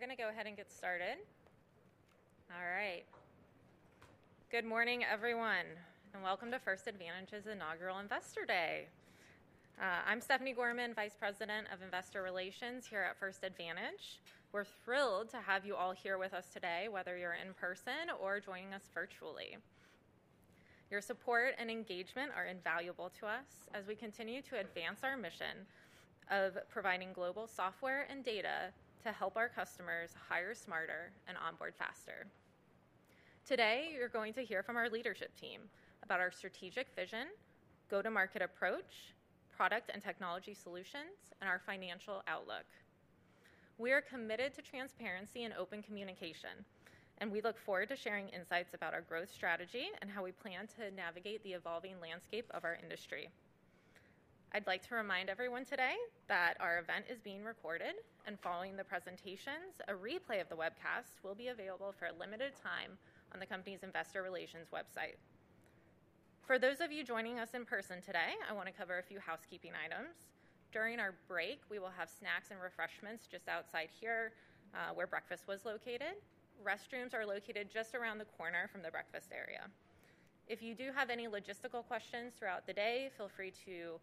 We're going to go ahead and get started. All right. Good morning, everyone, and welcome to First Advantage's Inaugural Investor Day. I'm Stephanie Gorman, Vice President of Investor Relations here at First Advantage. We're thrilled to have you all here with us today, whether you're in person or joining us virtually. Your support and engagement are invaluable to us as we continue to advance our mission of providing global software and data to help our customers hire smarter and onboard faster. Today, you're going to hear from our leadership team about our strategic vision, go-to-market approach, product and technology solutions, and our financial outlook. We are committed to transparency and open communication, and we look forward to sharing insights about our growth strategy and how we plan to navigate the evolving landscape of our industry. I'd like to remind everyone today that our event is being recorded, and following the presentations, a replay of the webcast will be available for a limited time on the company's Investor Relations website. For those of you joining us in person today, I want to cover a few housekeeping items. During our break, we will have snacks and refreshments just outside here where breakfast was located. Restrooms are located just around the corner from the breakfast area. If you do have any logistical questions throughout the day, feel free to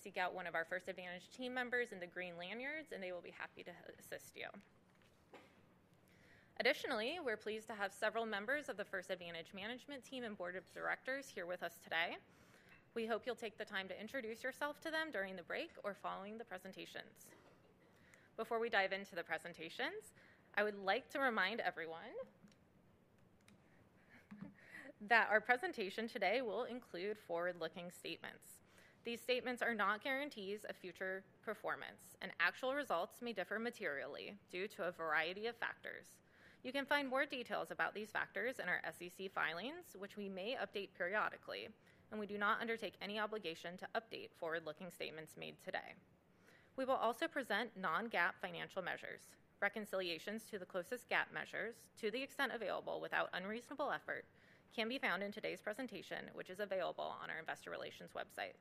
seek out one of our First Advantage team members in the green lanyards, and they will be happy to assist you. Additionally, we're pleased to have several members of the First Advantage management team and board of directors here with us today. We hope you'll take the time to introduce yourself to them during the break or following the presentations. Before we dive into the presentations, I would like to remind everyone that our presentation today will include forward-looking statements. These statements are not guarantees of future performance, and actual results may differ materially due to a variety of factors. You can find more details about these factors in our SEC filings, which we may update periodically, and we do not undertake any obligation to update forward-looking statements made today. We will also present non-GAAP financial measures. Reconciliations to the closest GAAP measures, to the extent available without unreasonable effort, can be found in today's presentation, which is available on our Investor Relations website.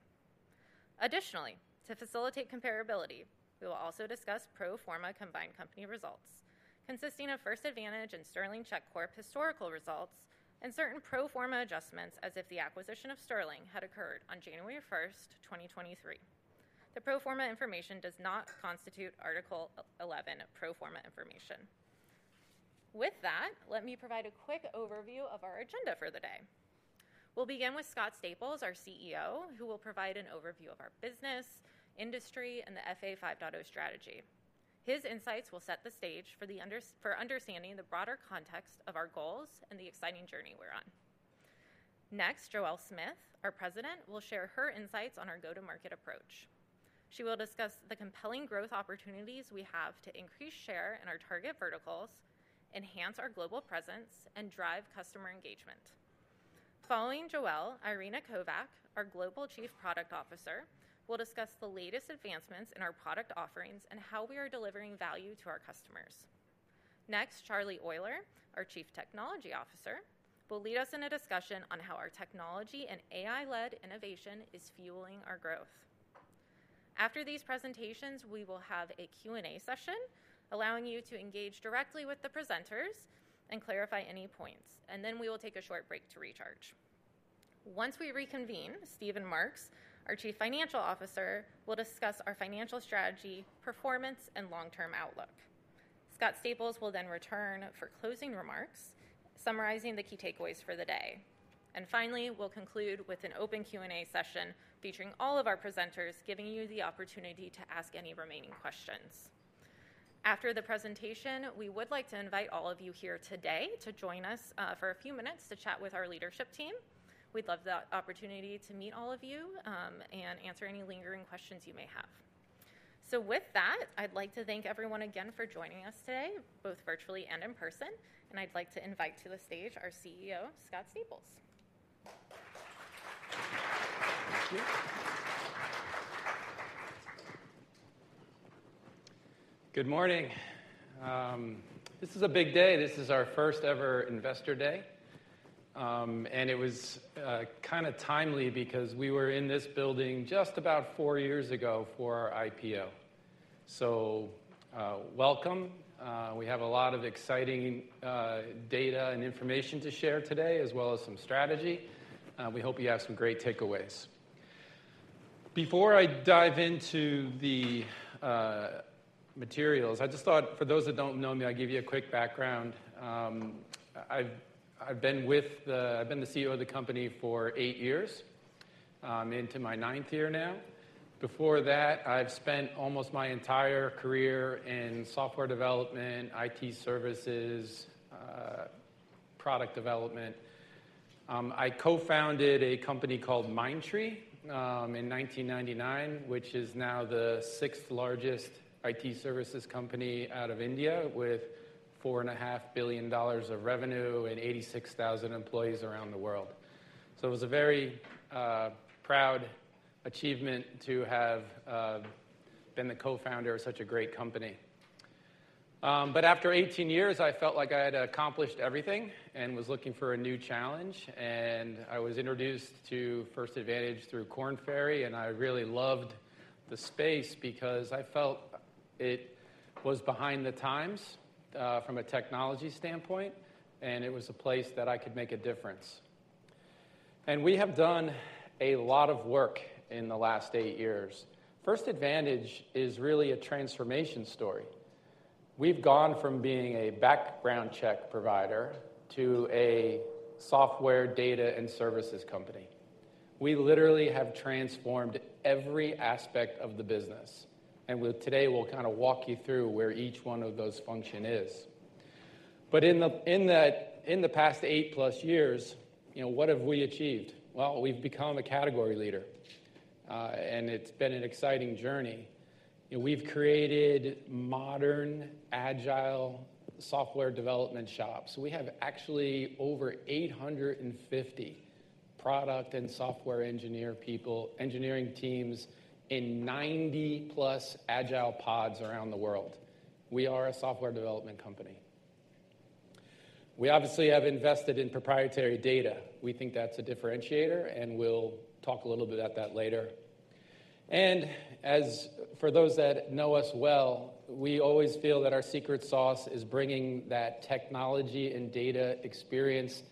Additionally, to facilitate comparability, we will also discuss pro forma combined company results, consisting of First Advantage and Sterling Check Corp historical results, and certain pro forma adjustments as if the acquisition of Sterling had occurred on January 1st, 2023. The pro forma information does not constitute Article 11 pro forma information. With that, let me provide a quick overview of our agenda for the day. We'll begin with Scott Staples, our CEO, who will provide an overview of our business, industry, and the FA 5.0 strategy. His insights will set the stage for understanding the broader context of our goals and the exciting journey we're on. Next, Joelle Smith, our President, will share her insights on our go-to-market approach. She will discuss the compelling growth opportunities we have to increase share in our target verticals, enhance our global presence, and drive customer engagement. Following Joelle, Irena Kovach, our Global Chief Product Officer, will discuss the latest advancements in our product offerings and how we are delivering value to our customers. Next, Charlie Euler, our Chief Technology Officer, will lead us in a discussion on how our technology and AI-led innovation is fueling our growth. After these presentations, we will have a Q&A session allowing you to engage directly with the presenters and clarify any points, and then we will take a short break to recharge. Once we reconvene, Stephen Marks, our Chief Financial Officer, will discuss our financial strategy, performance, and long-term outlook. Scott Staples will then return for closing remarks, summarizing the key takeaways for the day. Finally, we'll conclude with an open Q&A session featuring all of our presenters, giving you the opportunity to ask any remaining questions. After the presentation, we would like to invite all of you here today to join us for a few minutes to chat with our leadership team. We'd love the opportunity to meet all of you and answer any lingering questions you may have. With that, I'd like to thank everyone again for joining us today, both virtually and in person, and I'd like to invite to the stage our CEO, Scott Staples. Good morning. This is a big day. This is our first-ever Investor Day, and it was kind of timely because we were in this building just about four years ago for our IPO. Welcome. We have a lot of exciting data and information to share today, as well as some strategy. We hope you have some great takeaways. Before I dive into the materials, I just thought, for those that do not know me, I will give you a quick background. I have been the CEO of the company for eight years. I am into my ninth year now. Before that, I have spent almost my entire career in software development, IT services, product development. I co-founded a company called Mindtree in 1999, which is now the sixth-largest IT services company out of India, with $4.5 billion of revenue and 86,000 employees around the world. It was a very proud achievement to have been the co-founder of such a great company. After 18 years, I felt like I had accomplished everything and was looking for a new challenge. I was introduced to First Advantage through Korn Ferry, and I really loved the space because I felt it was behind the times from a technology standpoint, and it was a place that I could make a difference. We have done a lot of work in the last eight years. First Advantage is really a transformation story. We have gone from being a background check provider to a software data and services company. We literally have transformed every aspect of the business. Today, we will kind of walk you through where each one of those functions is. In the past eight-plus years, what have we achieved? We have become a category leader, and it has been an exciting journey. We have created modern, agile software development shops. We have actually over 850 product and software engineering teams in 90+ Agile PODs around the world. We are a software development company. We obviously have invested in proprietary data. We think that is a differentiator, and we will talk a little bit about that later. For those that know us well, we always feel that our secret sauce is bringing that technology and data experience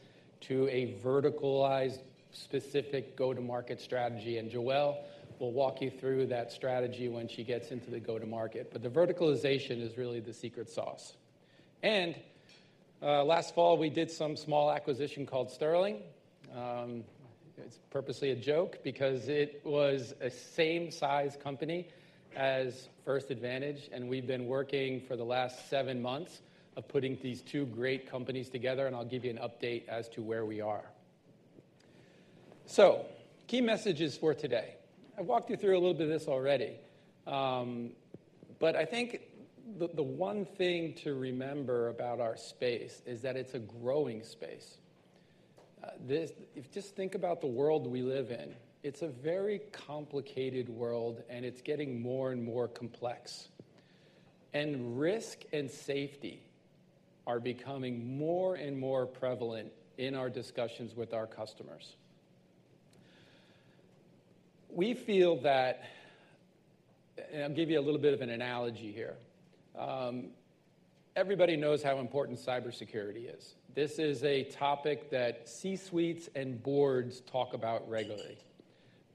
to a verticalized, specific go-to-market strategy. Joelle will walk you through that strategy when she gets into the go-to-market. The verticalization is really the secret sauce. Last fall, we did a small acquisition called Sterling. It's purposely a joke because it was the same-sized company as First Advantage, and we've been working for the last seven months on putting these two great companies together, and I'll give you an update as to where we are. Key messages for today. I've walked you through a little bit of this already, but I think the one thing to remember about our space is that it's a growing space. Just think about the world we live in. It's a very complicated world, and it's getting more and more complex. Risk and safety are becoming more and more prevalent in our discussions with our customers. We feel that, and I'll give you a little bit of an analogy here. Everybody knows how important cybersecurity is. This is a topic that C-suites and boards talk about regularly.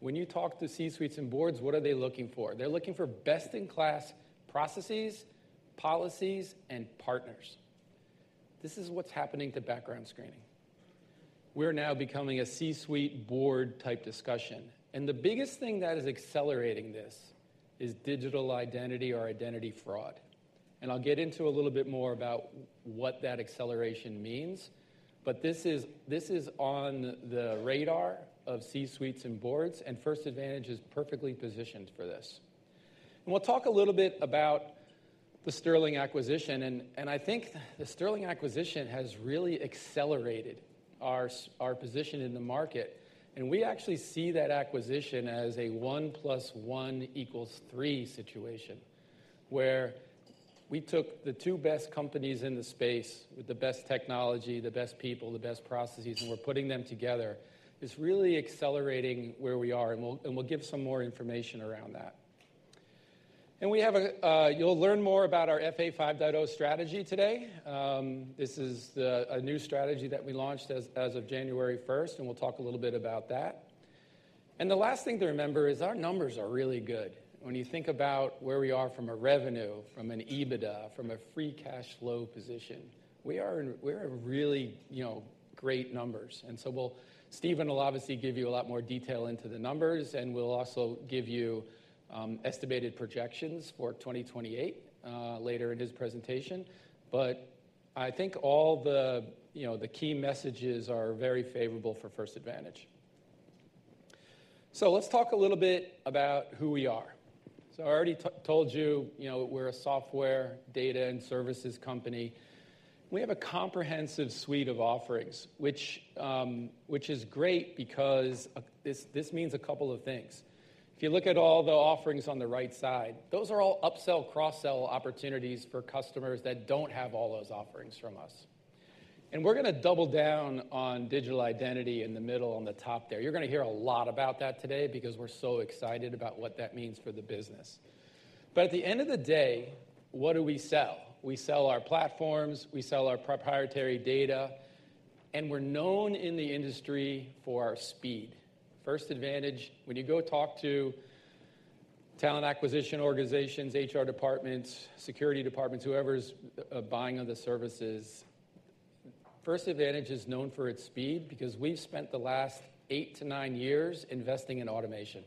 When you talk to C-suites and boards, what are they looking for? They're looking for best-in-class processes, policies, and partners. This is what's happening to background screening. We're now becoming a C-suite board-type discussion. The biggest thing that is accelerating this is digital identity or identity fraud. I'll get into a little bit more about what that acceleration means, but this is on the radar of C-suites and boards, and First Advantage is perfectly positioned for this. We'll talk a little bit about the Sterling acquisition. I think the Sterling acquisition has really accelerated our position in the market. We actually see that acquisition as a 1+1 = 3 situation, where we took the two best companies in the space with the best technology, the best people, the best processes, and we're putting them together. It's really accelerating where we are, and we'll give some more information around that. You'll learn more about our FA 5.0 strategy today. This is a new strategy that we launched as of January 1st, and we'll talk a little bit about that. The last thing to remember is our numbers are really good. When you think about where we are from a revenue, from an EBITDA, from a free cash flow position, we are really great numbers. Stephen will obviously give you a lot more detail into the numbers, and we'll also give you estimated projections for 2028 later in his presentation. I think all the key messages are very favorable for First Advantage. Let's talk a little bit about who we are. I already told you we're a software data and services company. We have a comprehensive suite of offerings, which is great because this means a couple of things. If you look at all the offerings on the right side, those are all upsell/cross-sell opportunities for customers that do not have all those offerings from us. We are going to double down on digital identity in the middle on the top there. You are going to hear a lot about that today because we are so excited about what that means for the business. At the end of the day, what do we sell? We sell our platforms. We sell our proprietary data. We are known in the industry for our speed. First Advantage, when you go talk to talent acquisition organizations, HR departments, security departments, whoever is buying on the services, First Advantage is known for its speed because we have spent the last eight to nine years investing in automation.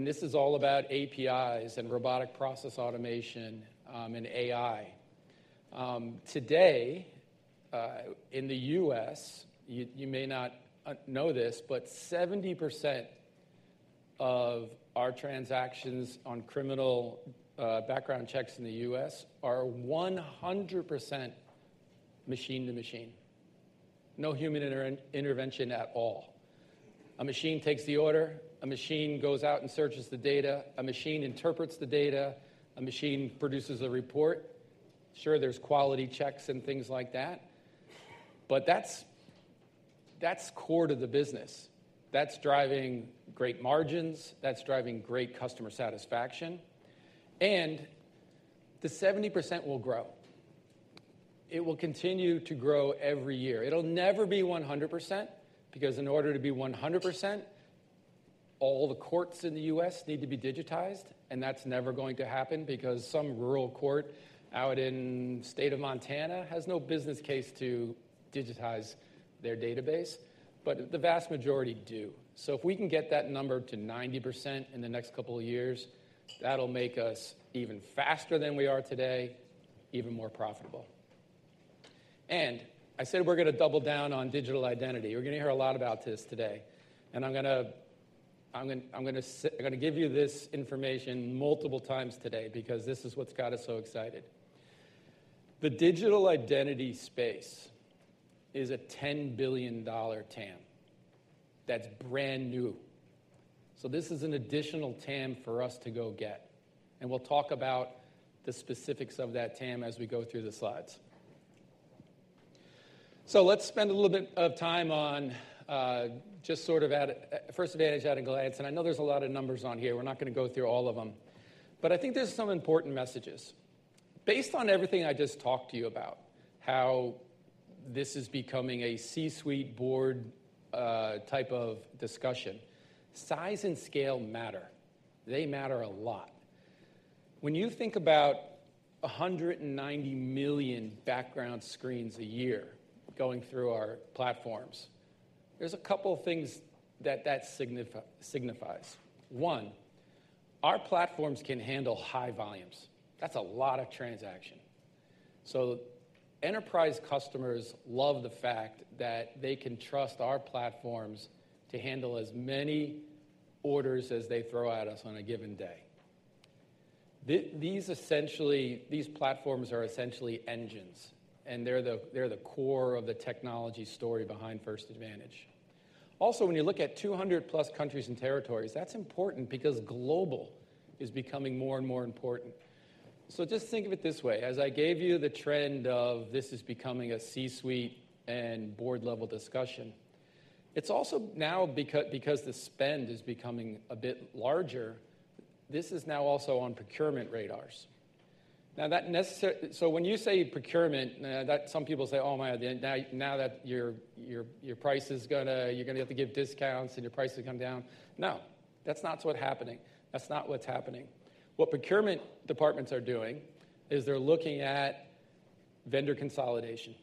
This is all about APIs and robotic process automation and AI. Today, in the U.S., you may not know this, but 70% of our transactions on criminal background checks in the U.S. are 100% machine-to-machine. No human intervention at all. A machine takes the order. A machine goes out and searches the data. A machine interprets the data. A machine produces a report. Sure, there are quality checks and things like that, but that is core to the business. That is driving great margins. That is driving great customer satisfaction. The 70% will grow. It will continue to grow every year. It will never be 100% because in order to be 100%, all the courts in the U.S. need to be digitized, and that is never going to happen because some rural court out in the state of Montana has no business case to digitize their database, but the vast majority do. If we can get that number to 90% in the next couple of years, that'll make us even faster than we are today, even more profitable. I said we're going to double down on digital identity. You're going to hear a lot about this today. I'm going to give you this information multiple times today because this is what's got us so excited. The digital identity space is a $10 billion TAM that's brand new. This is an additional TAM for us to go get. We'll talk about the specifics of that TAM as we go through the slides. Let's spend a little bit of time on just sort of First Advantage at a glance. I know there's a lot of numbers on here. We're not going to go through all of them, but I think there's some important messages. Based on everything I just talked to you about, how this is becoming a C-suite board type of discussion, size and scale matter. They matter a lot. When you think about 190 million background screens a year going through our platforms, there's a couple of things that that signifies. One, our platforms can handle high volumes. That's a lot of transaction. Enterprise customers love the fact that they can trust our platforms to handle as many orders as they throw at us on a given day. These platforms are essentially engines, and they're the core of the technology story behind First Advantage. Also, when you look at 200+ countries and territories, that's important because global is becoming more and more important. Just think of it this way. As I gave you the trend of this is becoming a C-suite and board-level discussion, it's also now because the spend is becoming a bit larger, this is now also on procurement radars. Now, when you say procurement, some people say, "Oh my, now that your price is going to, you're going to have to give discounts and your price will come down." No, that's not what's happening. That's not what's happening. What procurement departments are doing is they're looking at vendor consolidation.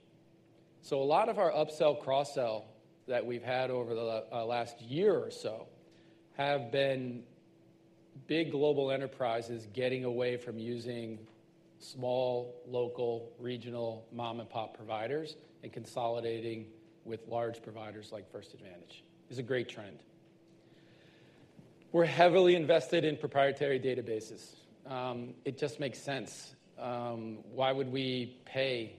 A lot of our upsell/cross-sell that we've had over the last year or so have been big global enterprises getting away from using small, local, regional mom-and-pop providers and consolidating with large providers like First Advantage. This is a great trend. We're heavily invested in proprietary databases. It just makes sense. Why would we pay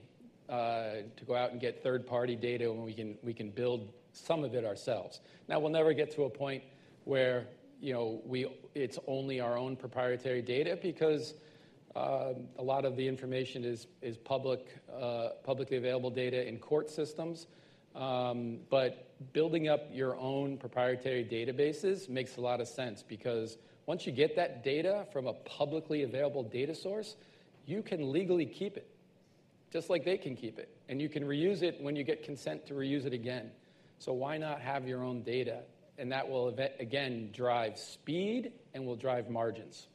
to go out and get third-party data when we can build some of it ourselves? Now, we'll never get to a point where it's only our own proprietary data because a lot of the information is publicly available data in court systems. Building up your own proprietary databases makes a lot of sense because once you get that data from a publicly available data source, you can legally keep it, just like they can keep it. You can reuse it when you get consent to reuse it again. Why not have your own data? That will, again, drive speed and will drive margins.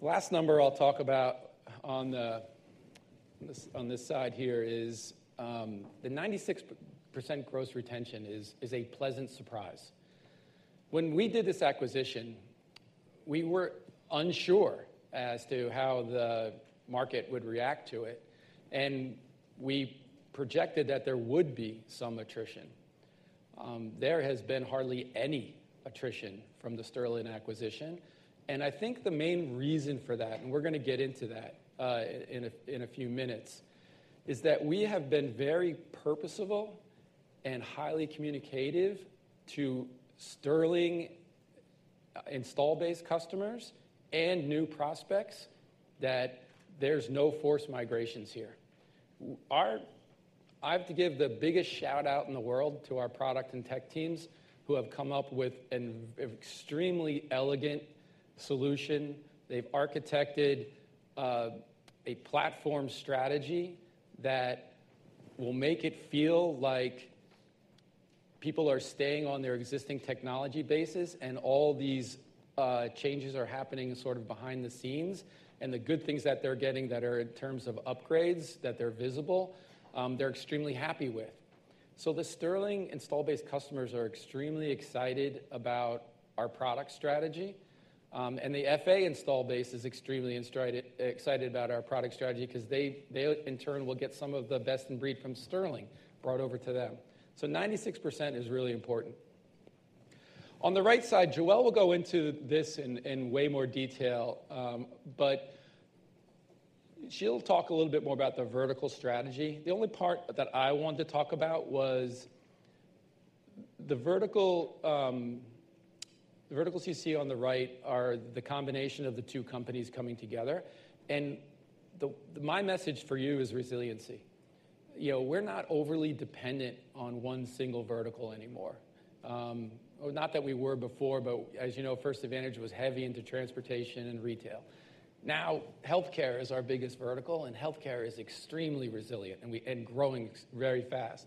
The last number I'll talk about on this side here is the 96% gross retention is a pleasant surprise. When we did this acquisition, we were unsure as to how the market would react to it, and we projected that there would be some attrition. There has been hardly any attrition from the Sterling acquisition. I think the main reason for that, and we're going to get into that in a few minutes, is that we have been very purposeful and highly communicative to Sterling install-based customers and new prospects that there's no forced migrations here. I have to give the biggest shout-out in the world to our product and tech teams who have come up with an extremely elegant solution. They've architected a platform strategy that will make it feel like people are staying on their existing technology bases, and all these changes are happening sort of behind the scenes. The good things that they're getting that are in terms of upgrades that they're visible, they're extremely happy with. The Sterling install-based customers are extremely excited about our product strategy. The FA install base is extremely excited about our product strategy because they, in turn, will get some of the best in breed from Sterling brought over to them. 96% is really important. On the right side, Joelle will go into this in way more detail, but she'll talk a little bit more about the vertical strategy. The only part that I wanted to talk about was the verticals you see on the right are the combination of the two companies coming together. My message for you is resiliency. We're not overly dependent on one single vertical anymore. Not that we were before, but as you know, First Advantage was heavy into transportation and retail. Now, healthcare is our biggest vertical, and healthcare is extremely resilient and growing very fast.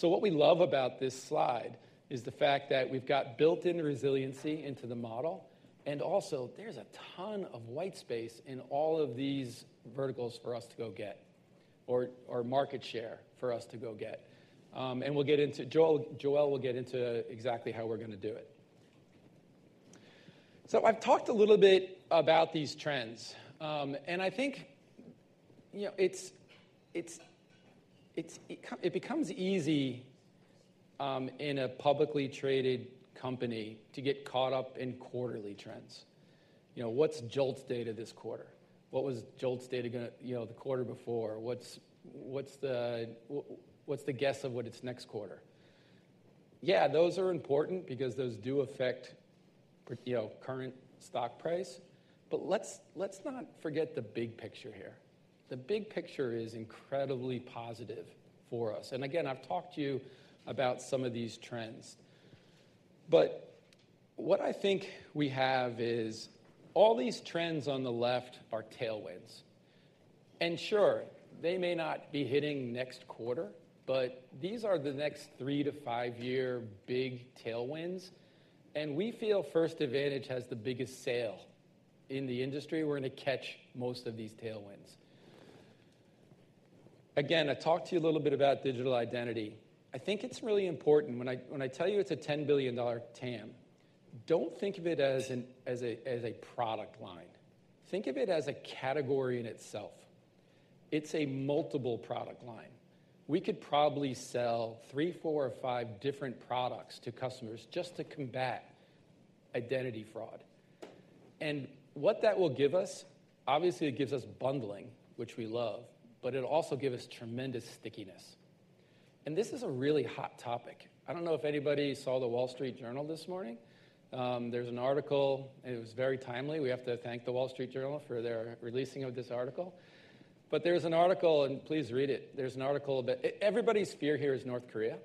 What we love about this slide is the fact that we've got built-in resiliency into the model. Also, there's a ton of white space in all of these verticals for us to go get or market share for us to go get. Joelle will get into exactly how we're going to do it. I've talked a little bit about these trends. I think it becomes easy in a publicly traded company to get caught up in quarterly trends. What's JOLTS data this quarter? What was JOLTS data the quarter before? What's the guess of what it's next quarter? Yeah, those are important because those do affect current stock price. Let's not forget the big picture here. The big picture is incredibly positive for us. I've talked to you about some of these trends. What I think we have is all these trends on the left are tailwinds. Sure, they may not be hitting next quarter, but these are the next three- to five-year big tailwinds. We feel First Advantage has the biggest sail in the industry. We're going to catch most of these tailwinds. I talked to you a little bit about digital identity. I think it's really important. When I tell you it's a $10 billion TAM, don't think of it as a product line. Think of it as a category in itself. It's a multiple product line. We could probably sell three, four, or five different products to customers just to combat identity fraud. What that will give us, obviously, it gives us bundling, which we love, but it'll also give us tremendous stickiness. This is a really hot topic. I don't know if anybody saw the Wall Street Journal this morning. There's an article. It was very timely. We have to thank the Wall Street Journal for their releasing of this article. There's an article, and please read it. There's an article that everybody's fear here is North Korea.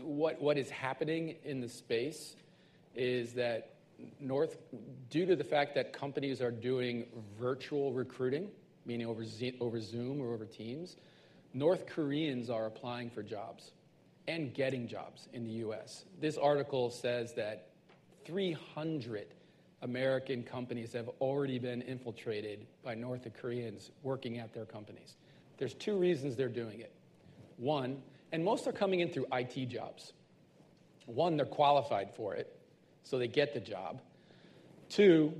What is happening in the space is that due to the fact that companies are doing virtual recruiting, meaning over Zoom or over Teams, North Koreans are applying for jobs and getting jobs in the U.S. This article says that 300 American companies have already been infiltrated by North Koreans working at their companies. There's two reasons they're doing it. One, and most are coming in through IT jobs. One, they're qualified for it, so they get the job. Two,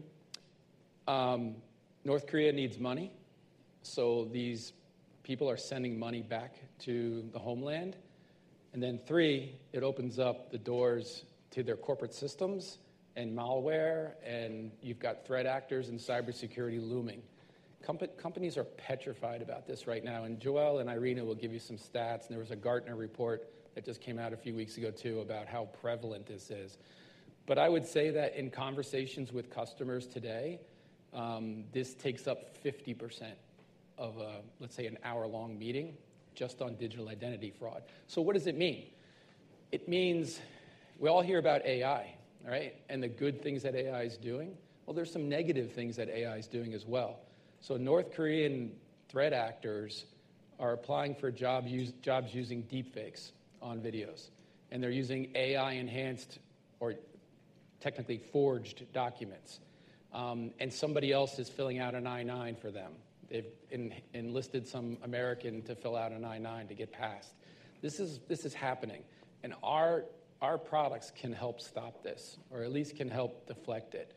North Korea needs money, so these people are sending money back to the homeland. Three, it opens up the doors to their corporate systems and malware, and you have threat actors and cybersecurity looming. Companies are petrified about this right now. Joelle and Irena will give you some stats. There was a Gartner report that just came out a few weeks ago too about how prevalent this is. I would say that in conversations with customers today, this takes up 50% of, let's say, an hour-long meeting just on digital identity fraud. What does it mean? It means we all hear about AI, right, and the good things that AI is doing. There are some negative things that AI is doing as well. North Korean threat actors are applying for jobs using deepfakes on videos, and they are using AI-enhanced or technically forged documents. Somebody else is filling out an I-9 for them. They've enlisted some American to fill out an I-9 to get past. This is happening. Our products can help stop this or at least can help deflect it.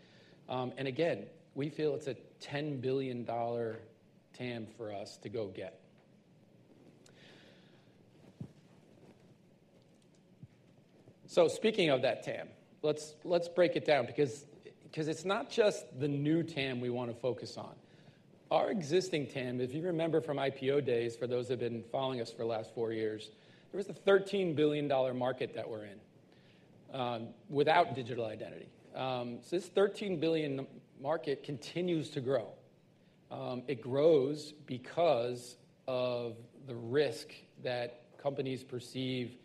Again, we feel it's a $10 billion TAM for us to go get. Speaking of that TAM, let's break it down because it's not just the new TAM we want to focus on. Our existing TAM, if you remember from IPO days, for those who have been following us for the last four years, there was a $13 billion market that we're in without digital identity. This $13 billion market continues to grow. It grows because of the risk that companies perceive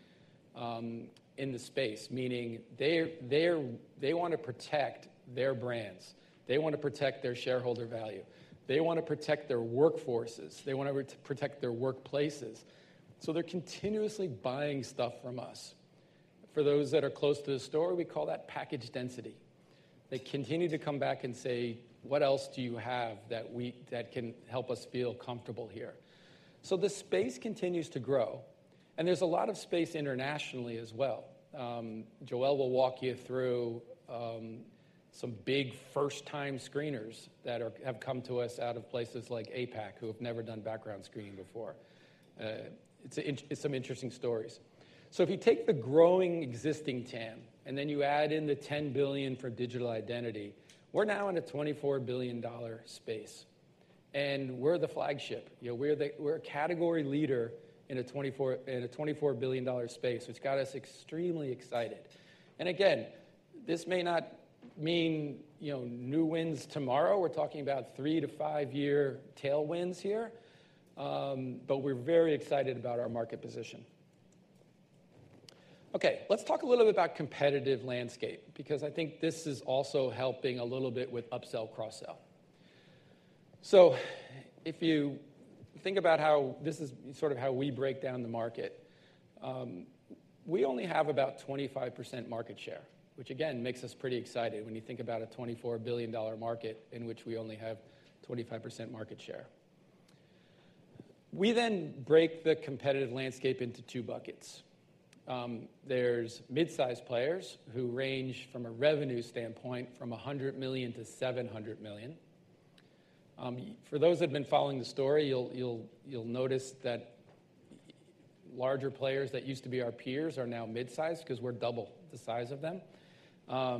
in the space, meaning they want to protect their brands. They want to protect their shareholder value. They want to protect their workforces. They want to protect their workplaces. So they're continuously buying stuff from us. For those that are close to the store, we call that package density. They continue to come back and say, "What else do you have that can help us feel comfortable here?" The space continues to grow. There is a lot of space internationally as well. Joelle will walk you through some big first-time screeners that have come to us out of places like APAC who have never done background screening before. It's some interesting stories. If you take the growing existing TAM and then you add in the $10 billion for digital identity, we're now in a $24 billion space. We're the flagship. We're a category leader in a $24 billion space. It's got us extremely excited. Again, this may not mean new wins tomorrow. We're talking about three to five-year tailwinds here. But we're very excited about our market position. Okay, let's talk a little bit about competitive landscape because I think this is also helping a little bit with upsell/cross-sell. So if you think about how this is sort of how we break down the market, we only have about 25% market share, which again makes us pretty excited when you think about a $24 billion market in which we only have 25% market share. We then break the competitive landscape into two buckets. There's mid-size players who range from a revenue standpoint from $100 million to $700 million. For those who have been following the story, you'll notice that larger players that used to be our peers are now mid-size because we're double the size of them.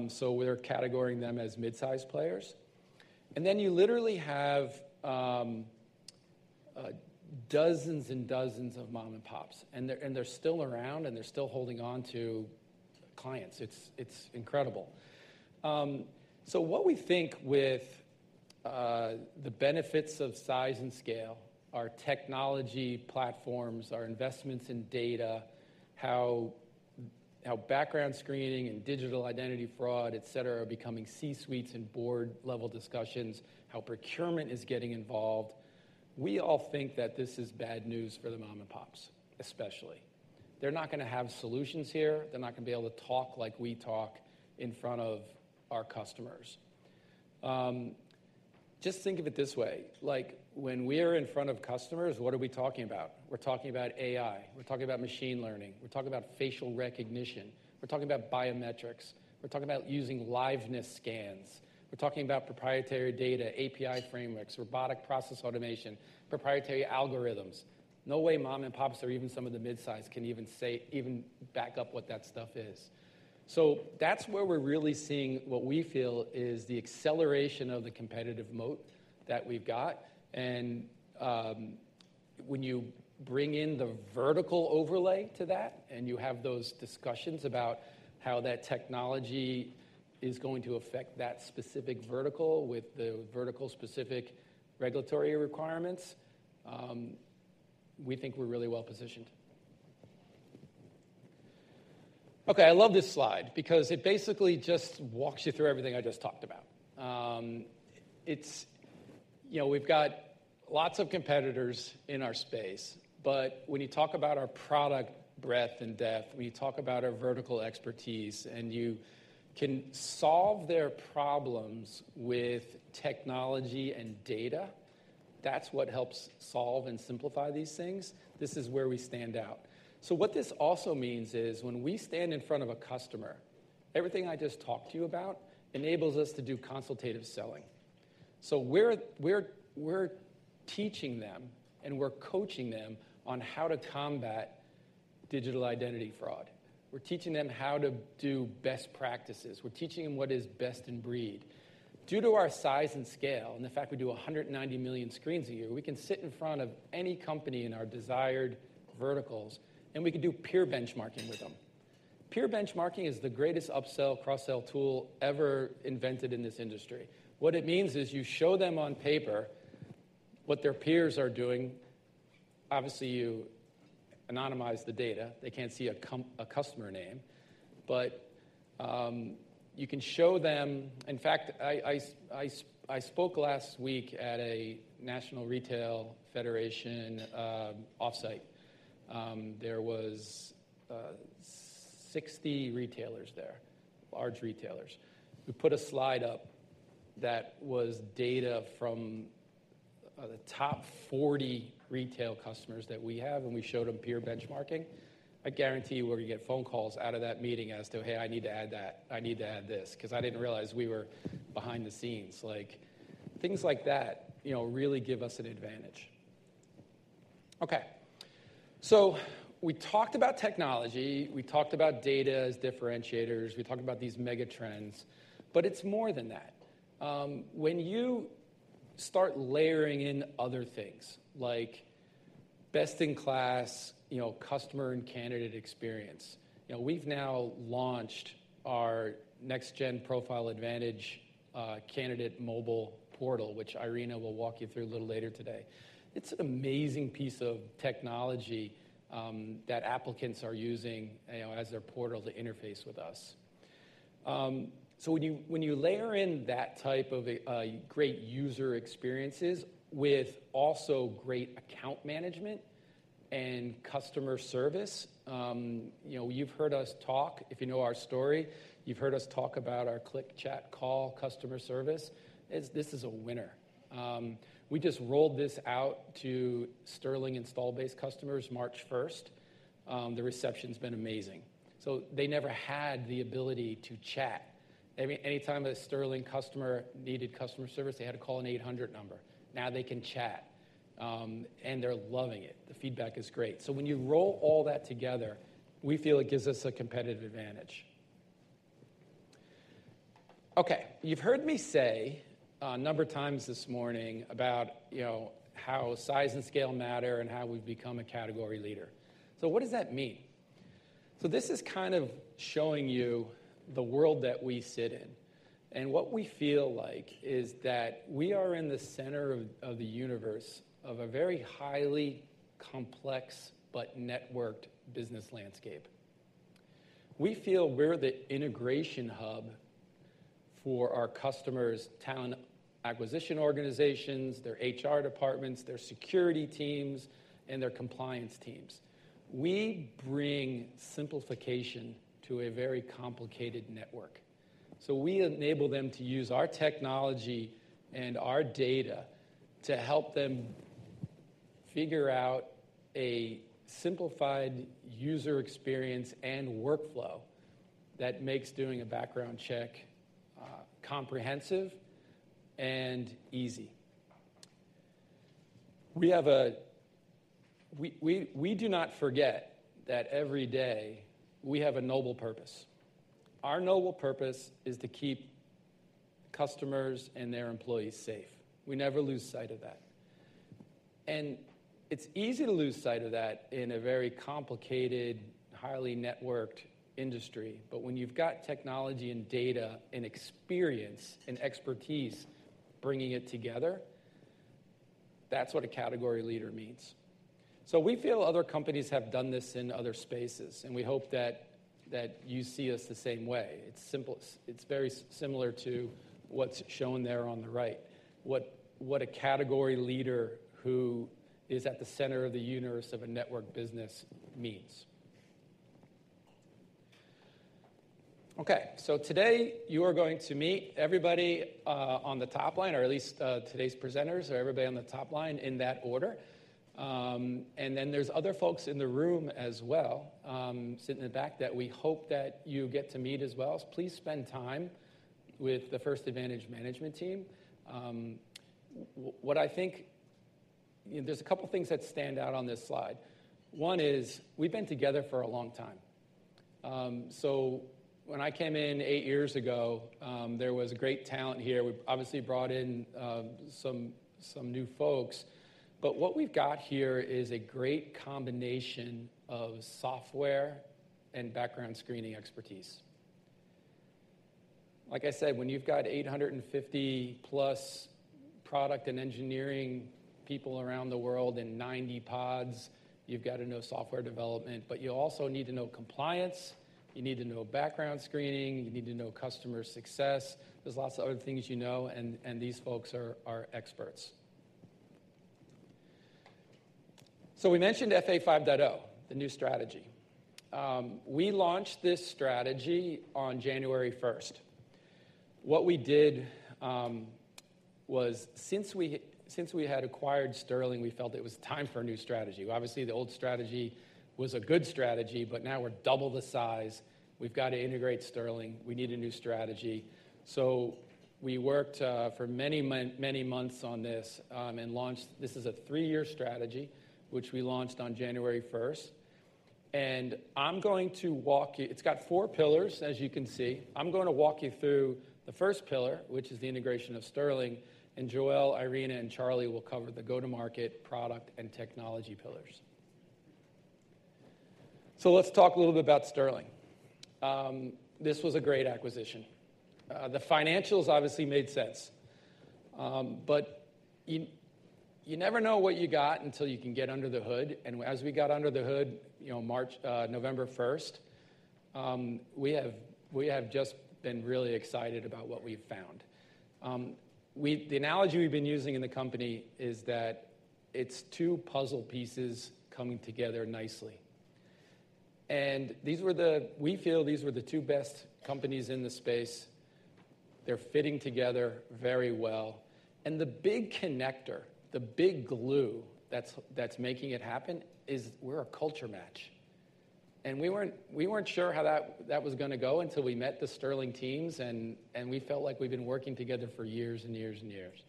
So we're categorizing them as mid-size players. You literally have dozens and dozens of mom-and-pops. They're still around, and they're still holding on to clients. It's incredible. What we think with the benefits of size and scale, our technology platforms, our investments in data, how background screening and digital identity fraud, etc., are becoming C-suites and board-level discussions, how procurement is getting involved, we all think that this is bad news for the mom-and-pops, especially. They're not going to have solutions here. They're not going to be able to talk like we talk in front of our customers. Just think of it this way. When we're in front of customers, what are we talking about? We're talking about AI. We're talking about machine learning. We're talking about facial recognition. We're talking about biometrics. We're talking about using liveness scans. We're talking about proprietary data, API frameworks, robotic process automation, proprietary algorithms. No way mom-and-pops or even some of the mid-size can even back up what that stuff is. That is where we're really seeing what we feel is the acceleration of the competitive moat that we've got. When you bring in the vertical overlay to that and you have those discussions about how that technology is going to affect that specific vertical with the vertical-specific regulatory requirements, we think we're really well positioned. Okay, I love this slide because it basically just walks you through everything I just talked about. We've got lots of competitors in our space, but when you talk about our product breadth and depth, when you talk about our vertical expertise, and you can solve their problems with technology and data, that's what helps solve and simplify these things. This is where we stand out. What this also means is when we stand in front of a customer, everything I just talked to you about enables us to do consultative selling. We're teaching them, and we're coaching them on how to combat digital identity fraud. We're teaching them how to do best practices. We're teaching them what is best in breed. Due to our size and scale and the fact we do 190 million screens a year, we can sit in front of any company in our desired verticals, and we can do peer benchmarking with them. Peer benchmarking is the greatest upsell/cross-sell tool ever invented in this industry. What it means is you show them on paper what their peers are doing. Obviously, you anonymize the data. They can't see a customer name. You can show them in fact, I spoke last week at a National Retail Federation offsite. There were 60 retailers there, large retailers. We put a slide up that was data from the top 40 retail customers that we have, and we showed them peer benchmarking. I guarantee you we're going to get phone calls out of that meeting as to, "Hey, I need to add that. I need to add this because I didn't realize we were behind the scenes." Things like that really give us an advantage. Okay. We talked about technology. We talked about data as differentiators. We talked about these mega trends. It is more than that. When you start layering in other things like best-in-class customer and candidate experience, we've now launched our Next Gen Profile Advantage candidate mobile portal, which Irena will walk you through a little later today. It's an amazing piece of technology that applicants are using as their portal to interface with us. When you layer in that type of great user experiences with also great account management and customer service, you've heard us talk. If you know our story, you've heard us talk about our Click. Chat. Call. customer service. This is a winner. We just rolled this out to Sterling install-based customers March 1st. The reception's been amazing. They never had the ability to chat. Anytime a Sterling customer needed customer service, they had to call an 800 number. Now they can chat, and they're loving it. The feedback is great. When you roll all that together, we feel it gives us a competitive advantage. You've heard me say a number of times this morning about how size and scale matter and how we've become a category leader. What does that mean? This is kind of showing you the world that we sit in. What we feel like is that we are in the center of the universe of a very highly complex but networked business landscape. We feel we're the integration hub for our customers' talent acquisition organizations, their HR departments, their security teams, and their compliance teams. We bring simplification to a very complicated network. We enable them to use our technology and our data to help them figure out a simplified user experience and workflow that makes doing a background check comprehensive and easy. We do not forget that every day we have a noble purpose. Our noble purpose is to keep customers and their employees safe. We never lose sight of that. It's easy to lose sight of that in a very complicated, highly networked industry. When you've got technology and data and experience and expertise bringing it together, that's what a category leader means. We feel other companies have done this in other spaces, and we hope that you see us the same way. It is very similar to what is shown there on the right, what a category leader who is at the center of the universe of a network business means. Okay. Today, you are going to meet everybody on the top line, or at least today's presenters or everybody on the top line in that order. There are other folks in the room as well sitting in the back that we hope that you get to meet as well. Please spend time with the First Advantage management team. What I think is there are a couple of things that stand out on this slide. One is we have been together for a long time. When I came in eight years ago, there was great talent here. We obviously brought in some new folks. What we've got here is a great combination of software and background screening expertise. Like I said, when you've got 850+ product and engineering people around the world and 90 pods, you've got to know software development. You also need to know compliance. You need to know background screening. You need to know customer success. There are lots of other things you know, and these folks are experts. We mentioned FA 5.0, the new strategy. We launched this strategy on January 1st. What we did was since we had acquired Sterling, we felt it was time for a new strategy. The old strategy was a good strategy, but now we're double the size. We've got to integrate Sterling. We need a new strategy. We worked for many, many months on this and launched this as a three-year strategy, which we launched on January 1st. I'm going to walk you through it. It's got four pillars, as you can see. I'm going to walk you through the first pillar, which is the integration of Sterling. Joelle, Irena, and Charlie will cover the go-to-market, product, and technology pillars. Let's talk a little bit about Sterling. This was a great acquisition. The financials obviously made sense. You never know what you got until you can get under the hood. As we got under the hood, November 1st, we have just been really excited about what we've found. The analogy we've been using in the company is that it's two puzzle pieces coming together nicely. We feel these were the two best companies in the space. They're fitting together very well. The big connector, the big glue that's making it happen is we're a culture match. We were not sure how that was going to go until we met the Sterling teams, and we felt like we have been working together for years and years and years.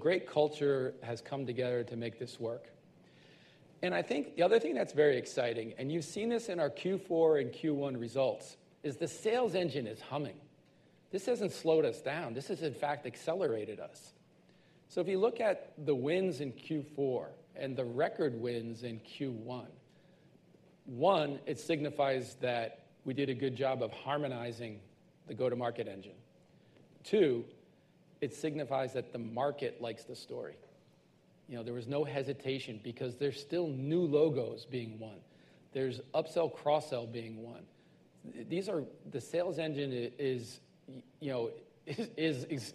Great culture has come together to make this work. I think the other thing that's very exciting, and you have seen this in our Q4 and Q1 results, is the sales engine is humming. This has not slowed us down. This has, in fact, accelerated us. If you look at the wins in Q4 and the record wins in Q1, one, it signifies that we did a good job of harmonizing the go-to-market engine. Two, it signifies that the market likes the story. There was no hesitation because there are still new logos being won. There is upsell/cross-sell being won. The sales engine is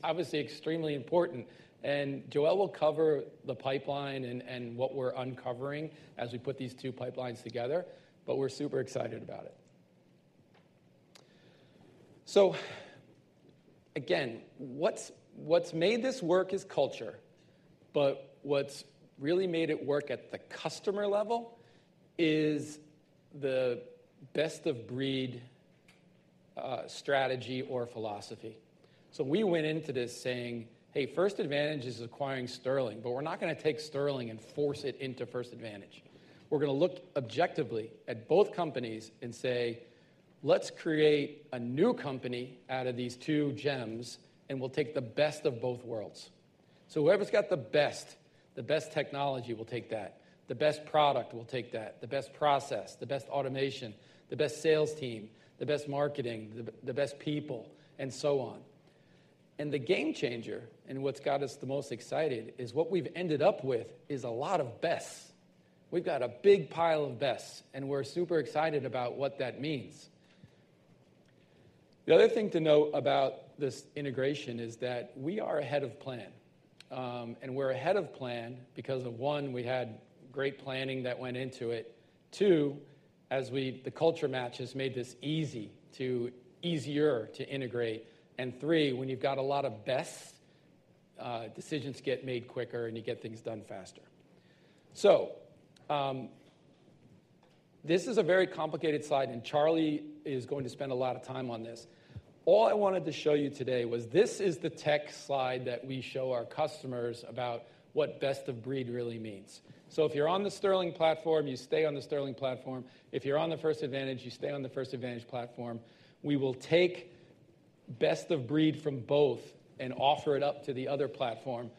obviously extremely important. Joelle will cover the pipeline and what we're uncovering as we put these two pipelines together. We're super excited about it. Again, what's made this work is culture. What's really made it work at the customer level is the best-of-breed strategy or philosophy. We went into this saying, "Hey, First Advantage is acquiring Sterling, but we're not going to take Sterling and force it into First Advantage. We're going to look objectively at both companies and say, 'Let's create a new company out of these two gems, and we'll take the best of both worlds.'" Whoever's got the best, the best technology will take that. The best product will take that. The best process, the best automation, the best sales team, the best marketing, the best people, and so on. The game changer and what has got us the most excited is what we have ended up with is a lot of bests. We have got a big pile of bests, and we are super excited about what that means. The other thing to note about this integration is that we are ahead of plan. We are ahead of plan because, one, we had great planning that went into it. Two, the culture match has made this easier to integrate. Three, when you have got a lot of bests, decisions get made quicker, and you get things done faster. This is a very complicated slide, and Charlie is going to spend a lot of time on this. All I wanted to show you today was this is the tech slide that we show our customers about what best-of-breed really means. If you're on the Sterling platform, you stay on the Sterling platform. If you're on the First Advantage platform, you stay on the First Advantage platform. We will take best-of-breed from both and offer it up to the other platform.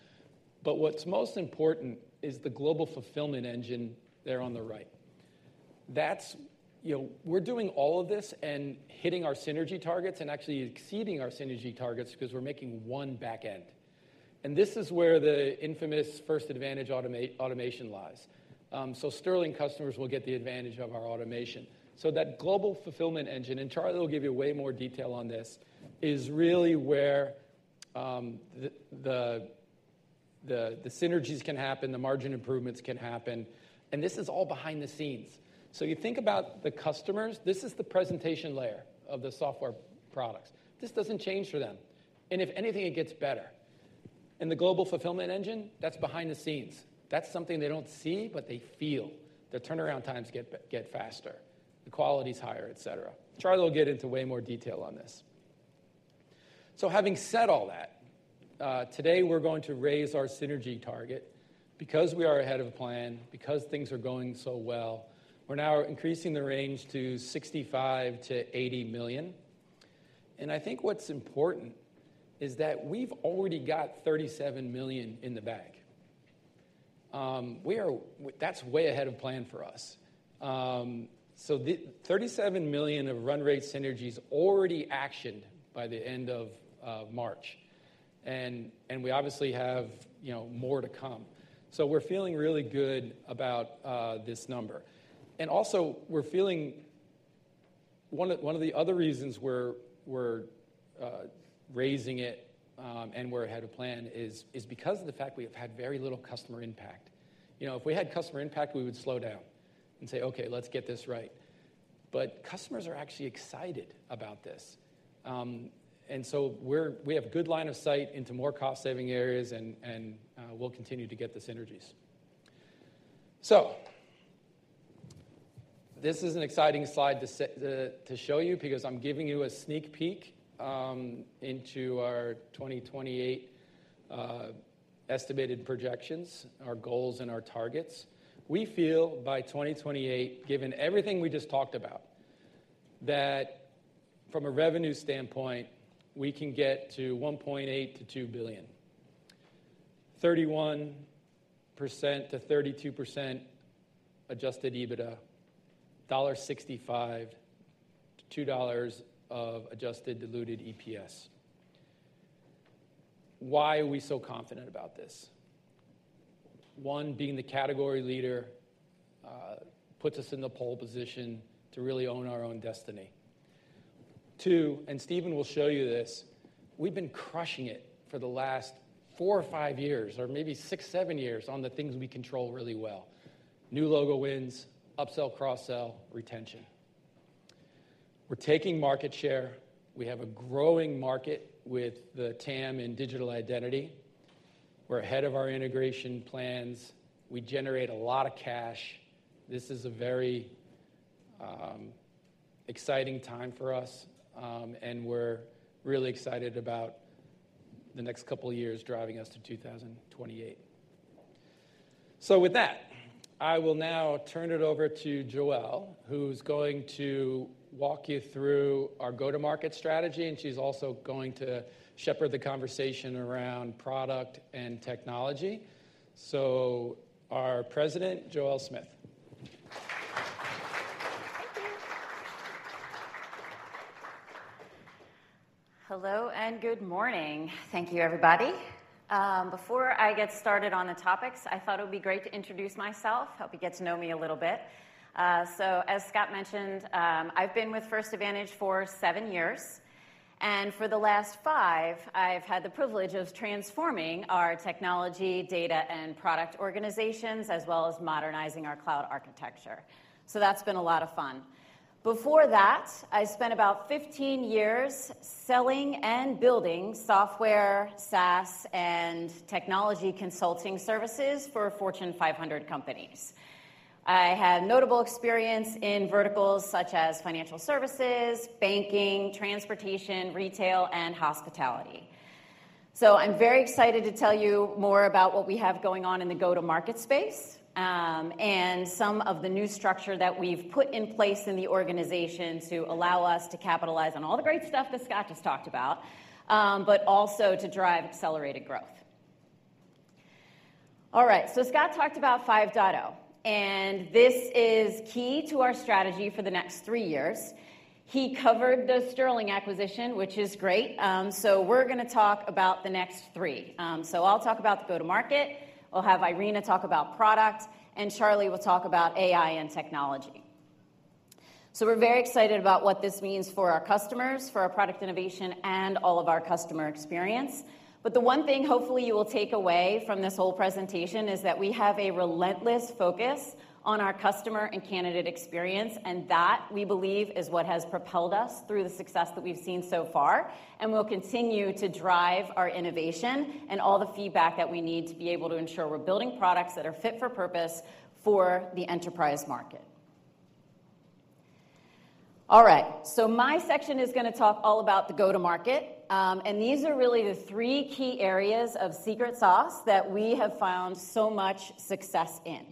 What's most important is the global fulfillment engine there on the right. We're doing all of this and hitting our synergy targets and actually exceeding our synergy targets because we're making one back end. This is where the infamous First Advantage automation lies. Sterling customers will get the advantage of our automation. That global fulfillment engine, and Charlie will give you way more detail on this, is really where the synergies can happen, the margin improvements can happen. This is all behind the scenes. You think about the customers. This is the presentation layer of the software products. This doesn't change for them. If anything, it gets better. The global fulfillment engine, that's behind the scenes. That's something they don't see, but they feel. The turnaround times get faster. The quality's higher, etc. Charlie will get into way more detail on this. Having said all that, today, we're going to raise our synergy target because we are ahead of plan, because things are going so well. We're now increasing the range to $65 million-$80 million. I think what's important is that we've already got $37 million in the bag. That's way ahead of plan for us. $37 million of run rate synergies already actioned by the end of March. We obviously have more to come. We're feeling really good about this number. Also, one of the other reasons we're raising it and we're ahead of plan is because of the fact we have had very little customer impact. If we had customer impact, we would slow down and say, "Okay, let's get this right." Customers are actually excited about this. We have a good line of sight into more cost-saving areas, and we'll continue to get the synergies. This is an exciting slide to show you because I'm giving you a sneak peek into our 2028 estimated projections, our goals, and our targets. We feel by 2028, given everything we just talked about, that from a revenue standpoint, we can get to $1.8 billion-$2 billion, 31%-32% Adjusted EBITDA, $1.65-$2 of adjusted diluted EPS. Why are we so confident about this? One, being the category leader puts us in the pole position to really own our own destiny. Two, and Steven will show you this. We've been crushing it for the last four or five years or maybe six, seven years on the things we control really well: new logo wins, upsell, cross-sell, retention. We're taking market share. We have a growing market with the TAM and digital identity. We're ahead of our integration plans. We generate a lot of cash. This is a very exciting time for us, and we're really excited about the next couple of years driving us to 2028. With that, I will now turn it over to Joelle, who's going to walk you through our go-to-market strategy, and she's also going to shepherd the conversation around product and technology. Our President, Joelle Smith. Hello, and good morning. Thank you, everybody. Before I get started on the topics, I thought it would be great to introduce myself, help you get to know me a little bit. As Scott mentioned, I've been with First Advantage for seven years. For the last five, I've had the privilege of transforming our technology, data, and product organizations, as well as modernizing our cloud architecture. That's been a lot of fun. Before that, I spent about 15 years selling and building software, SaaS, and technology consulting services for Fortune 500 companies. I had notable experience in verticals such as financial services, banking, transportation, retail, and hospitality. I'm very excited to tell you more about what we have going on in the go-to-market space and some of the new structure that we've put in place in the organization to allow us to capitalize on all the great stuff that Scott just talked about, but also to drive accelerated growth. All right. Scott talked about 5.0, and this is key to our strategy for the next three years. He covered the Sterling acquisition, which is great. We're going to talk about the next three. I'll talk about the go-to-market. We'll have Irena talk about product, and Charlie will talk about AI and technology. We're very excited about what this means for our customers, for our product innovation, and all of our customer experience. The one thing hopefully you will take away from this whole presentation is that we have a relentless focus on our customer and candidate experience, and that we believe is what has propelled us through the success that we've seen so far. We will continue to drive our innovation and all the feedback that we need to be able to ensure we're building products that are fit for purpose for the enterprise market. All right. My section is going to talk all about the go-to-market. These are really the three key areas of secret sauce that we have found so much success in.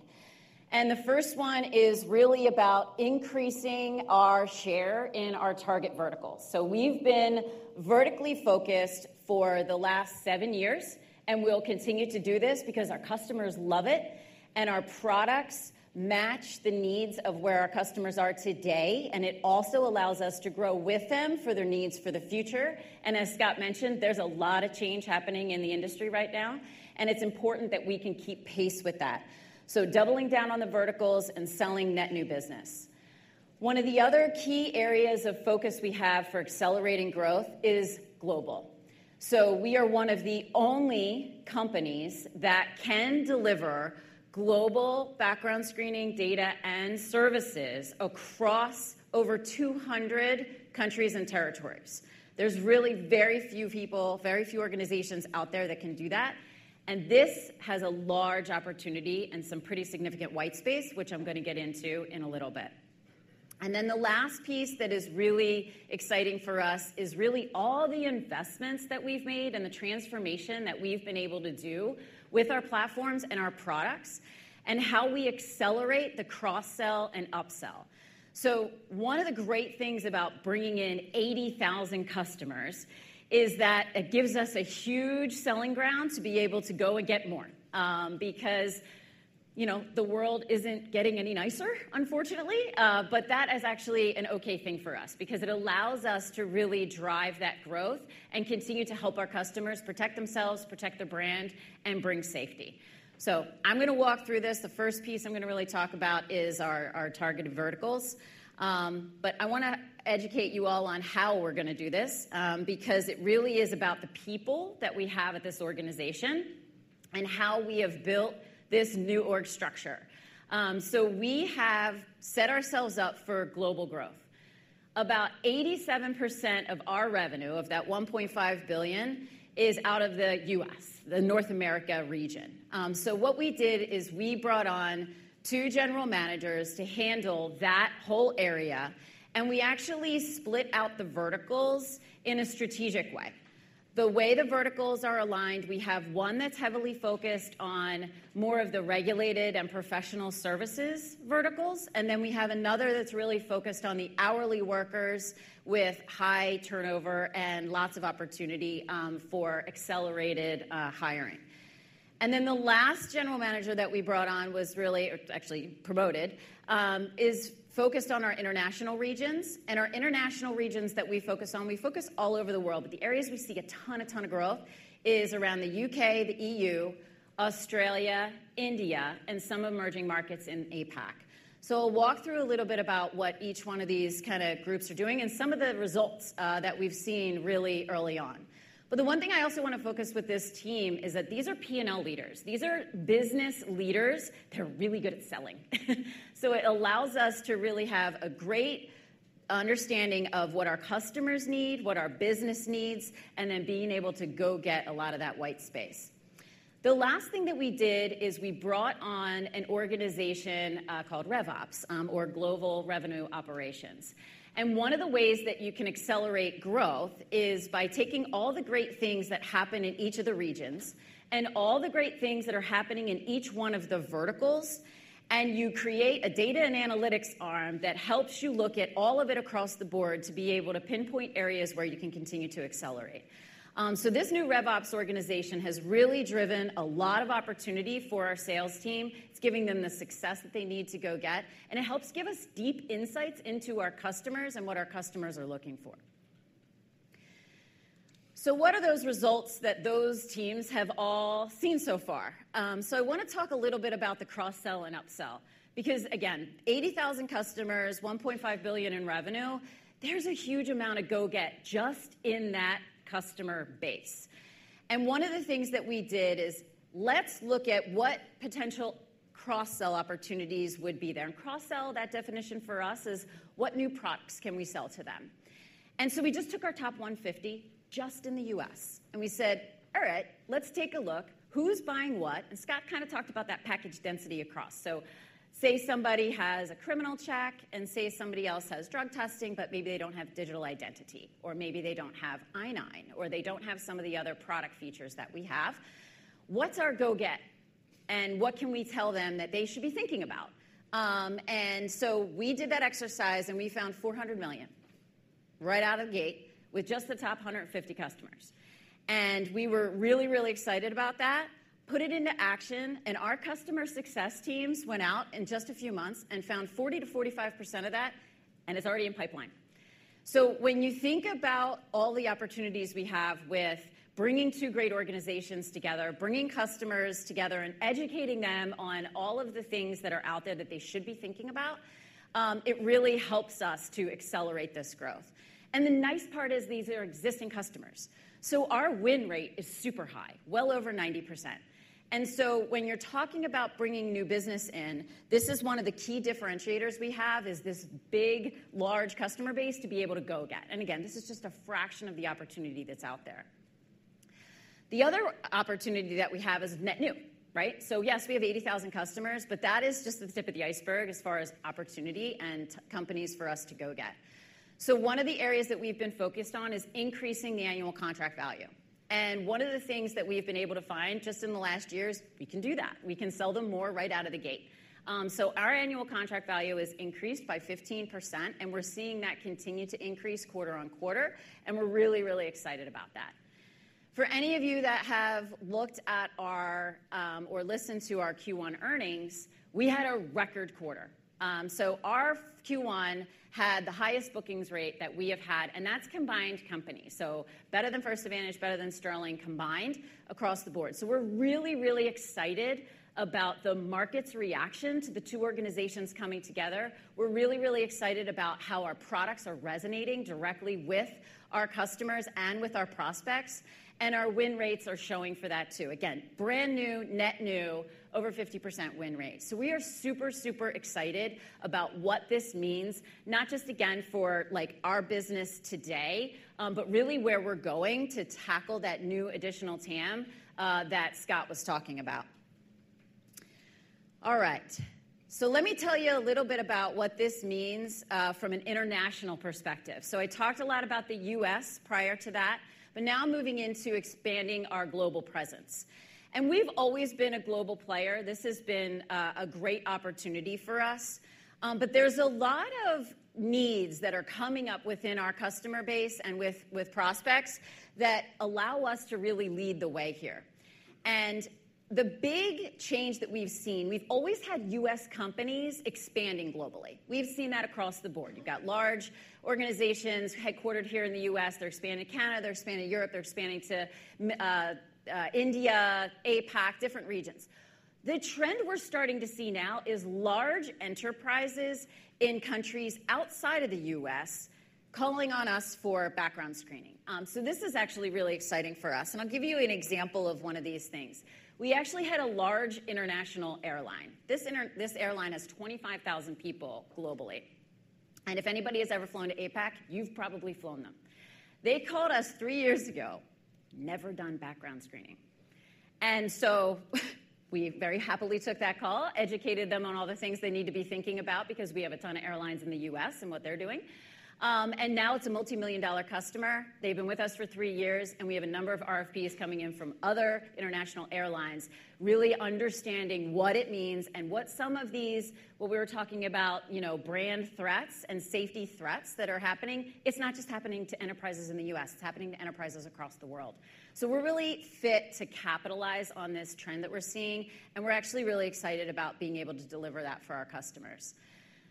The first one is really about increasing our share in our target verticals. We have been vertically focused for the last seven years, and we will continue to do this because our customers love it, and our products match the needs of where our customers are today, and it also allows us to grow with them for their needs for the future. As Scott mentioned, there is a lot of change happening in the industry right now, and it is important that we can keep pace with that. Doubling down on the verticals and selling net new business is key. One of the other key areas of focus we have for accelerating growth is global. We are one of the only companies that can deliver global background screening data and services across over 200 countries and territories. There are really very few people, very few organizations out there that can do that. This has a large opportunity and some pretty significant white space, which I'm going to get into in a little bit. The last piece that is really exciting for us is really all the investments that we've made and the transformation that we've been able to do with our platforms and our products and how we accelerate the cross-sell and upsell. One of the great things about bringing in 80,000 customers is that it gives us a huge selling ground to be able to go and get more because the world isn't getting any nicer, unfortunately. That is actually an okay thing for us because it allows us to really drive that growth and continue to help our customers protect themselves, protect their brand, and bring safety. I'm going to walk through this. The first piece I'm going to really talk about is our targeted verticals. I want to educate you all on how we're going to do this because it really is about the people that we have at this organization and how we have built this NewOrg structure. We have set ourselves up for global growth. About 87% of our revenue of that $1.5 billion is out of the U.S., the North America region. What we did is we brought on two general managers to handle that whole area, and we actually split out the verticals in a strategic way. The way the verticals are aligned, we have one that's heavily focused on more of the regulated and professional services verticals, and then we have another that's really focused on the hourly workers with high turnover and lots of opportunity for accelerated hiring. The last general manager that we brought on was really actually promoted, is focused on our international regions. Our international regions that we focus on, we focus all over the world, but the areas we see a ton, a ton of growth is around the U.K., the E.U., Australia, India, and some emerging markets in APAC. I'll walk through a little bit about what each one of these kind of groups are doing and some of the results that we've seen really early on. The one thing I also want to focus with this team is that these are P&L leaders. These are business leaders. They're really good at selling. It allows us to really have a great understanding of what our customers need, what our business needs, and then being able to go get a lot of that white space. The last thing that we did is we brought on an organization called RevOps or Global Revenue Operations. One of the ways that you can accelerate growth is by taking all the great things that happen in each of the regions and all the great things that are happening in each one of the verticals, and you create a data and analytics arm that helps you look at all of it across the board to be able to pinpoint areas where you can continue to accelerate. This new RevOps organization has really driven a lot of opportunity for our sales team. It's giving them the success that they need to go get, and it helps give us deep insights into our customers and what our customers are looking for. What are those results that those teams have all seen so far? I want to talk a little bit about the cross-sell and upsell because, again, 80,000 customers, $1.5 billion in revenue, there's a huge amount of go-get just in that customer base. One of the things that we did is let's look at what potential cross-sell opportunities would be there. Cross-sell, that definition for us is what new products can we sell to them. We just took our top 150 just in the U.S., and we said, "All right, let's take a look. Who's buying what?" Scott kind of talked about that package density across. Say somebody has a criminal check, and say somebody else has drug testing, but maybe they don't have digital identity, or maybe they don't have I-9, or they don't have some of the other product features that we have. What's our go-get, and what can we tell them that they should be thinking about? We did that exercise, and we found $400 million right out of the gate with just the top 150 customers. We were really, really excited about that, put it into action, and our customer success teams went out in just a few months and found 40%-45% of that, and it's already in pipeline. When you think about all the opportunities we have with bringing two great organizations together, bringing customers together, and educating them on all of the things that are out there that they should be thinking about, it really helps us to accelerate this growth. The nice part is these are existing customers. Our win rate is super high, well over 90%. When you're talking about bringing new business in, this is one of the key differentiators we have, this big, large customer base to be able to go-get. This is just a fraction of the opportunity that's out there. The other opportunity that we have is net new, right? Yes, we have 80,000 customers, but that is just the tip of the iceberg as far as opportunity and companies for us to go-get. One of the areas that we've been focused on is increasing the annual contract value. One of the things that we've been able to find just in the last year is we can do that. We can sell them more right out of the gate. Our annual contract value has increased by 15%, and we're seeing that continue to increase quarter on quarter, and we're really, really excited about that. For any of you that have looked at or listened to our Q1 earnings, we had a record quarter. Our Q1 had the highest bookings rate that we have had, and that's combined company. Better than First Advantage, better than Sterling combined across the board. We're really, really excited about the market's reaction to the two organizations coming together. We're really, really excited about how our products are resonating directly with our customers and with our prospects, and our win rates are showing for that too. Again, brand new, net new, over 50% win rate. We are super, super excited about what this means, not just, again, for our business today, but really where we're going to tackle that new additional TAM that Scott was talking about. All right. Let me tell you a little bit about what this means from an international perspective. I talked a lot about the U.S. prior to that, but now moving into expanding our global presence. We've always been a global player. This has been a great opportunity for us, but there's a lot of needs that are coming up within our customer base and with prospects that allow us to really lead the way here. The big change that we've seen, we've always had U.S. companies expanding globally. We've seen that across the board. You've got large organizations headquartered here in the U.S. They're expanding to Canada. They're expanding to Europe. They're expanding to India, APAC, different regions. The trend we're starting to see now is large enterprises in countries outside of the U.S. calling on us for background screening. This is actually really exciting for us. I'll give you an example of one of these things. We actually had a large international airline. This airline has 25,000 people globally. If anybody has ever flown to APAC, you've probably flown them. They called us three years ago, never done background screening. We very happily took that call, educated them on all the things they need to be thinking about because we have a ton of airlines in the U.S. and what they're doing. Now it's a multi-million dollar customer. They've been with us for three years, and we have a number of RFPs coming in from other international airlines, really understanding what it means and what some of these, what we were talking about, brand threats and safety threats that are happening, it's not just happening to enterprises in the U.S. It's happening to enterprises across the world. We are really fit to capitalize on this trend that we're seeing, and we're actually really excited about being able to deliver that for our customers.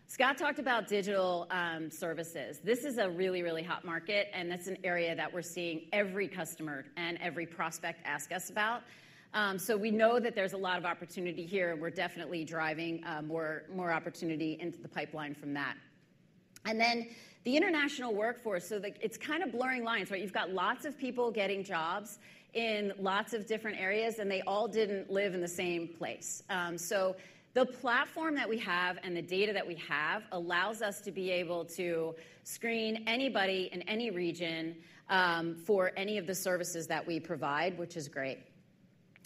Scott talked about digital services. This is a really, really hot market, and that's an area that we're seeing every customer and every prospect ask us about. We know that there's a lot of opportunity here, and we're definitely driving more opportunity into the pipeline from that. The international workforce, so it's kind of blurring lines, right? You've got lots of people getting jobs in lots of different areas, and they all didn't live in the same place. The platform that we have and the data that we have allows us to be able to screen anybody in any region for any of the services that we provide, which is great.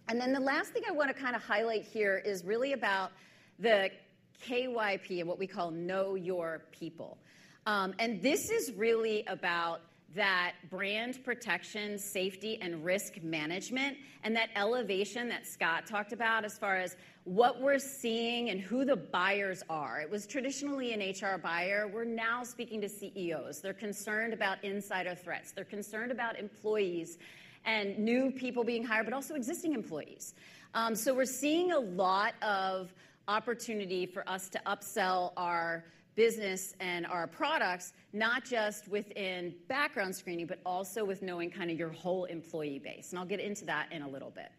The last thing I want to kind of highlight here is really about the KYP and what we call Know Your People. This is really about that brand protection, safety, and risk management, and that elevation that Scott talked about as far as what we're seeing and who the buyers are. It was traditionally an HR buyer. We're now speaking to CEOs. They're concerned about insider threats. They're concerned about employees and new people being hired, but also existing employees. We're seeing a lot of opportunity for us to upsell our business and our products, not just within background screening, but also with knowing kind of your whole employee base. I'll get into that in a little bit.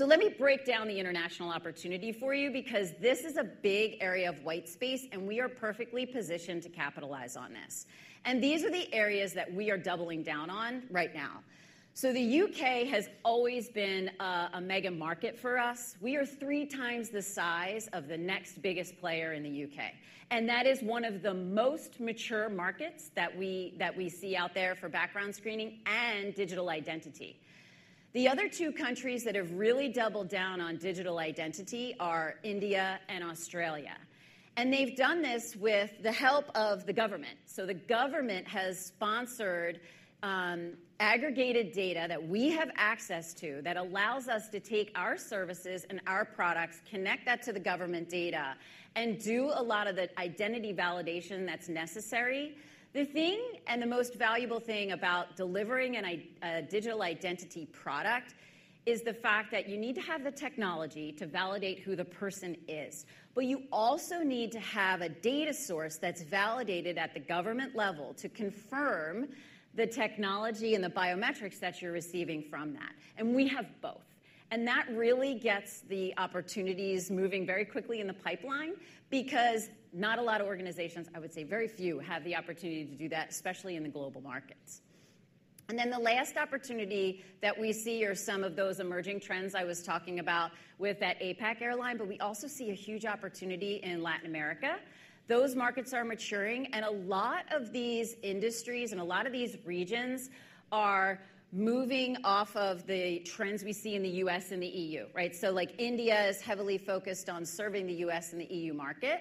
Let me break down the international opportunity for you because this is a big area of white space, and we are perfectly positioned to capitalize on this. These are the areas that we are doubling down on right now. The U.K. has always been a mega market for us. We are three times the size of the next biggest player in the U.K., and that is one of the most mature markets that we see out there for background screening and digital identity. The other two countries that have really doubled down on digital identity are India and Australia. They've done this with the help of the government. The government has sponsored aggregated data that we have access to that allows us to take our services and our products, connect that to the government data, and do a lot of the identity validation that's necessary. The thing and the most valuable thing about delivering a digital identity product is the fact that you need to have the technology to validate who the person is. You also need to have a data source that's validated at the government level to confirm the technology and the biometrics that you're receiving from that. We have both. That really gets the opportunities moving very quickly in the pipeline because not a lot of organizations, I would say very few, have the opportunity to do that, especially in the global markets. The last opportunity that we see are some of those emerging trends I was talking about with that APAC airline, but we also see a huge opportunity in Latin America. Those markets are maturing, and a lot of these industries and a lot of these regions are moving off of the trends we see in the U.S. and the EU, right? India is heavily focused on serving the U.S. and the EU market,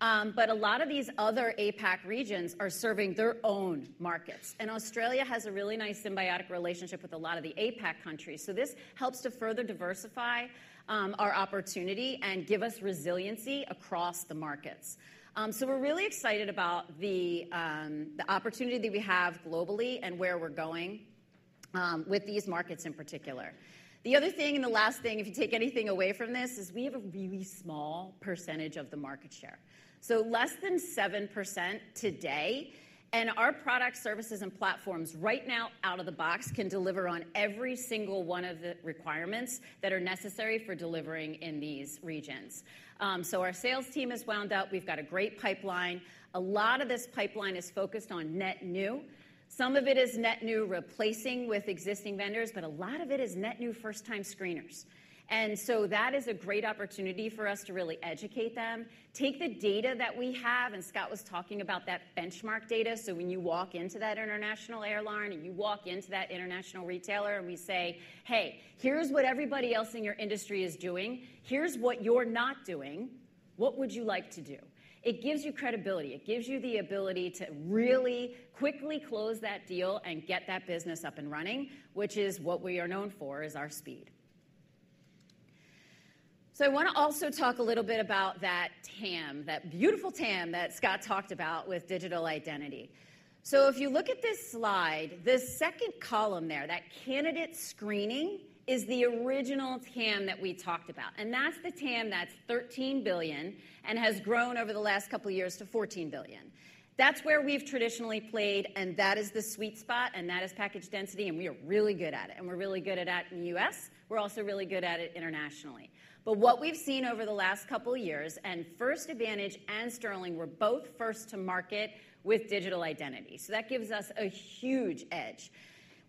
but a lot of these other APAC regions are serving their own markets. Australia has a really nice symbiotic relationship with a lot of the APAC countries. This helps to further diversify our opportunity and give us resiliency across the markets. We are really excited about the opportunity that we have globally and where we are going with these markets in particular. The other thing and the last thing, if you take anything away from this, is we have a really small percentage of the market share. So less than 7% today, and our products, services, and platforms right now out of the box can deliver on every single one of the requirements that are necessary for delivering in these regions. Our sales team has wound up. We've got a great pipeline. A lot of this pipeline is focused on net new. Some of it is net new replacing with existing vendors, but a lot of it is net new first-time screeners. That is a great opportunity for us to really educate them, take the data that we have, and Scott was talking about that benchmark data. When you walk into that international airline and you walk into that international retailer and we say, "Hey, here's what everybody else in your industry is doing. Here's what you're not doing. What would you like to do?" It gives you credibility. It gives you the ability to really quickly close that deal and get that business up and running, which is what we are known for is our speed. I want to also talk a little bit about that TAM, that beautiful TAM that Scott talked about with digital identity. If you look at this slide, this second column there, that candidate screening is the original TAM that we talked about. That's the TAM that's $13 billion and has grown over the last couple of years to $14 billion. That's where we've traditionally played, and that is the sweet spot, and that is package density, and we are really good at it. And we're really good at that in the U.S. We're also really good at it internationally. What we've seen over the last couple of years, and First Advantage and Sterling were both first to market with digital identity. That gives us a huge edge.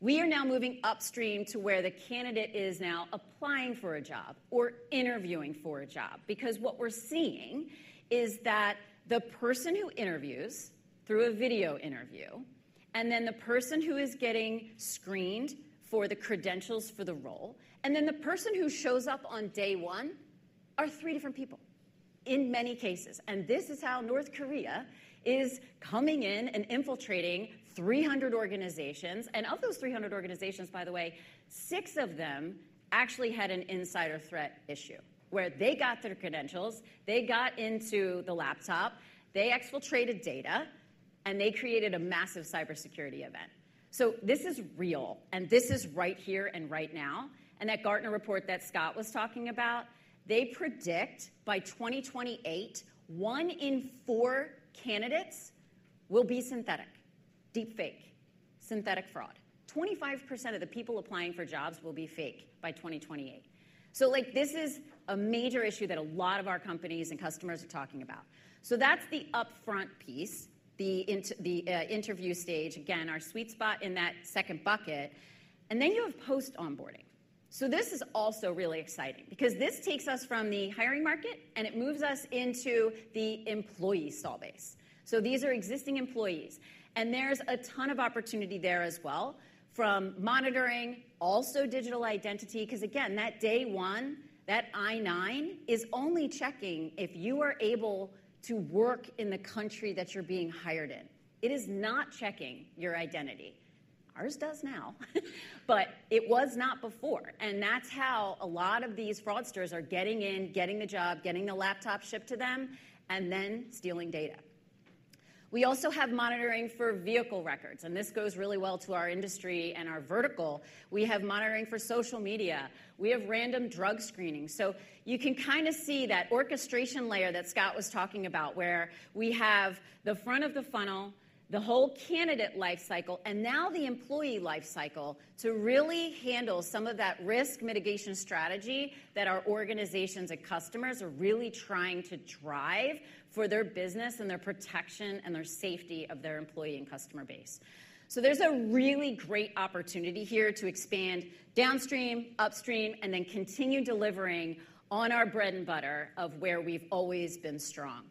We are now moving upstream to where the candidate is now applying for a job or interviewing for a job because what we're seeing is that the person who interviews through a video interview, and then the person who is getting screened for the credentials for the role, and then the person who shows up on day one are three different people in many cases. This is how North Korea is coming in and infiltrating 300 organizations. Of those 300 organizations, by the way, six of them actually had an insider threat issue where they got their credentials, they got into the laptop, they exfiltrated data, and they created a massive cybersecurity event. This is real, and this is right here and right now. That Gartner report that Scott was talking about, they predict by 2028, one in four candidates will be synthetic, deepfake, synthetic fraud. 25% of the people applying for jobs will be fake by 2028. This is a major issue that a lot of our companies and customers are talking about. That is the upfront piece, the interview stage, again, our sweet spot in that second bucket. You have post-onboarding. This is also really exciting because this takes us from the hiring market, and it moves us into the employee saw base. These are existing employees, and there's a ton of opportunity there as well from monitoring, also digital identity because, again, that day one, that I-9 is only checking if you are able to work in the country that you're being hired in. It is not checking your identity. Ours does now, but it was not before. That's how a lot of these fraudsters are getting in, getting the job, getting the laptop shipped to them, and then stealing data. We also have monitoring for vehicle records, and this goes really well to our industry and our vertical. We have monitoring for social media. We have random drug screening. You can kind of see that orchestration layer that Scott was talking about where we have the front of the funnel, the whole candidate lifecycle, and now the employee lifecycle to really handle some of that risk mitigation strategy that our organizations and customers are really trying to drive for their business and their protection and their safety of their employee and customer base. There is a really great opportunity here to expand downstream, upstream, and then continue delivering on our bread and butter of where we've always been strong.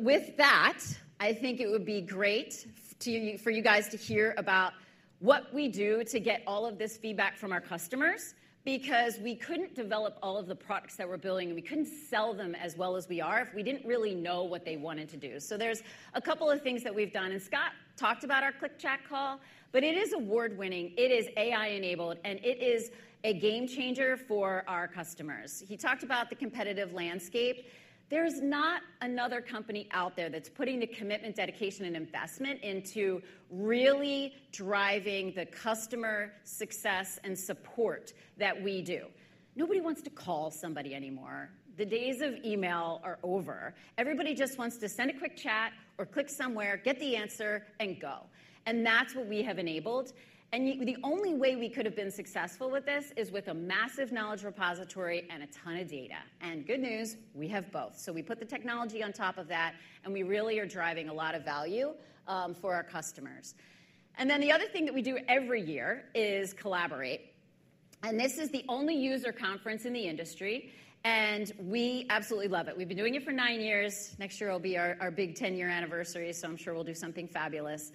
With that, I think it would be great for you guys to hear about what we do to get all of this feedback from our customers because we couldn't develop all of the products that we're building, and we couldn't sell them as well as we are if we didn't really know what they wanted to do. There are a couple of things that we have done. Scott talked about our Click Chat Call, but it is award-winning. It is AI-enabled, and it is a game changer for our customers. He talked about the competitive landscape. There is not another company out there that is putting the commitment, dedication, and investment into really driving the customer success and support that we do. Nobody wants to call somebody anymore. The days of email are over. Everybody just wants to send a quick chat or click somewhere, get the answer, and go. That is what we have enabled. The only way we could have been successful with this is with a massive knowledge repository and a ton of data. Good news, we have both. We put the technology on top of that, and we really are driving a lot of value for our customers. The other thing that we do every year is collaborate. This is the only user conference in the industry, and we absolutely love it. We've been doing it for nine years. Next year will be our big 10-year anniversary, so I'm sure we'll do something fabulous.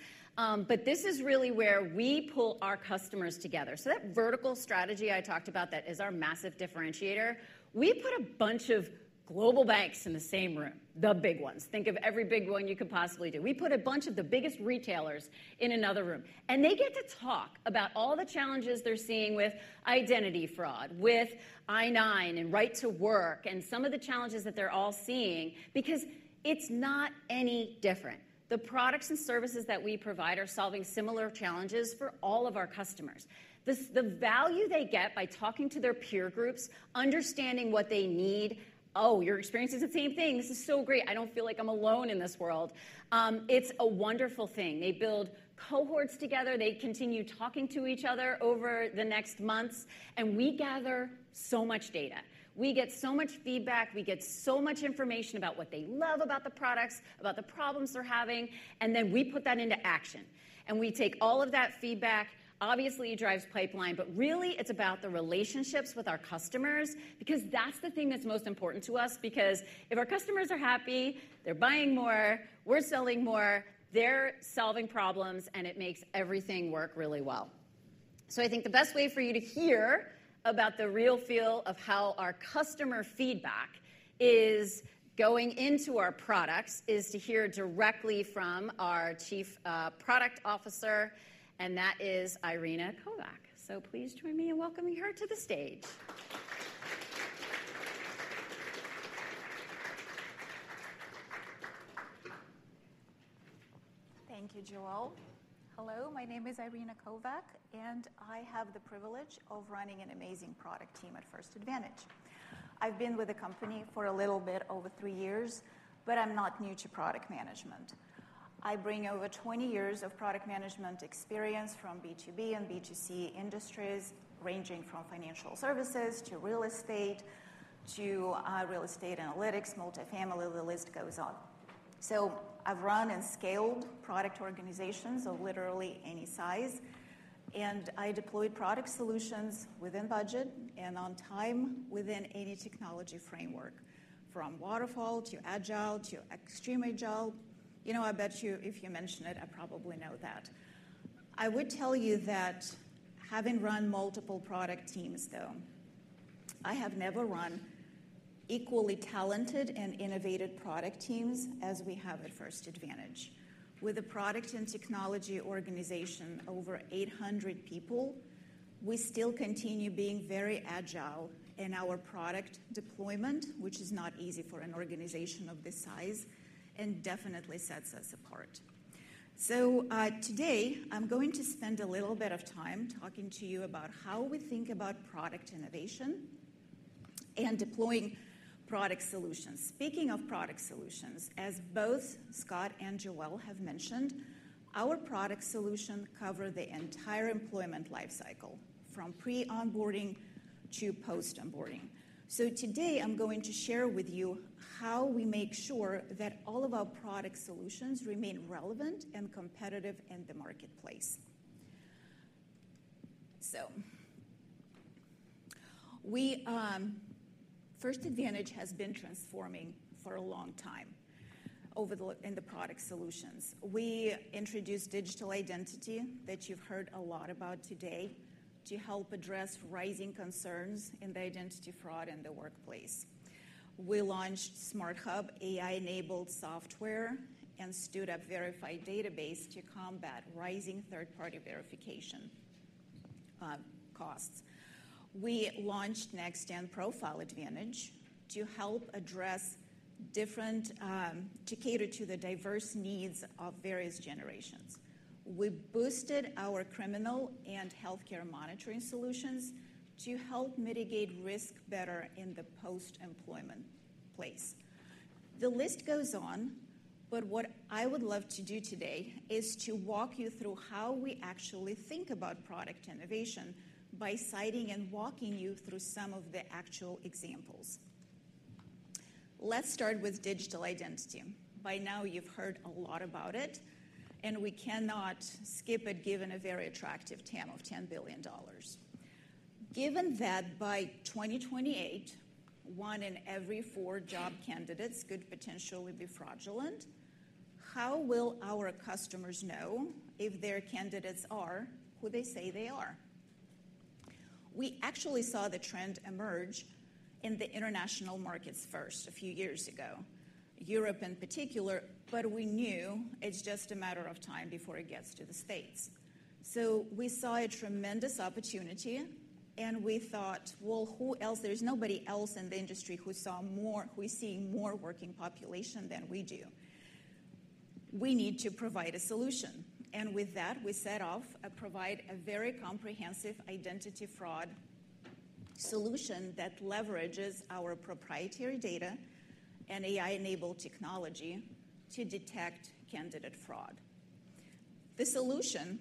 This is really where we pull our customers together. That vertical strategy I talked about is our massive differentiator. We put a bunch of global banks in the same room, the big ones. Think of every big one you could possibly do. We put a bunch of the biggest retailers in another room, and they get to talk about all the challenges they're seeing with identity fraud, with I-9 and right to work, and some of the challenges that they're all seeing because it's not any different. The products and services that we provide are solving similar challenges for all of our customers. The value they get by talking to their peer groups, understanding what they need. Oh, your experience is the same thing. This is so great. I do not feel like I am alone in this world. It is a wonderful thing. They build cohorts together. They continue talking to each other over the next months, and we gather so much data. We get so much feedback. We get so much information about what they love about the products, about the problems they are having, and then we put that into action. We take all of that feedback. Obviously, it drives pipeline, but really, it's about the relationships with our customers because that's the thing that's most important to us because if our customers are happy, they're buying more, we're selling more, they're solving problems, and it makes everything work really well. I think the best way for you to hear about the real feel of how our customer feedback is going into our products is to hear directly from our Chief Product Officer, and that is Irena Kovach. Please join me in welcoming her to the stage. Thank you, Joelle. Hello, my name is Irena Kovach, and I have the privilege of running an amazing product team at First Advantage. I've been with the company for a little bit over three years, but I'm not new to product management. I bring over 20 years of product management experience from B2B and B2C industries, ranging from financial services to real estate to real estate analytics, multifamily, the list goes on. I have run and scaled product organizations of literally any size, and I deployed product solutions within budget and on time within any technology framework, from waterfall to agile to extreme agile. You know, I bet you if you mention it, I probably know that. I would tell you that having run multiple product teams, though, I have never run equally talented and innovative product teams as we have at First Advantage. With a product and technology organization over 800 people, we still continue being very agile in our product deployment, which is not easy for an organization of this size and definitely sets us apart. Today, I'm going to spend a little bit of time talking to you about how we think about product innovation and deploying product solutions. Speaking of product solutions, as both Scott and Joelle have mentioned, our product solution covers the entire employment lifecycle from pre-onboarding to post-onboarding. Today, I'm going to share with you how we make sure that all of our product solutions remain relevant and competitive in the marketplace. First Advantage has been transforming for a long time in the product solutions. We introduced digital identity that you've heard a lot about today to help address rising concerns in the identity fraud in the workplace. We launched SmartHub, AI-enabled software, and stood up Verified database to combat rising third-party verification costs. We launched Next Gen Profile Advantage to help address different to cater to the diverse needs of various generations. We boosted our criminal and healthcare monitoring solutions to help mitigate risk better in the post-employment place. The list goes on, but what I would love to do today is to walk you through how we actually think about product innovation by citing and walking you through some of the actual examples. Let's start with digital identity. By now, you've heard a lot about it, and we cannot skip it given a very attractive TAM of $10 billion. Given that by 2028, one in every four job candidates could potentially be fraudulent, how will our customers know if their candidates are who they say they are? We actually saw the trend emerge in the international markets first a few years ago, Europe in particular, but we knew it's just a matter of time before it gets to the States. We saw a tremendous opportunity, and we thought, who else? There's nobody else in the industry who saw more, who is seeing more working population than we do. We need to provide a solution. With that, we set off to provide a very comprehensive identity fraud solution that leverages our proprietary data and AI-enabled technology to detect candidate fraud. The solution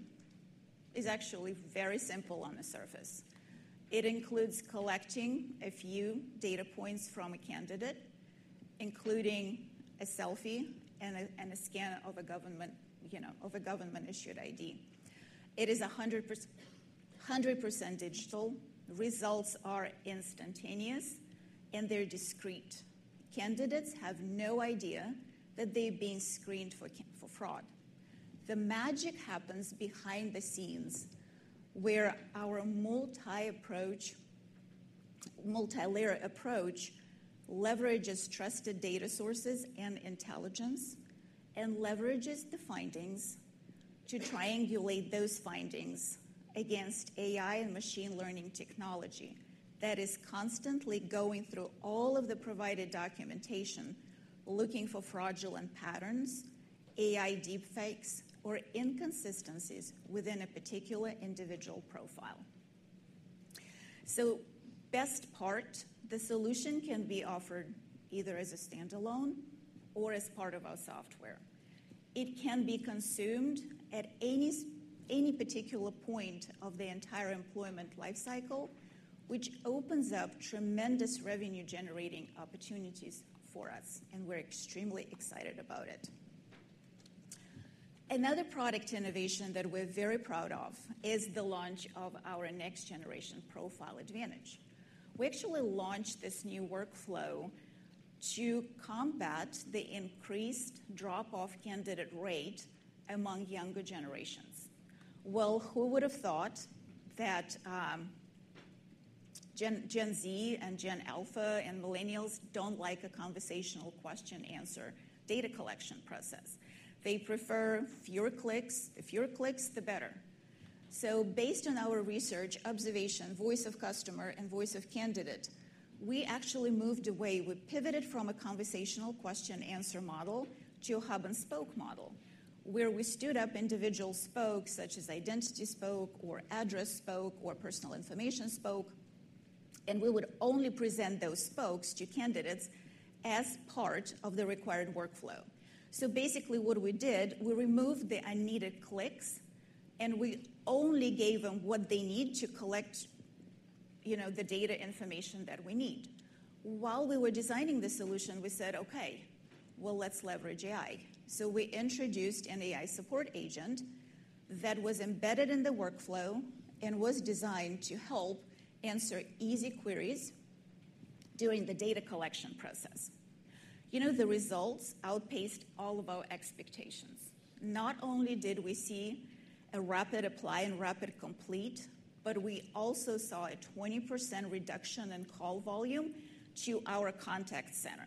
is actually very simple on the surface. It includes collecting a few data points from a candidate, including a selfie and a scan of a government-issued ID. It is 100% digital. Results are instantaneous, and they're discreet. Candidates have no idea that they've been screened for fraud. The magic happens behind the scenes where our multi-layer approach leverages trusted data sources and intelligence and leverages the findings to triangulate those findings against AI and machine learning technology that is constantly going through all of the provided documentation looking for fraudulent patterns, AI deepfakes, or inconsistencies within a particular individual profile. The best part, the solution can be offered either as a standalone or as part of our software. It can be consumed at any particular point of the entire employment lifecycle, which opens up tremendous revenue-generating opportunities for us, and we're extremely excited about it. Another product innovation that we're very proud of is the launch of our next-generation Profile Advantage. We actually launched this new workflow to combat the increased drop-off candidate rate among younger generations. Who would have thought that Gen Z and Gen Alpha and millennials do not like a conversational question-answer data collection process? They prefer fewer clicks. The fewer clicks, the better. Based on our research, observation, voice of customer, and voice of candidate, we actually moved away. We pivoted from a conversational question-answer model to a hub-and-spoke model where we stood up individual spokes such as identity spoke or address spoke or personal information spoke, and we would only present those spokes to candidates as part of the required workflow. Basically, what we did, we removed the unneeded clicks, and we only gave them what they need to collect the data information that we need. While we were designing the solution, we said, "Okay, well, let's leverage AI." So we introduced an AI support agent that was embedded in the workflow and was designed to help answer easy queries during the data collection process. You know, the results outpaced all of our expectations. Not only did we see a rapid apply and rapid complete, but we also saw a 20% reduction in call volume to our contact center.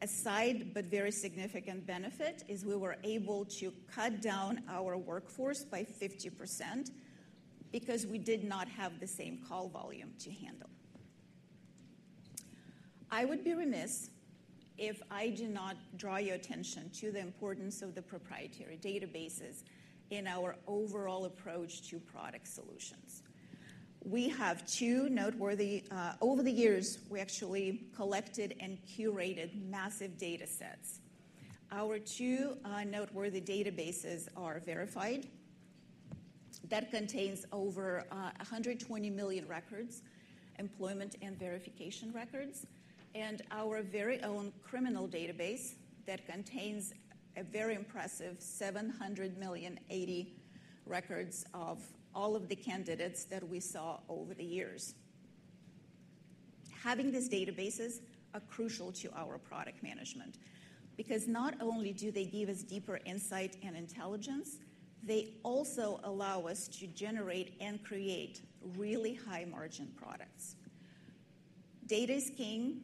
A side but very significant benefit is we were able to cut down our workforce by 50% because we did not have the same call volume to handle. I would be remiss if I do not draw your attention to the importance of the proprietary databases in our overall approach to product solutions. We have two noteworthy, over the years, we actually collected and curated massive data sets. Our two noteworthy databases are Verified. That contains over 120 million records, employment and verification records, and our very own criminal database that contains a very impressive 780 million records of all of the candidates that we saw over the years. Having these databases is crucial to our product management because not only do they give us deeper insight and intelligence, they also allow us to generate and create really high-margin products. Data is king,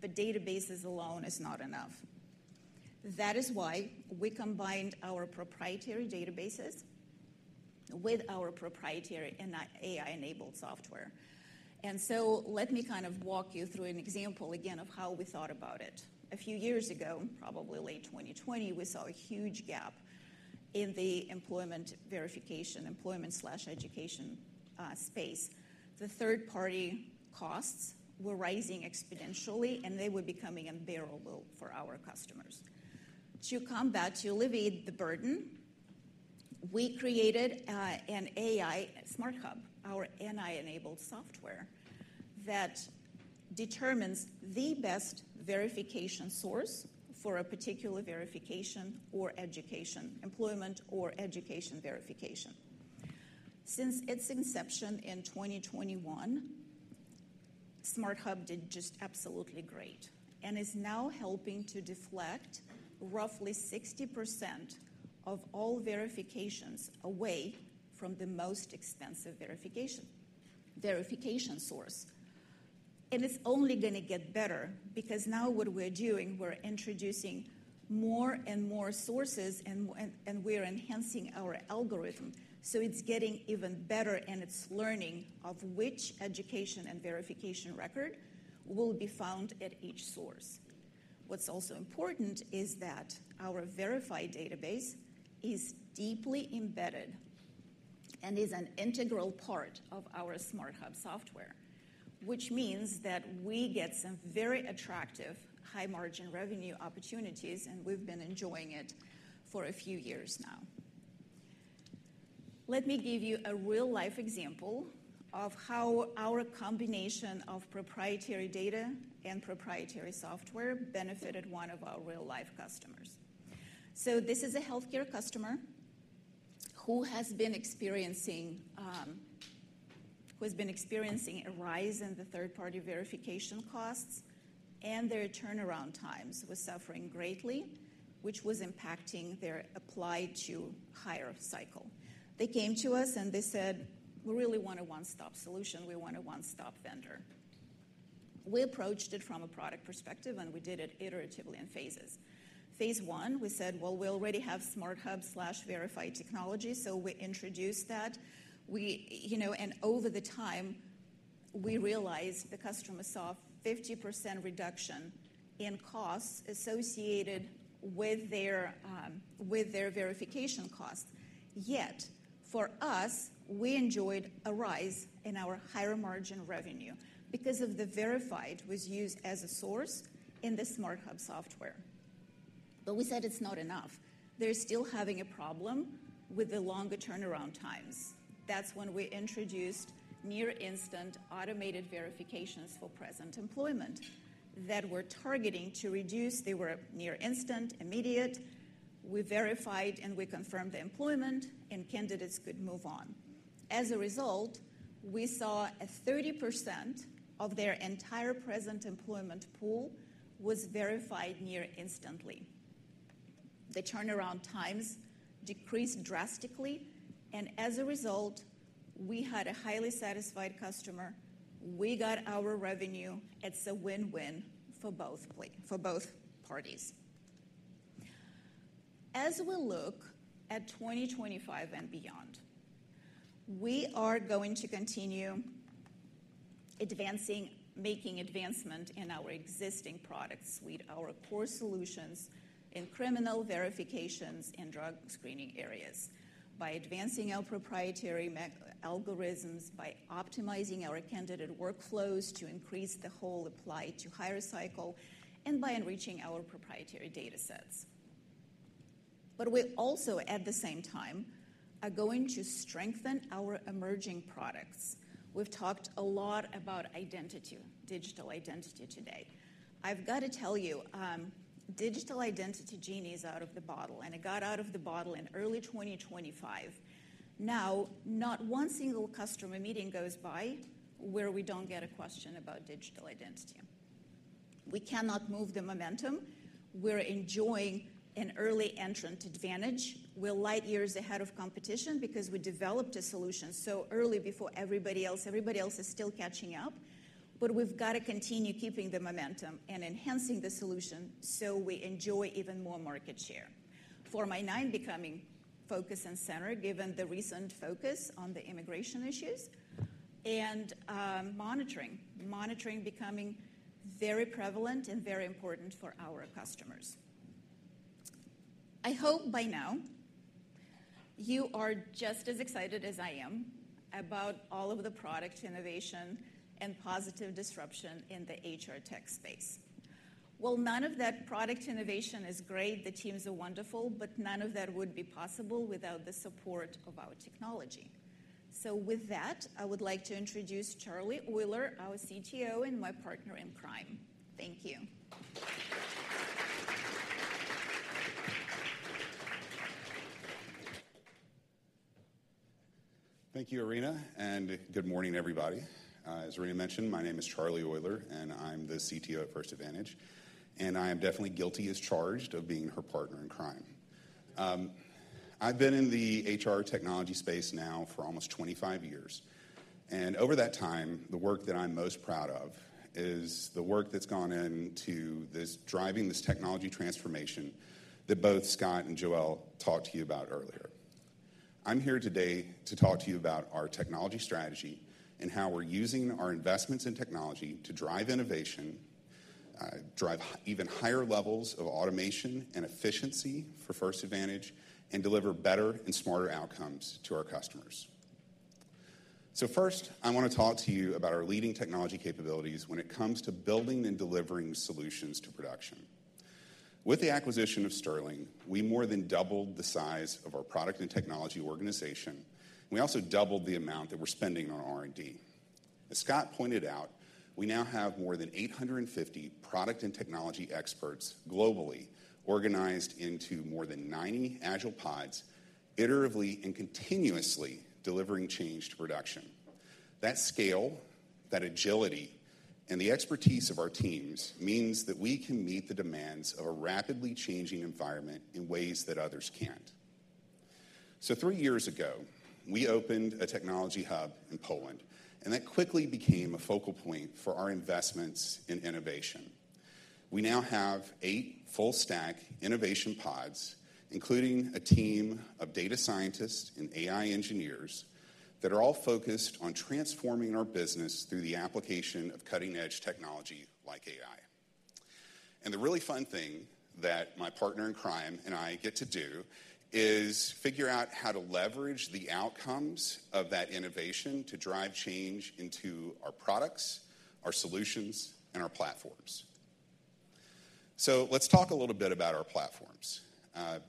but databases alone are not enough. That is why we combined our proprietary databases with our proprietary AI-enabled software. Let me kind of walk you through an example again of how we thought about it. A few years ago, probably late 2020, we saw a huge gap in the employment verification, employment/education space. The third-party costs were rising exponentially, and they were becoming unbearable for our customers. To combat and alleviate the burden, we created an AI SmartHub, our AI-enabled software that determines the best verification source for a particular verification or education, employment or education verification. Since its inception in 2021, SmartHub did just absolutely great and is now helping to deflect roughly 60% of all verifications away from the most expensive verification source. It is only going to get better because now what we are doing, we are introducing more and more sources, and we are enhancing our algorithm. It is getting even better, and it is learning of which education and verification record will be found at each source. What is also important is that our Verified database is deeply embedded and is an integral part of our SmartHub software, which means that we get some very attractive high-margin revenue opportunities, and we have been enjoying it for a few years now. Let me give you a real-life example of how our combination of proprietary data and proprietary software benefited one of our real-life customers. This is a healthcare customer who has been experiencing a rise in third-party verification costs, and their turnaround times were suffering greatly, which was impacting their applied-to-hire cycle. They came to us, and they said, "We really want a one-stop solution. We want a one-stop vendor." We approached it from a product perspective, and we did it iteratively in phases. Phase one, we said, "We already have SmartHub/Verified technology," so we introduced that. Over time, we realized the customer saw a 50% reduction in costs associated with their verification costs. Yet for us, we enjoyed a rise in our higher-margin revenue because Verified was used as a source in the SmartHub software. We said it is not enough. They're still having a problem with the longer turnaround times. That's when we introduced near-instant automated verifications for present employment that we're targeting to reduce. They were near-instant, immediate. We verified and we confirmed the employment, and candidates could move on. As a result, we saw a 30% of their entire present employment pool was verified near-instantly. The turnaround times decreased drastically, and as a result, we had a highly satisfied customer. We got our revenue. It's a win-win for both parties. As we look at 2025 and beyond, we are going to continue making advancement in our existing product suite, our core solutions in criminal verifications and drug screening areas by advancing our proprietary algorithms, by optimizing our candidate workflows to increase the whole apply-to-hire cycle, and by enriching our proprietary datasets. We also, at the same time, are going to strengthen our emerging products. We've talked a lot about identity, digital identity today. I've got to tell you, digital identity genie is out of the bottle, and it got out of the bottle in early 2023. Now, not one single customer meeting goes by where we don't get a question about digital identity. We cannot move the momentum. We're enjoying an early entrant advantage. We're light years ahead of competition because we developed a solution so early before everybody else. Everybody else is still catching up, but we've got to continue keeping the momentum and enhancing the solution so we enjoy even more market share. Form I-9 becoming focus and center given the recent focus on the immigration issues and monitoring. Monitoring becoming very prevalent and very important for our customers. I hope by now you are just as excited as I am about all of the product innovation and positive disruption in the HR tech space. None of that product innovation is great. The teams are wonderful, but none of that would be possible without the support of our technology. With that, I would like to introduce Charlie Euler, our CTO, and my partner in crime. Thank you. Thank you, Irena, and good morning, everybody. As Irena mentioned, my name is Charlie Euler, and I'm the CTO at First Advantage, and I am definitely guilty as charged of being her partner in crime. I've been in the HR technology space now for almost 25 years, and over that time, the work that I'm most proud of is the work that's gone into driving this technology transformation that both Scott and Joelle talked to you about earlier. I'm here today to talk to you about our technology strategy and how we're using our investments in technology to drive innovation, drive even higher levels of automation and efficiency for First Advantage, and deliver better and smarter outcomes to our customers. First, I want to talk to you about our leading technology capabilities when it comes to building and delivering solutions to production. With the acquisition of Sterling, we more than doubled the size of our product and technology organization, and we also doubled the amount that we're spending on R&D. As Scott pointed out, we now have more than 850 product and technology experts globally organized into more than 90 Agile pods, iteratively and continuously delivering change to production. That scale, that agility, and the expertise of our teams means that we can meet the demands of a rapidly changing environment in ways that others can't. Three years ago, we opened a technology hub in Poland, and that quickly became a focal point for our investments in innovation. We now have eight full-stack innovation pods, including a team of data scientists and AI engineers that are all focused on transforming our business through the application of cutting-edge technology like AI. The really fun thing that my partner in crime and I get to do is figure out how to leverage the outcomes of that innovation to drive change into our products, our solutions, and our platforms. Let's talk a little bit about our platforms.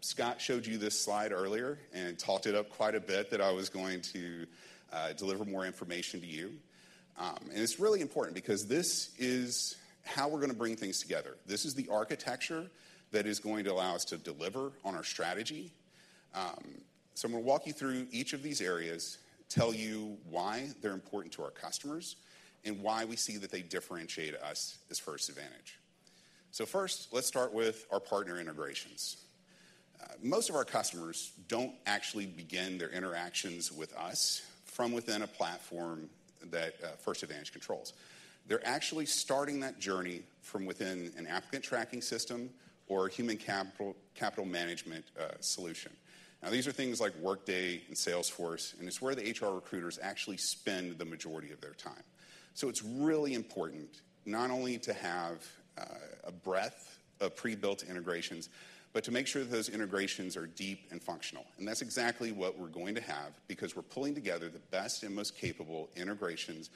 Scott showed you this slide earlier and talked it up quite a bit that I was going to deliver more information to you. It is really important because this is how we're going to bring things together. This is the architecture that is going to allow us to deliver on our strategy. I'm going to walk you through each of these areas, tell you why they're important to our customers, and why we see that they differentiate us as First Advantage. First, let's start with our partner integrations. Most of our customers don't actually begin their interactions with us from within a platform that First Advantage controls. They're actually starting that journey from within an applicant tracking system or a human capital management solution. These are things like Workday and Salesforce, and it's where the HR recruiters actually spend the majority of their time. It's really important not only to have a breadth of pre-built integrations, but to make sure that those integrations are deep and functional. That's exactly what we're going to have because we're pulling together the best and most capable integrations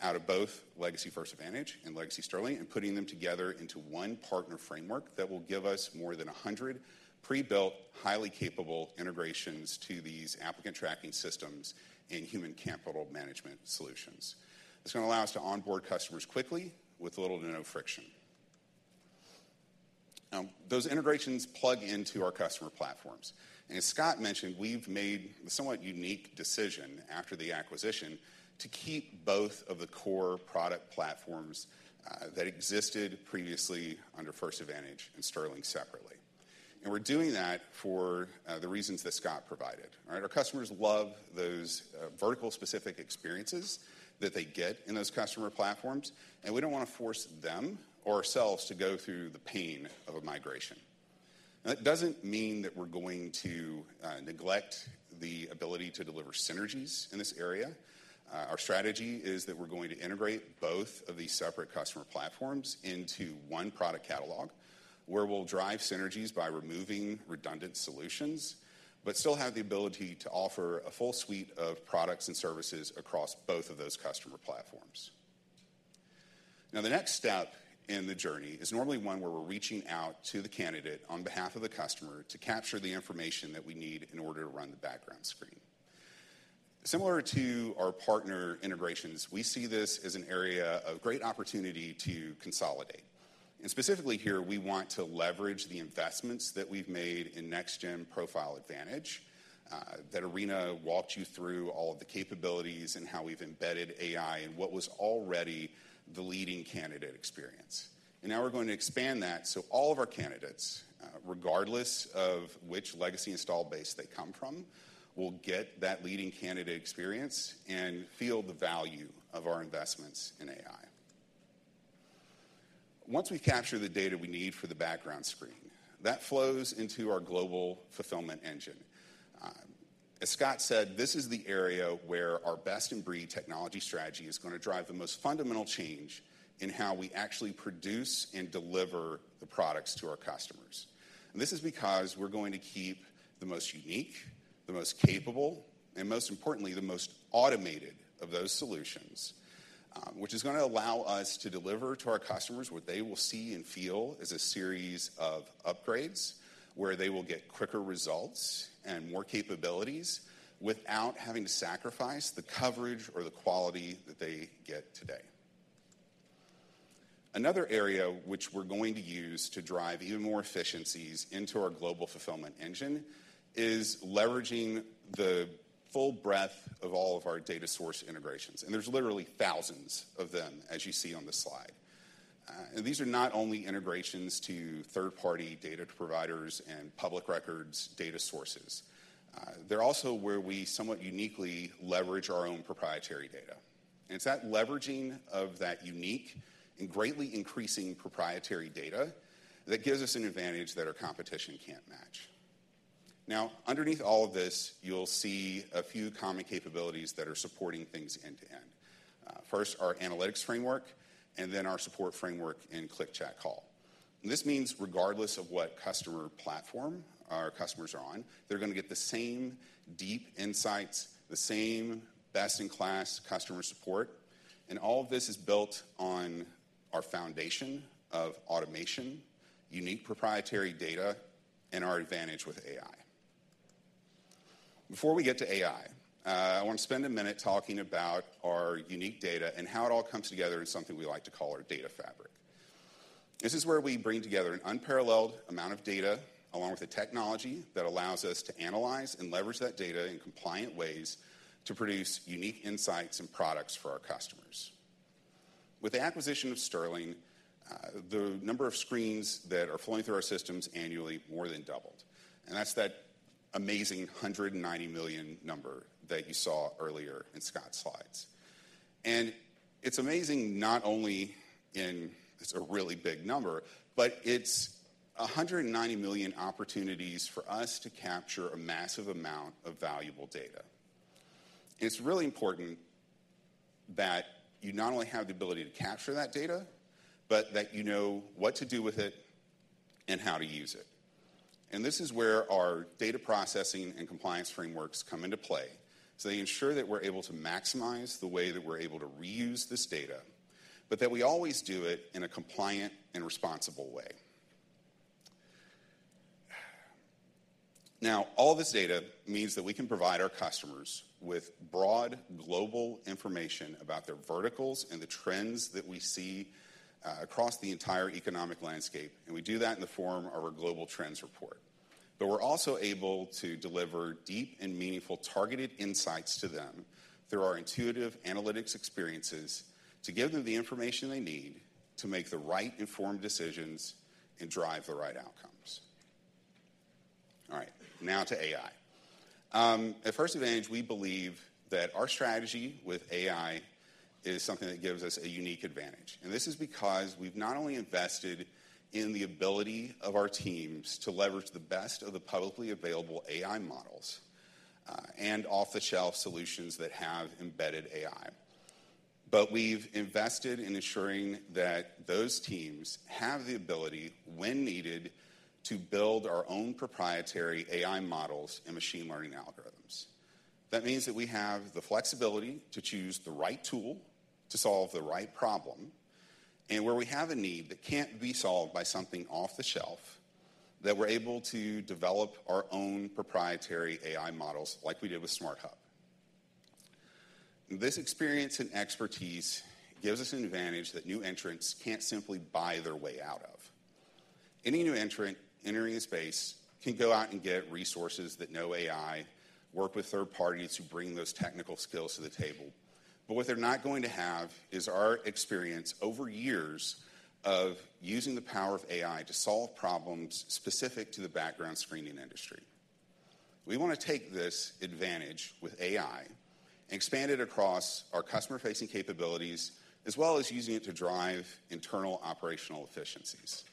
out of both legacy First Advantage and legacy Sterling and putting them together into one partner framework that will give us more than 100 pre-built, highly capable integrations to these applicant tracking systems and human capital management solutions. It's going to allow us to onboard customers quickly with little to no friction. Those integrations plug into our customer platforms. As Scott mentioned, we've made a somewhat unique decision after the acquisition to keep both of the core product platforms that existed previously under First Advantage and Sterling separately. We're doing that for the reasons that Scott provided. Our customers love those vertical-specific experiences that they get in those customer platforms, and we don't want to force them or ourselves to go through the pain of a migration. Now, that doesn't mean that we're going to neglect the ability to deliver synergies in this area. Our strategy is that we're going to integrate both of these separate customer platforms into one product catalog where we'll drive synergies by removing redundant solutions, but still have the ability to offer a full suite of products and services across both of those customer platforms. Now, the next step in the journey is normally one where we're reaching out to the candidate on behalf of the customer to capture the information that we need in order to run the background screen. Similar to our partner integrations, we see this as an area of great opportunity to consolidate. Specifically here, we want to leverage the investments that we've made in Next Gen Profile Advantage that Irena walked you through, all of the capabilities and how we've embedded AI and what was already the leading candidate experience. Now we're going to expand that so all of our candidates, regardless of which legacy install base they come from, will get that leading candidate experience and feel the value of our investments in AI. Once we've captured the data we need for the background screen, that flows into our global fulfillment engine. As Scott said, this is the area where our best-in-breed technology strategy is going to drive the most fundamental change in how we actually produce and deliver the products to our customers. This is because we're going to keep the most unique, the most capable, and most importantly, the most automated of those solutions, which is going to allow us to deliver to our customers what they will see and feel as a series of upgrades where they will get quicker results and more capabilities without having to sacrifice the coverage or the quality that they get today. Another area which we're going to use to drive even more efficiencies into our global fulfillment engine is leveraging the full breadth of all of our data source integrations. There are literally thousands of them, as you see on the slide. These are not only integrations to third-party data providers and public records data sources. They're also where we somewhat uniquely leverage our own proprietary data. It is that leveraging of that unique and greatly increasing proprietary data that gives us an advantage that our competition cannot match. Underneath all of this, you will see a few common capabilities that are supporting things end-to-end. First, our analytics framework, and then our support framework in Click Chat Call. This means regardless of what customer platform our customers are on, they are going to get the same deep insights, the same best-in-class customer support. All of this is built on our foundation of automation, unique proprietary data, and our advantage with AI. Before we get to AI, I want to spend a minute talking about our unique data and how it all comes together in something we like to call our data fabric. This is where we bring together an unparalleled amount of data along with the technology that allows us to analyze and leverage that data in compliant ways to produce unique insights and products for our customers. With the acquisition of Sterling, the number of screens that are flowing through our systems annually more than doubled. That is that amazing 190 million number that you saw earlier in Scott's slides. It is amazing not only in it's a really big number, but it's 190 million opportunities for us to capture a massive amount of valuable data. It is really important that you not only have the ability to capture that data, but that you know what to do with it and how to use it. This is where our data processing and compliance frameworks come into play. They ensure that we're able to maximize the way that we're able to reuse this data, but that we always do it in a compliant and responsible way. Now, all this data means that we can provide our customers with broad global information about their verticals and the trends that we see across the entire economic landscape. We do that in the form of our global trends report. We're also able to deliver deep and meaningful targeted insights to them through our intuitive analytics experiences to give them the information they need to make the right informed decisions and drive the right outcomes. All right, now to AI. At First Advantage, we believe that our strategy with AI is something that gives us a unique advantage. This is because we've not only invested in the ability of our teams to leverage the best of the publicly available AI models and off-the-shelf solutions that have embedded AI, but we've invested in ensuring that those teams have the ability, when needed, to build our own proprietary AI models and machine learning algorithms. That means that we have the flexibility to choose the right tool to solve the right problem and where we have a need that can't be solved by something off-the-shelf that we're able to develop our own proprietary AI models like we did with SmartHub. This experience and expertise gives us an advantage that new entrants can't simply buy their way out of. Any new entrant entering the space can go out and get resources that know AI, work with third parties who bring those technical skills to the table. What they're not going to have is our experience over years of using the power of AI to solve problems specific to the background screening industry. We want to take this advantage with AI and expand it across our customer-facing capabilities, as well as using it to drive internal operational efficiencies.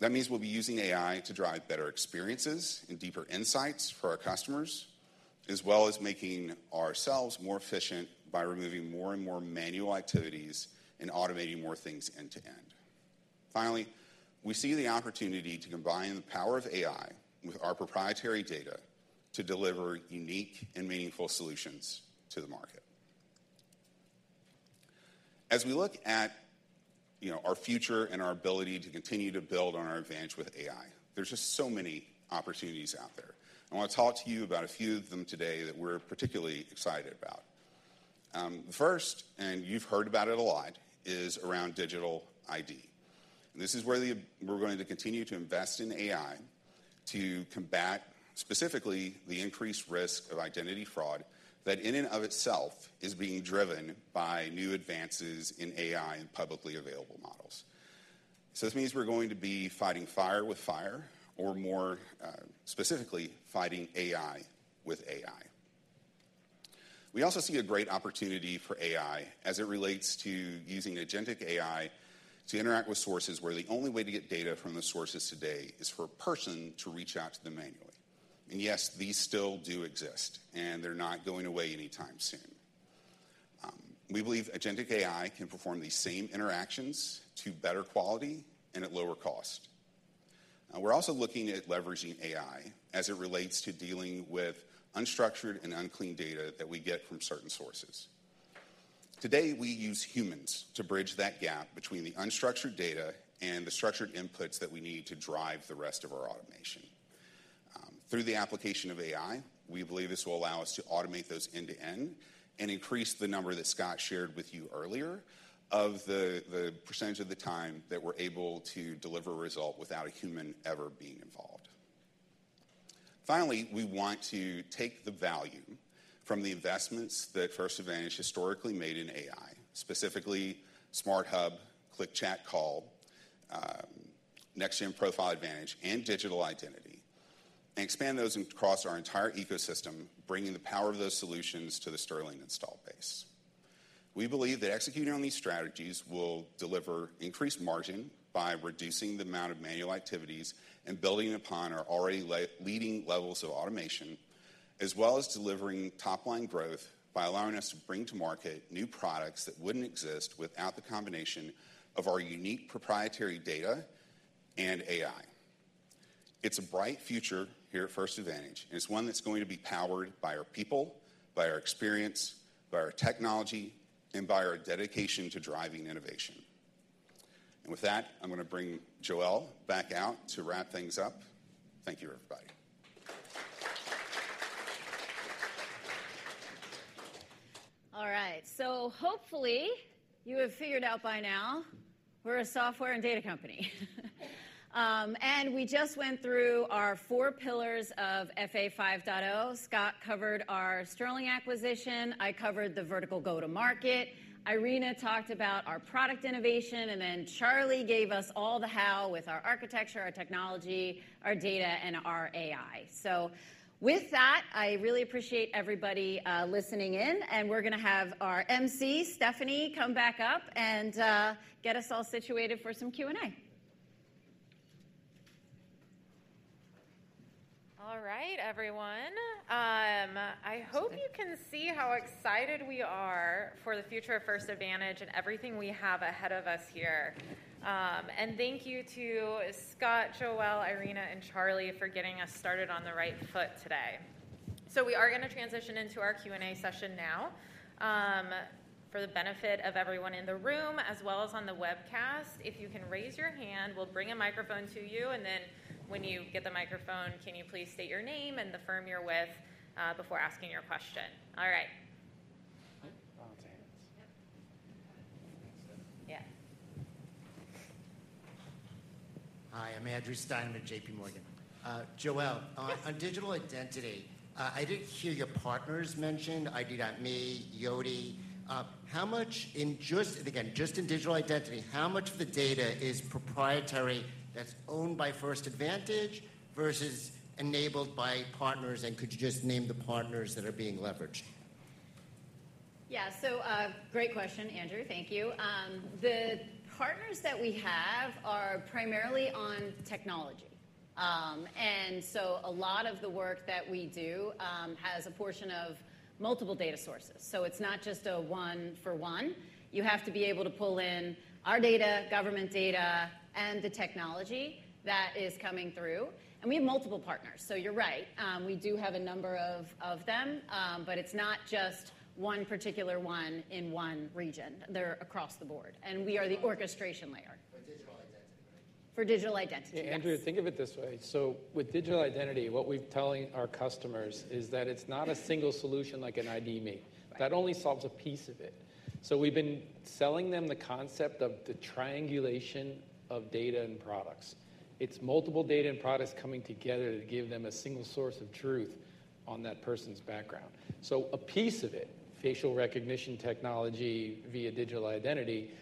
That means we'll be using AI to drive better experiences and deeper insights for our customers, as well as making ourselves more efficient by removing more and more manual activities and automating more things end-to-end. Finally, we see the opportunity to combine the power of AI with our proprietary data to deliver unique and meaningful solutions to the market. As we look at our future and our ability to continue to build on our advantage with AI, there's just so many opportunities out there. I want to talk to you about a few of them today that we're particularly excited about. The first, and you've heard about it a lot, is around digital ID. This is where we're going to continue to invest in AI to combat specifically the increased risk of identity fraud that in and of itself is being driven by new advances in AI and publicly available models. This means we're going to be fighting fire with fire, or more specifically, fighting AI with AI. We also see a great opportunity for AI as it relates to using agentic AI to interact with sources where the only way to get data from the sources today is for a person to reach out to them manually. Yes, these still do exist, and they're not going away anytime soon. We believe agentic AI can perform these same interactions to better quality and at lower cost. We're also looking at leveraging AI as it relates to dealing with unstructured and unclean data that we get from certain sources. Today, we use humans to bridge that gap between the unstructured data and the structured inputs that we need to drive the rest of our automation. Through the application of AI, we believe this will allow us to automate those end-to-end and increase the number that Scott shared with you earlier of the percentage of the time that we're able to deliver a result without a human ever being involved. Finally, we want to take the value from the investments that First Advantage historically made in AI, specifically SmartHub, Click Chat Call, Next Gen Profile Advantage, and digital identity, and expand those across our entire ecosystem, bringing the power of those solutions to the Sterling install base. We believe that executing on these strategies will deliver increased margin by reducing the amount of manual activities and building upon our already leading levels of automation, as well as delivering top-line growth by allowing us to bring to market new products that would not exist without the combination of our unique proprietary data and AI. It is a bright future here at First Advantage, and it is one that is going to be powered by our people, by our experience, by our technology, and by our dedication to driving innovation. With that, I am going to bring Joelle back out to wrap things up. Thank you, everybody. All right, so hopefully you have figured out by now we're a software and data company. And we just went through our four pillars of FA 5.0. Scott covered our Sterling acquisition. I covered the vertical go-to-market. Irina talked about our product innovation, and then Charlie gave us all the how with our architecture, our technology, our data, and our AI. With that, I really appreciate everybody listening in. We're going to have our emcee, Stephanie, come back up and get us all situated for some Q&A. All right, everyone. I hope you can see how excited we are for the future of First Advantage and everything we have ahead of us here. Thank you to Scott, Joelle, Irina, and Charlie for getting us started on the right foot today. We are going to transition into our Q&A session now for the benefit of everyone in the room as well as on the webcast. If you can raise your hand, we'll bring a microphone to you. When you get the microphone, can you please state your name and the firm you're with before asking your question? All right. Yeah. Hi, I'm Andrew Steinerman. I'm at JPMorgan. Joelle, on digital identity, I did hear your partners mentioned ID.me, Yoti. How much in just, again, just in digital identity, how much of the data is proprietary that's owned by First Advantage versus enabled by partners? Could you just name the partners that are being leveraged? Yeah, great question, Andrew. Thank you. The partners that we have are primarily on technology. A lot of the work that we do has a portion of multiple data sources. It's not just a one-for-one. You have to be able to pull in our data, government data, and the technology that is coming through. We have multiple partners. You're right. We do have a number of them, but it's not just one particular one in one region. They're across the board. We are the orchestration layer for digital identity. For digital identity. Andrew, think of it this way. With digital identity, what we're telling our customers is that it's not a single solution like an ID.me. That only solves a piece of it. We've been selling them the concept of the triangulation of data and products. It's multiple data and products coming together to give them a single source of truth on that person's background. A piece of it, facial recognition technology via digital identity,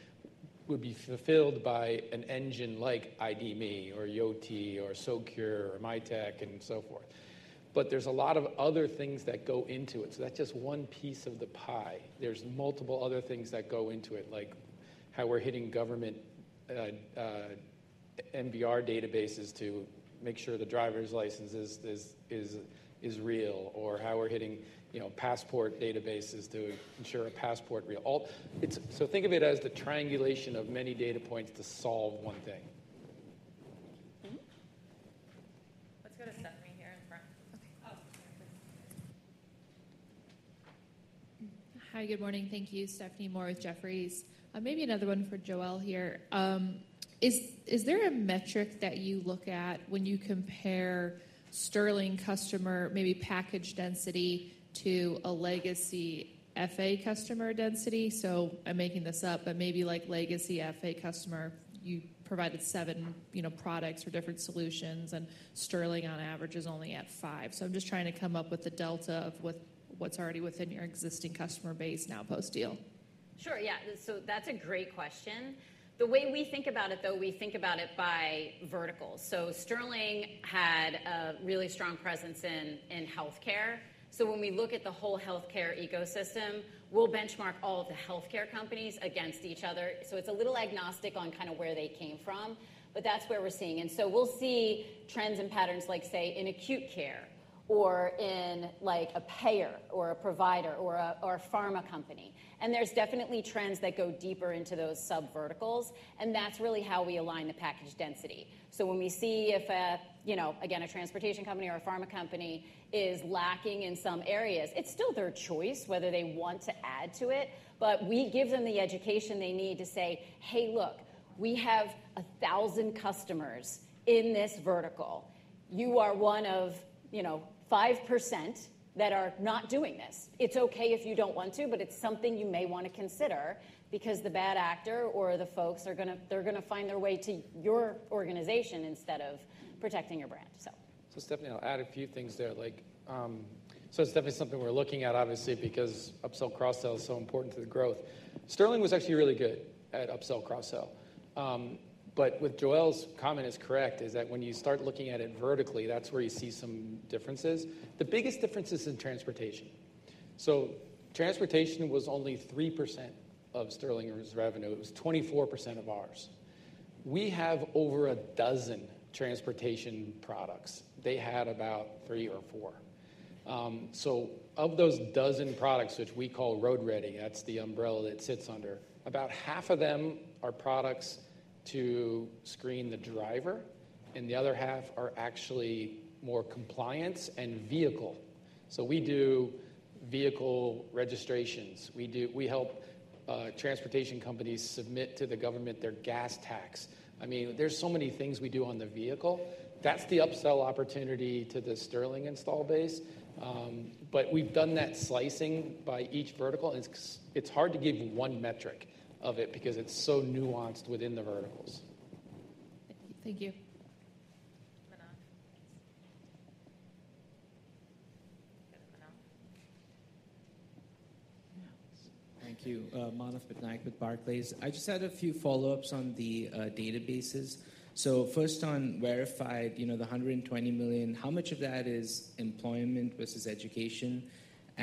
would be fulfilled by an engine like ID.me or Yoti or Socure or MyTech and so forth. There is a lot of other things that go into it. That is just one piece of the pie. There are multiple other things that go into it, like how we are hitting government MVR databases to make sure the driver's license is real, or how we are hitting passport databases to ensure a passport is real. Think of it as the triangulation of many data points to solve one thing. Let's go to Stephanie here in front. Hi, good morning. Thank you, Stephanie Moore with Jefferies. Maybe another one for Joelle here. Is there a metric that you look at when you compare Sterling customer, maybe package density, to a legacy FA customer density? I'm making this up, but maybe like legacy FA customer, you provided seven products or different solutions, and Sterling on average is only at five. I'm just trying to come up with the delta of what's already within your existing customer base now post-deal. Sure, yeah. That's a great question. The way we think about it, though, we think about it by verticals. Sterling had a really strong presence in healthcare. When we look at the whole healthcare ecosystem, we'll benchmark all of the healthcare companies against each other. It's a little agnostic on kind of where they came from, but that's where we're seeing. We'll see trends and patterns like, say, in acute care or in a payer or a provider or a pharma company. There's definitely trends that go deeper into those subverticals. That is really how we align the package density. When we see if, again, a transportation company or a pharma company is lacking in some areas, it is still their choice whether they want to add to it. We give them the education they need to say, "Hey, look, we have 1,000 customers in this vertical. You are one of 5% that are not doing this. It is okay if you do not want to, but it is something you may want to consider because the bad actor or the folks are going to find their way to your organization instead of protecting your brand." Stephanie, I will add a few things there. It is definitely something we are looking at, obviously, because upsell and cross-sell is so important to the growth. Sterling was actually really good at upsell and cross-sell. What Joelle's comment is correct is that when you start looking at it vertically, that's where you see some differences. The biggest difference is in transportation. Transportation was only 3% of Sterling's revenue. It was 24% of ours. We have over a dozen transportation products. They had about three or four. Of those dozen products, which we call Road Ready, that's the umbrella that sits under, about half of them are products to screen the driver, and the other half are actually more compliance and vehicle. We do vehicle registrations. We help transportation companies submit to the government their gas tax. I mean, there are so many things we do on the vehicle. That's the upsell opportunity to the Sterling install base. We've done that slicing by each vertical. It's hard to give one metric of it because it's so nuanced within the verticals. Thank you. Thank you. Manaf with Barclays. I just had a few follow-ups on the databases. First on Verified, the 120 million, how much of that is employment versus education? I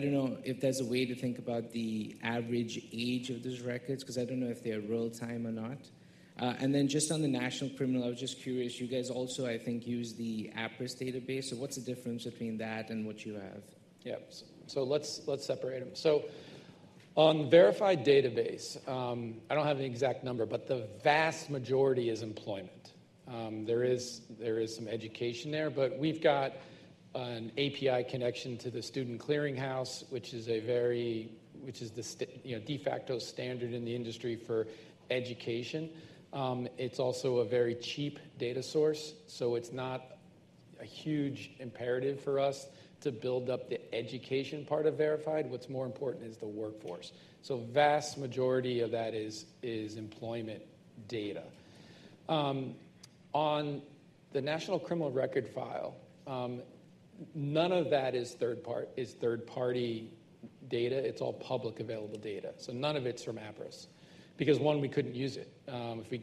do not know if there is a way to think about the average age of those records because I do not know if they are real-time or not. Just on the national criminal, I was just curious. You guys also, I think, use the APRIS database. What is the difference between that and what you have? Yeah, let us separate them. On the Verified database, I do not have the exact number, but the vast majority is employment. There is some education there, but we have got an API connection to the Student Clearinghouse, which is the de facto standard in the industry for education. It is also a very cheap data source. It is not a huge imperative for us to build up the education part of Verified. What is more important is the workforce. The vast majority of that is employment data. On the national criminal record file, none of that is third-party data. It is all publicly available data. None of it is from APRIS because, one, we could not use it.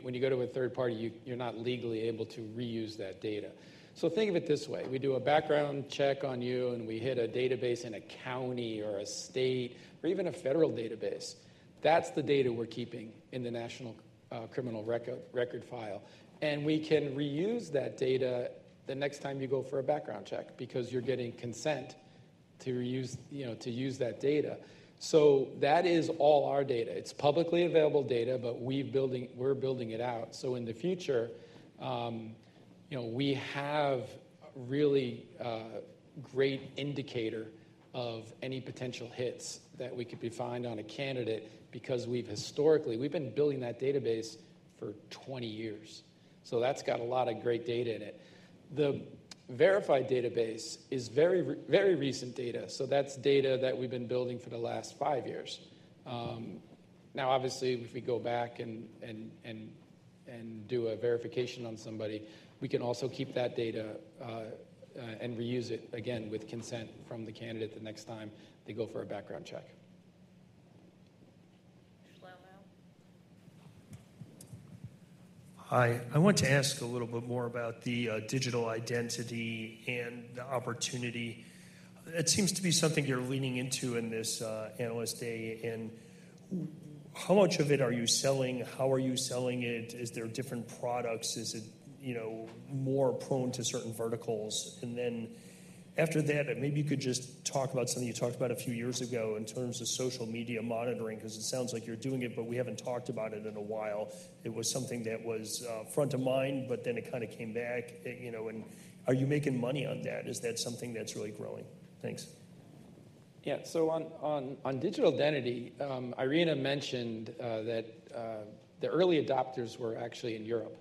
When you go to a third party, you are not legally able to reuse that data. Think of it this way. We do a background check on you, and we hit a database in a county or a state or even a federal database. That is the data we are keeping in the national criminal record file. We can reuse that data the next time you go for a background check because you are getting consent to use that data. That is all our data. It's publicly available data, but we're building it out. In the future, we have a really great indicator of any potential hits that we could be finding on a candidate because we've historically been building that database for 20 years. That's got a lot of great data in it. The Verified database is very recent data. That's data that we've been building for the last five years. Now, obviously, if we go back and do a verification on somebody, we can also keep that data and reuse it again with consent from the candidate the next time they go for a background check. Hi, I want to ask a little bit more about the digital identity and the opportunity. It seems to be something you're leaning into in this analyst day. How much of it are you selling? How are you selling it? Is there different products? Is it more prone to certain verticals? After that, maybe you could just talk about something you talked about a few years ago in terms of social media monitoring because it sounds like you're doing it, but we haven't talked about it in a while. It was something that was front of mind, but then it kind of came back. Are you making money on that? Is that something that's really growing? Thanks. Yeah, so on digital identity, Irena mentioned that the early adopters were actually in Europe.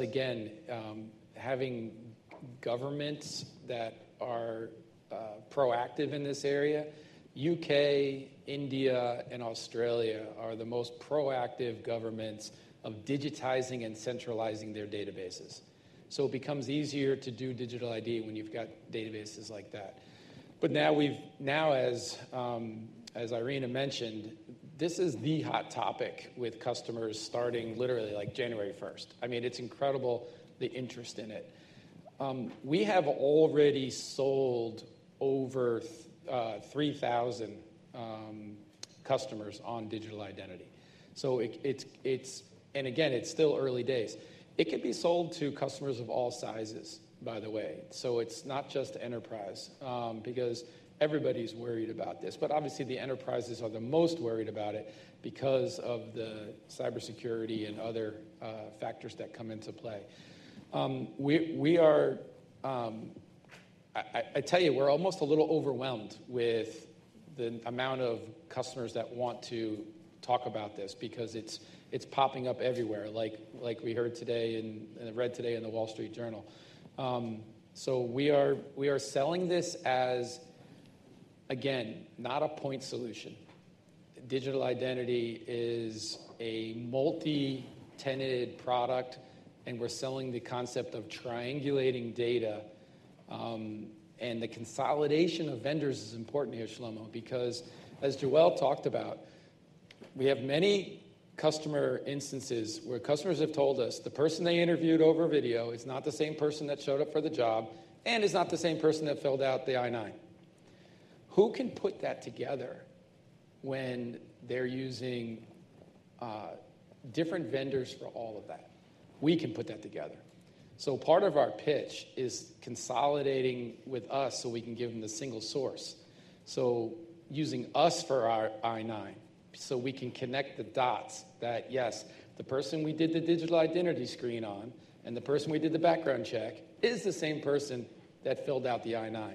Again, having governments that are proactive in this area, the U.K., India, and Australia are the most proactive governments of digitizing and centralizing their databases. It becomes easier to do digital ID when you've got databases like that. Now, as Irena mentioned, this is the hot topic with customers starting literally January 1st. I mean, it's incredible the interest in it. We have already sold over 3,000 customers on digital identity. And again, it's still early days. It can be sold to customers of all sizes, by the way. It's not just enterprise because everybody's worried about this. Obviously, the enterprises are the most worried about it because of the cybersecurity and other factors that come into play. I tell you, we're almost a little overwhelmed with the amount of customers that want to talk about this because it's popping up everywhere, like we heard today and read today in the Wall Street Journal. We are selling this as, again, not a point solution. Digital identity is a multi-tenanted product, and we're selling the concept of triangulating data. The consolidation of vendors is important here, Shlomo, because as Joelle talked about, we have many customer instances where customers have told us the person they interviewed over video is not the same person that showed up for the job, and it's not the same person that filled out the I-9. Who can put that together when they're using different vendors for all of that? We can put that together. Part of our pitch is consolidating with us so we can give them the single source. Using us for our I-9 so we can connect the dots that, yes, the person we did the digital identity screen on and the person we did the background check is the same person that filled out the I-9.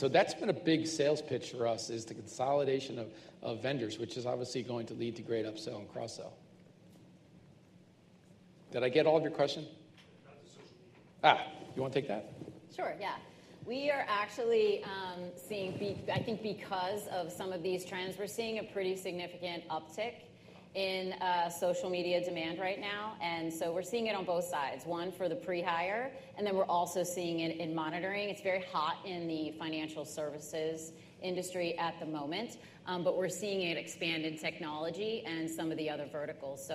That has been a big sales pitch for us, the consolidation of vendors, which is obviously going to lead to great upsell and cross-sell. Did I get all of your question? About the social media. You want to take that? Sure, yeah. We are actually seeing, I think because of some of these trends, a pretty significant uptick in social media demand right now. We are seeing it on both sides, one for the pre-hire, and then we are also seeing it in monitoring. It is very hot in the financial services industry at the moment, but we are seeing it expand in technology and some of the other verticals.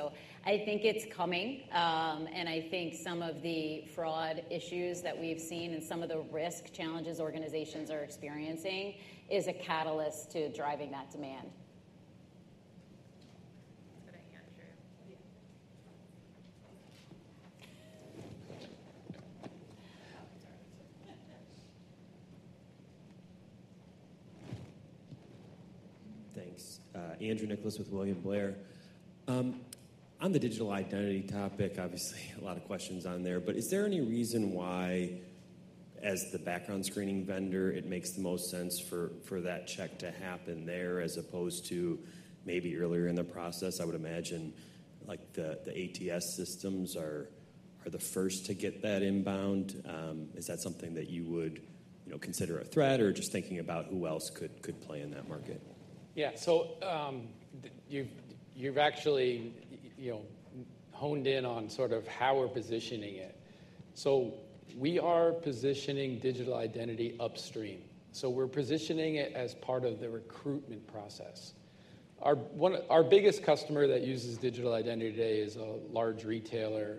I think it is coming. I think some of the fraud issues that we have seen and some of the risk challenges organizations are experiencing is a catalyst to driving that demand. Thanks. Andrew Nicholas with William Blair. On the digital identity topic, obviously, a lot of questions on there. Is there any reason why, as the background screening vendor, it makes the most sense for that check to happen there as opposed to maybe earlier in the process? I would imagine the ATS systems are the first to get that inbound. Is that something that you would consider a threat or just thinking about who else could play in that market? Yeah, you have actually honed in on sort of how we are positioning it. We are positioning digital identity upstream. We are positioning it as part of the recruitment process. Our biggest customer that uses digital identity today is a large retailer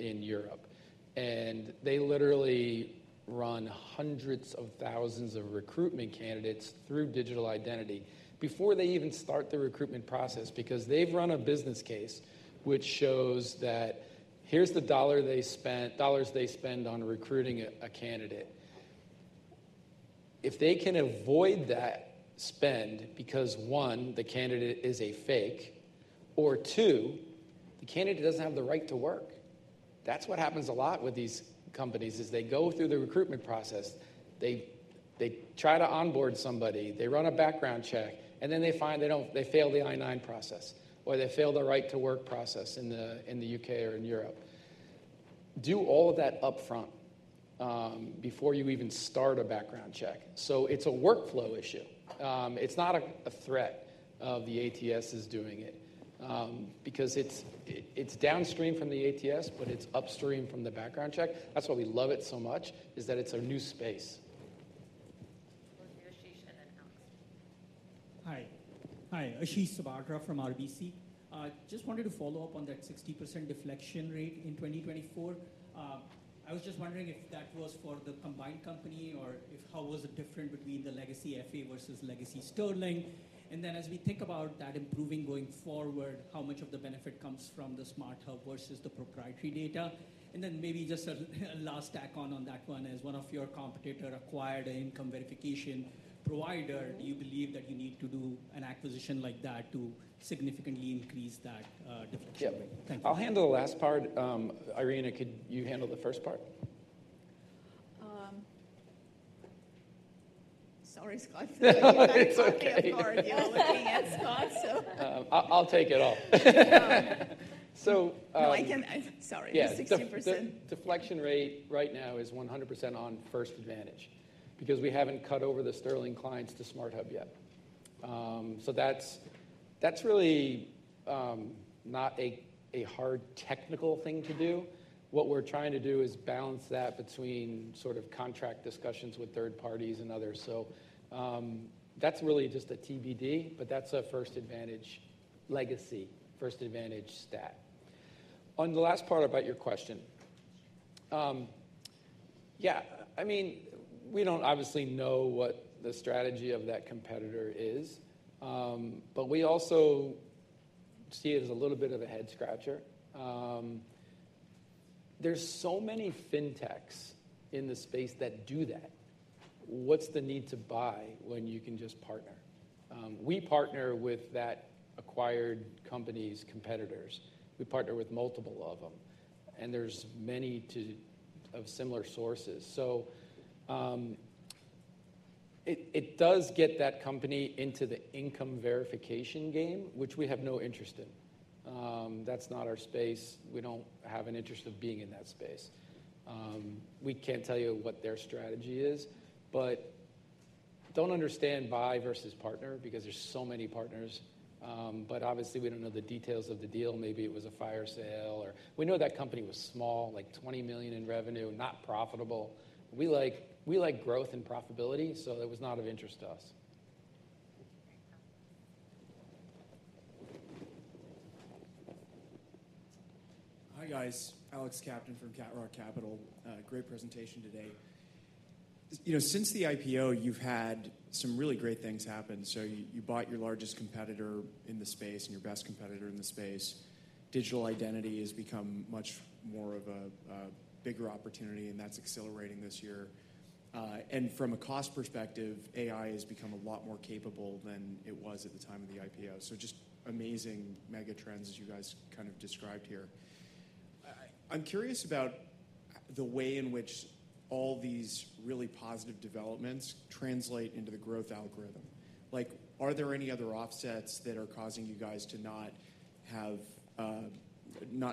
in Europe. They literally run hundreds of thousands of recruitment candidates through digital identity before they even start the recruitment process because they have run a business case which shows that here is the dollars they spend on recruiting a candidate. If they can avoid that spend because, one, the candidate is a fake, or two, the candidate does not have the right to work. That is what happens a lot with these companies. They go through the recruitment process, they try to onboard somebody, they run a background check, and then they find they fail the I-9 process or they fail the right to work process in the U.K. or in Europe. Do all of that upfront before you even start a background check. It is a workflow issue. It is not a threat of the ATS doing it because it is downstream from the ATS, but it is upstream from the background check. That's why we love it so much is that it's a new space. Hi, Ashish Sabadra from RBC. Just wanted to follow up on that 60% deflection rate in 2024. I was just wondering if that was for the combined company or how was it different between the legacy FA versus legacy Sterling. And then as we think about that improving going forward, how much of the benefit comes from the SmartHub versus the proprietary data. And then maybe just a last tack on on that one is one of your competitors acquired an income verification provider. Do you believe that you need to do an acquisition like that to significantly increase that deflection? Yeah, I'll handle the last part. Irena, could you handle the first part? Sorry, Scott. It's okay. I'm already looking at Scott, so. I'll take it all. So I can. Sorry, 60%. Yeah, the deflection rate right now is 100% on First Advantage because we have not cut over the Sterling clients to SmartHub yet. That is really not a hard technical thing to do. What we are trying to do is balance that between sort of contract discussions with third parties and others. That is really just a TBD, but that is a First Advantage legacy, First Advantage stat. On the last part about your question, yeah, I mean, we do not obviously know what the strategy of that competitor is, but we also see it as a little bit of a head scratcher. There are so many fintechs in the space that do that. What is the need to buy when you can just partner? We partner with that acquired company's competitors. We partner with multiple of them. There are many of similar sources. It does get that company into the income verification game, which we have no interest in. That is not our space. We do not have an interest of being in that space. We cannot tell you what their strategy is. Do not understand buy versus partner because there are so many partners. Obviously, we do not know the details of the deal. Maybe it was a fire sale. We know that company was small, like $20 million in revenue, not profitable. We like growth and profitability, so it was not of interest to us. Hi, guys. Alex Captain from Cat Rock Capital. Great presentation today. Since the IPO, you have had some really great things happen. You bought your largest competitor in the space and your best competitor in the space. Digital identity has become much more of a bigger opportunity, and that is accelerating this year. From a cost perspective, AI has become a lot more capable than it was at the time of the IPO. Just amazing mega trends as you guys kind of described here. I'm curious about the way in which all these really positive developments translate into the growth algorithm. Are there any other offsets that are causing you guys to not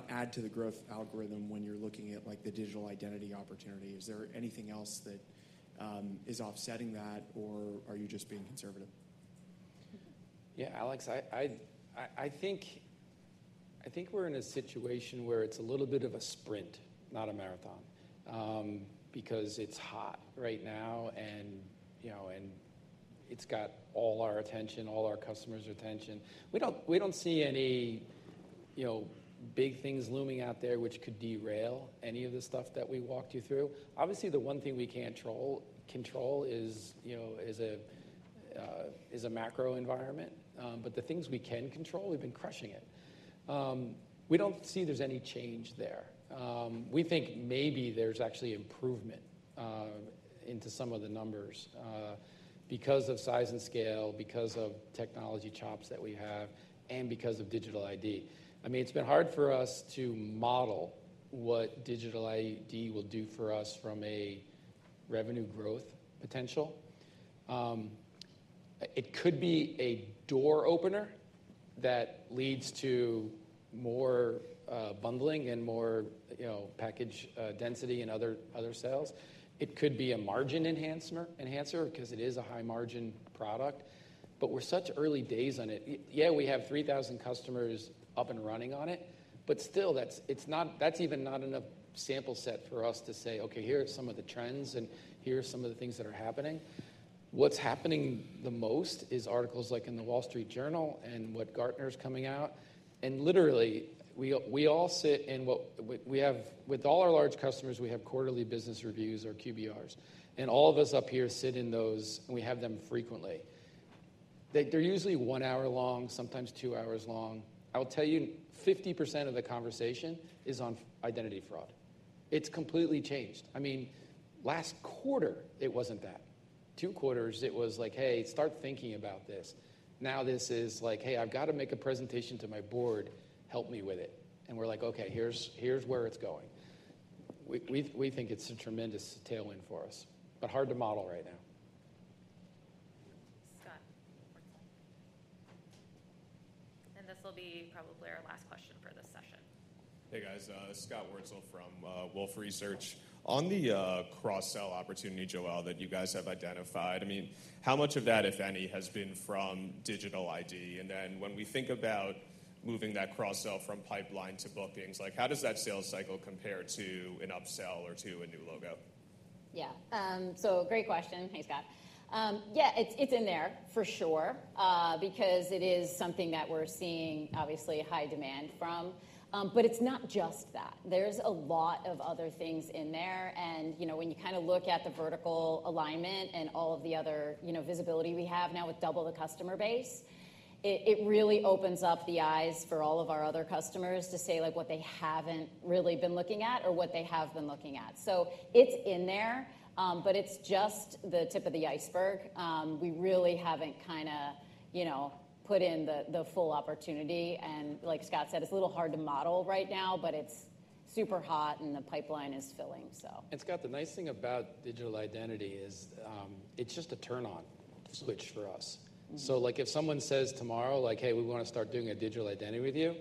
add to the growth algorithm when you're looking at the digital identity opportunity? Is there anything else that is offsetting that, or are you just being conservative? Yeah, Alex, I think we're in a situation where it's a little bit of a sprint, not a marathon, because it's hot right now, and it's got all our attention, all our customers' attention. We don't see any big things looming out there which could derail any of the stuff that we walked you through. Obviously, the one thing we can't control is a macro environment, but the things we can control, we've been crushing it. We don't see there's any change there. We think maybe there's actually improvement into some of the numbers because of size and scale, because of technology chops that we have, and because of digital ID. I mean, it's been hard for us to model what digital ID will do for us from a revenue growth potential. It could be a door opener that leads to more bundling and more package density and other sales. It could be a margin enhancer because it is a high-margin product. But we're such early days on it. Yeah, we have 3,000 customers up and running on it, but still, that's even not enough sample set for us to say, "Okay, here are some of the trends, and here are some of the things that are happening." What's happening the most is articles like in the Wall Street Journal and what Gartner is coming out. Literally, we all sit in what we have with all our large customers, we have quarterly business reviews or QBRs. All of us up here sit in those, and we have them frequently. They're usually one hour long, sometimes two hours long. I'll tell you, 50% of the conversation is on identity fraud. It's completely changed. I mean, last quarter, it wasn't that. Two quarters, it was like, "Hey, start thinking about this." Now this is like, "Hey, I've got to make a presentation to my board. Help me with it." We are like, "Okay, here is where it is going." We think it is a tremendous tailwind for us, but hard to model right now. Scott. This will probably be our last question for this session. Hey, guys. Scott Wurzel from Wolfe Research. On the cross-sell opportunity, Joelle, that you guys have identified, I mean, how much of that, if any, has been from digital ID? When we think about moving that cross-sell from pipeline to bookings, how does that sales cycle compare to an upsell or to a new logo? Yeah. Great question. Hey, Scott. Yeah, it is in there for sure because it is something that we are seeing obviously high demand from. It is not just that. There are a lot of other things in there. When you kind of look at the vertical alignment and all of the other visibility we have now with double the customer base, it really opens up the eyes for all of our other customers to say what they have not really been looking at or what they have been looking at. It is in there, but it is just the tip of the iceberg. We really have not kind of put in the full opportunity. Like Scott said, it is a little hard to model right now, but it is super hot and the pipeline is filling. Scott, the nice thing about digital identity is it is just a turn-on switch for us. If someone says tomorrow, "Hey, we want to start doing a digital identity review,"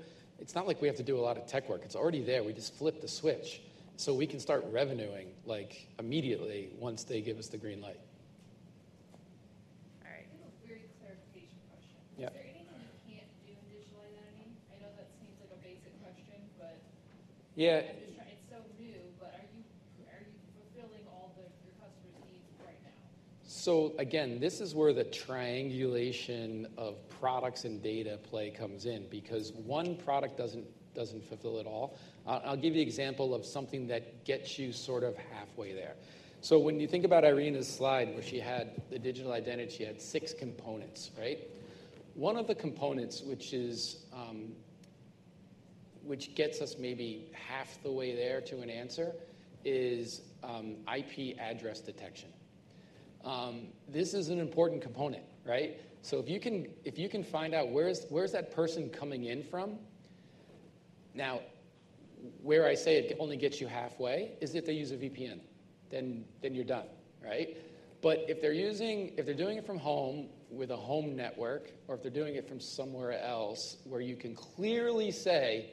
it is not like we have to do a lot of tech work. It is already there. We just flip the switch so we can start revenuing immediately once they give us the green light. All right. We have a weird clarification question. Is there anything you can't do in digital identity? I know that seems like a basic question, but I'm just trying—it's so new, but are you fulfilling all your customers' needs right now? Again, this is where the triangulation of products and data play comes in because one product doesn't fulfill it all. I'll give you an example of something that gets you sort of halfway there. When you think about Irena's slide where she had the digital identity, she had six components, right? One of the components, which gets us maybe half the way there to an answer, is IP address detection. This is an important component, right? If you can find out where that person is coming in from, now where I say it only gets you halfway is if they use a VPN, then you're done, right? If they're doing it from home with a home network, or if they're doing it from somewhere else where you can clearly say,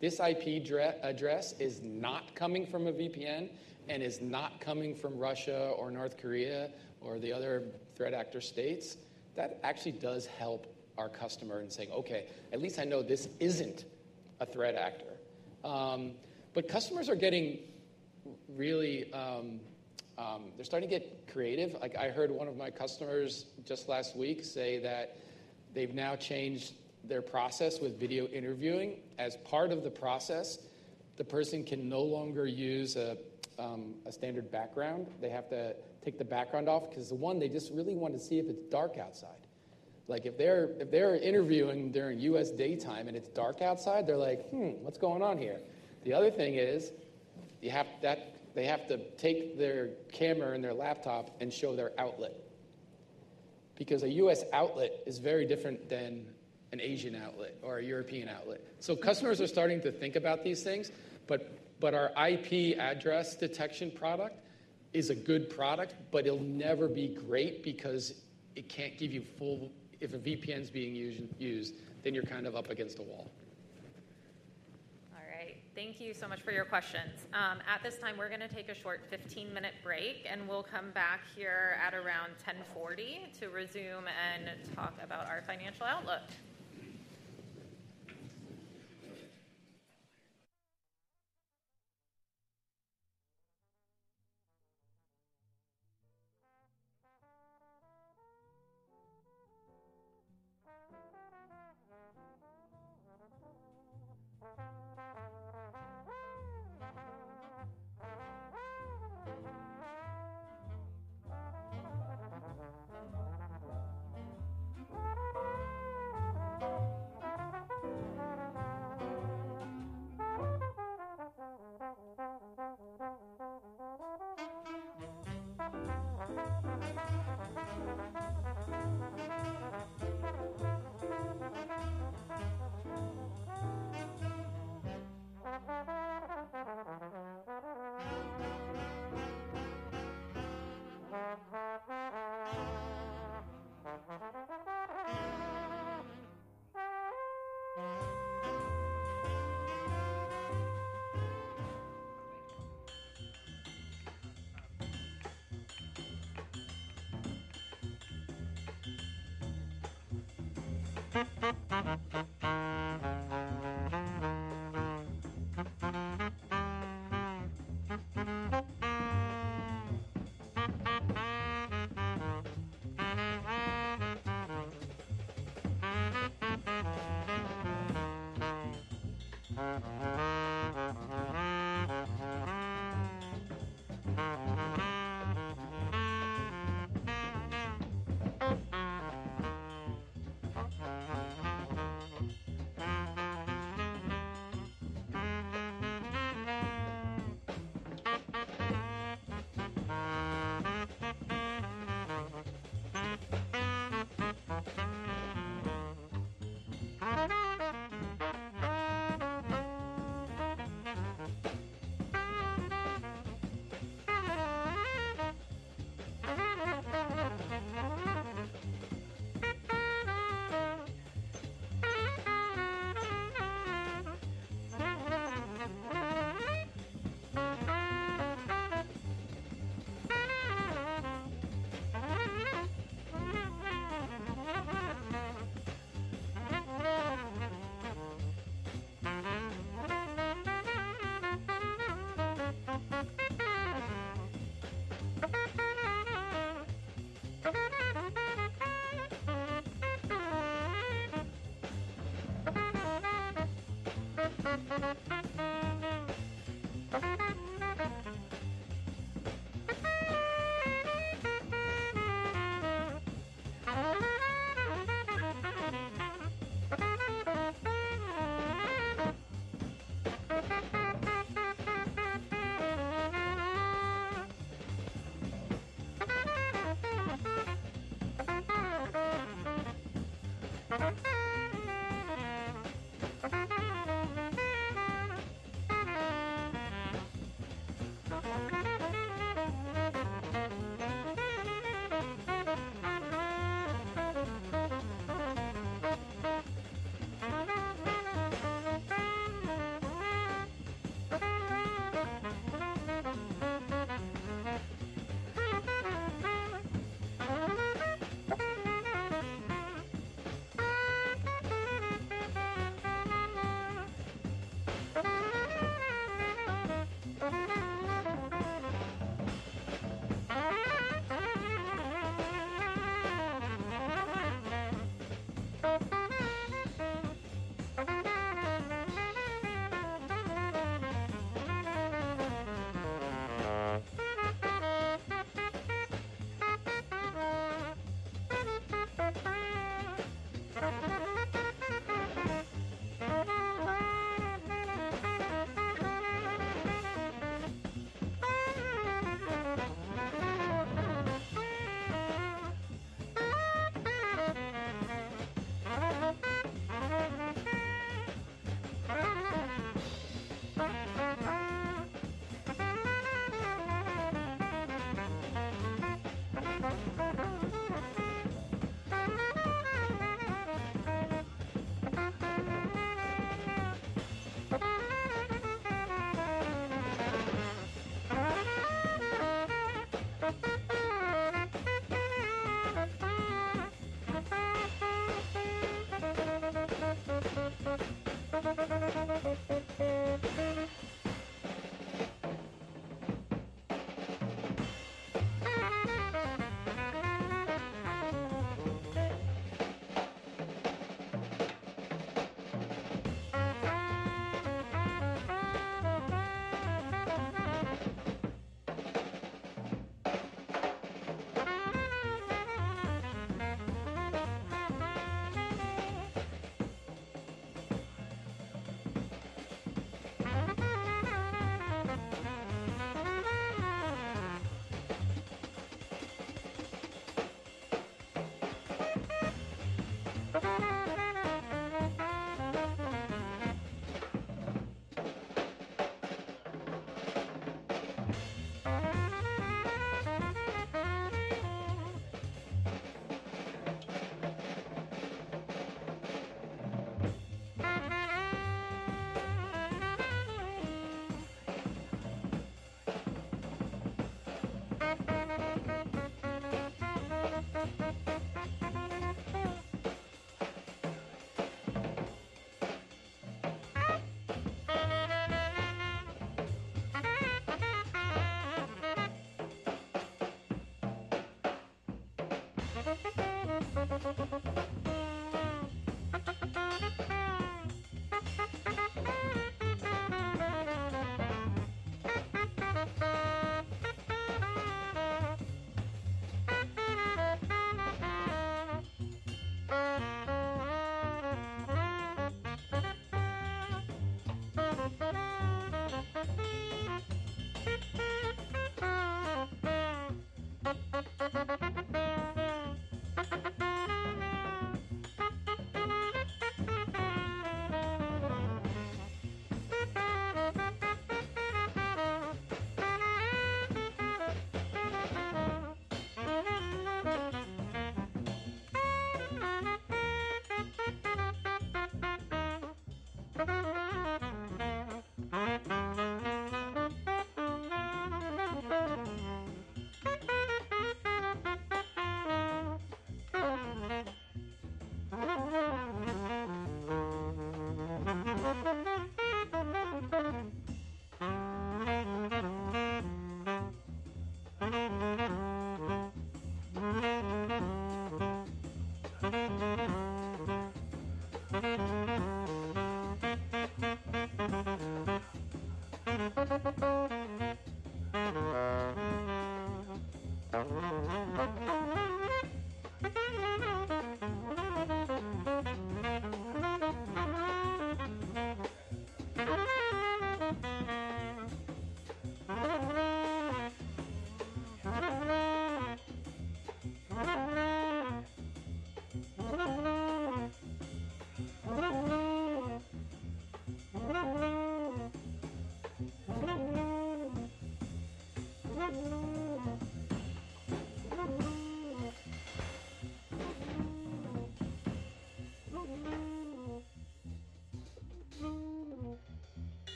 "This IP address is not coming from a VPN and is not coming from Russia or North Korea or the other threat actor states," that actually does help our customer in saying, "Okay, at least I know this isn't a threat actor." Customers are getting really—they're starting to get creative. I heard one of my customers just last week say that they've now changed their process with video interviewing. As part of the process, the person can no longer use a standard background. They have to take the background off because the one, they just really want to see if it's dark outside. If they're interviewing during U.S. daytime and it's dark outside, they're like, what's going on here? The other thing is they have to take their camera and their laptop and show their outlet because a U.S. outlet is very different than an Asian outlet or a European outlet. Customers are starting to think about these things, but our IP address detection product is a good product, but it'll never be great because it can't give you full—if a VPN's being used, then you're kind of up against a wall. All right. Thank you so much for your questions. At this time, we're going to take a short 15-minute break, and we'll come back here at around 10:40 A.M. to resume and talk about our financial outlook.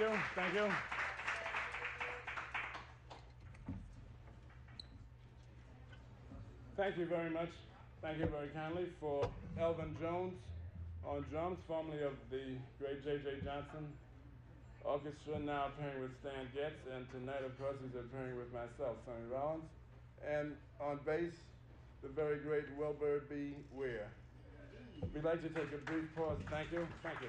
Thank you very much. Thank you very kindly for Elvin Jones on drums, formerly of the great J.J. Johnson Orchestra, now playing with Stan Getz, and tonight, of course, he's appearing with myself, Sonny Rollins, and on bass, the very great Wilbur B. Weir. We'd like to take a brief pause. Thank you. Thank you.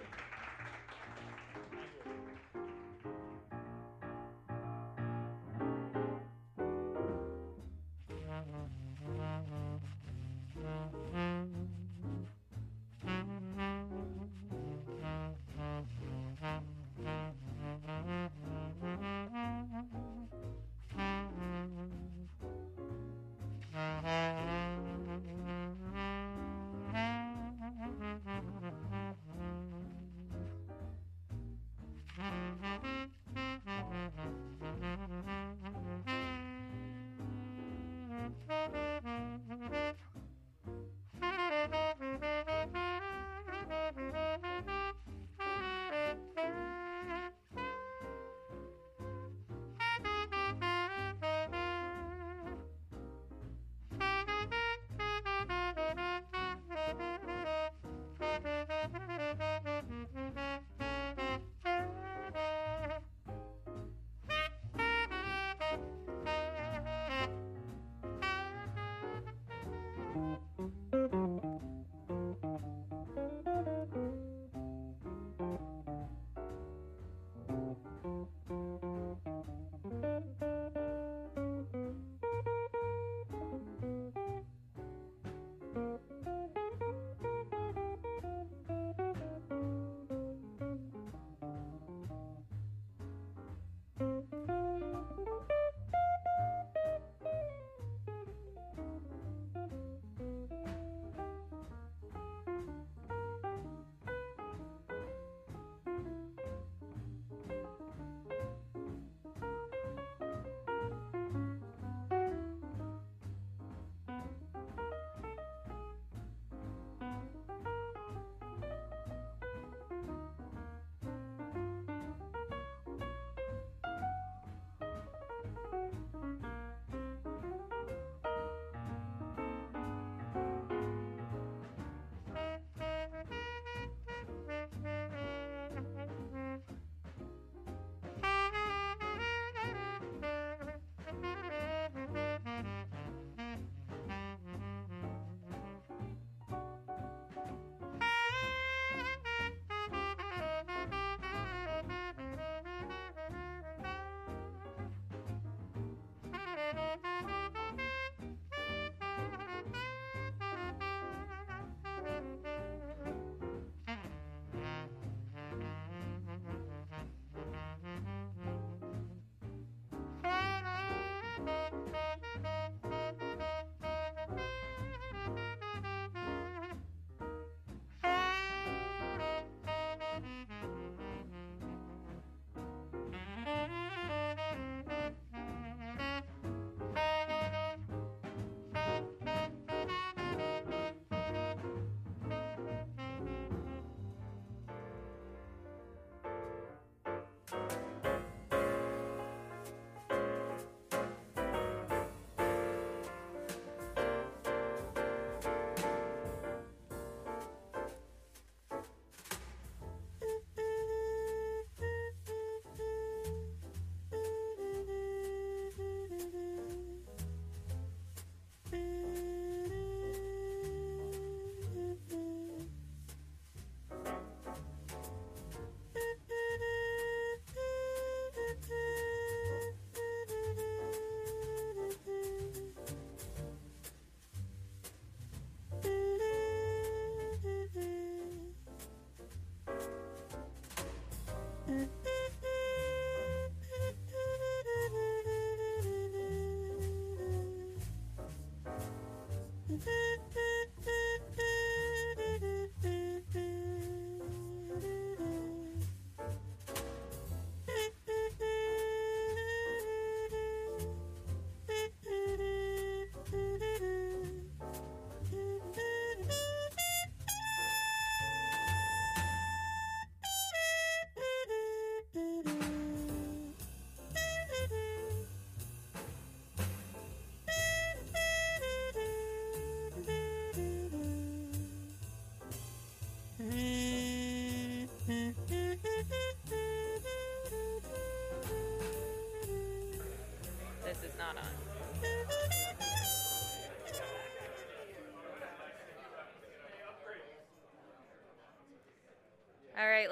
Thank you.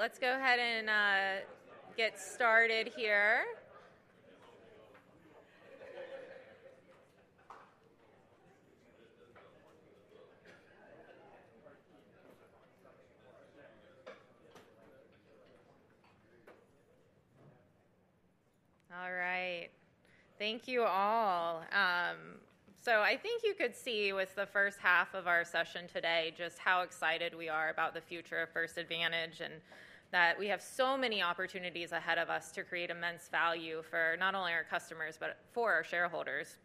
This is not on. All right. Let's go ahead and get started here. All right. Thank you all. I think you could see with the first half of our session today just how excited we are about the future of First Advantage and that we have so many opportunities ahead of us to create immense value for not only our customers but for our shareholders.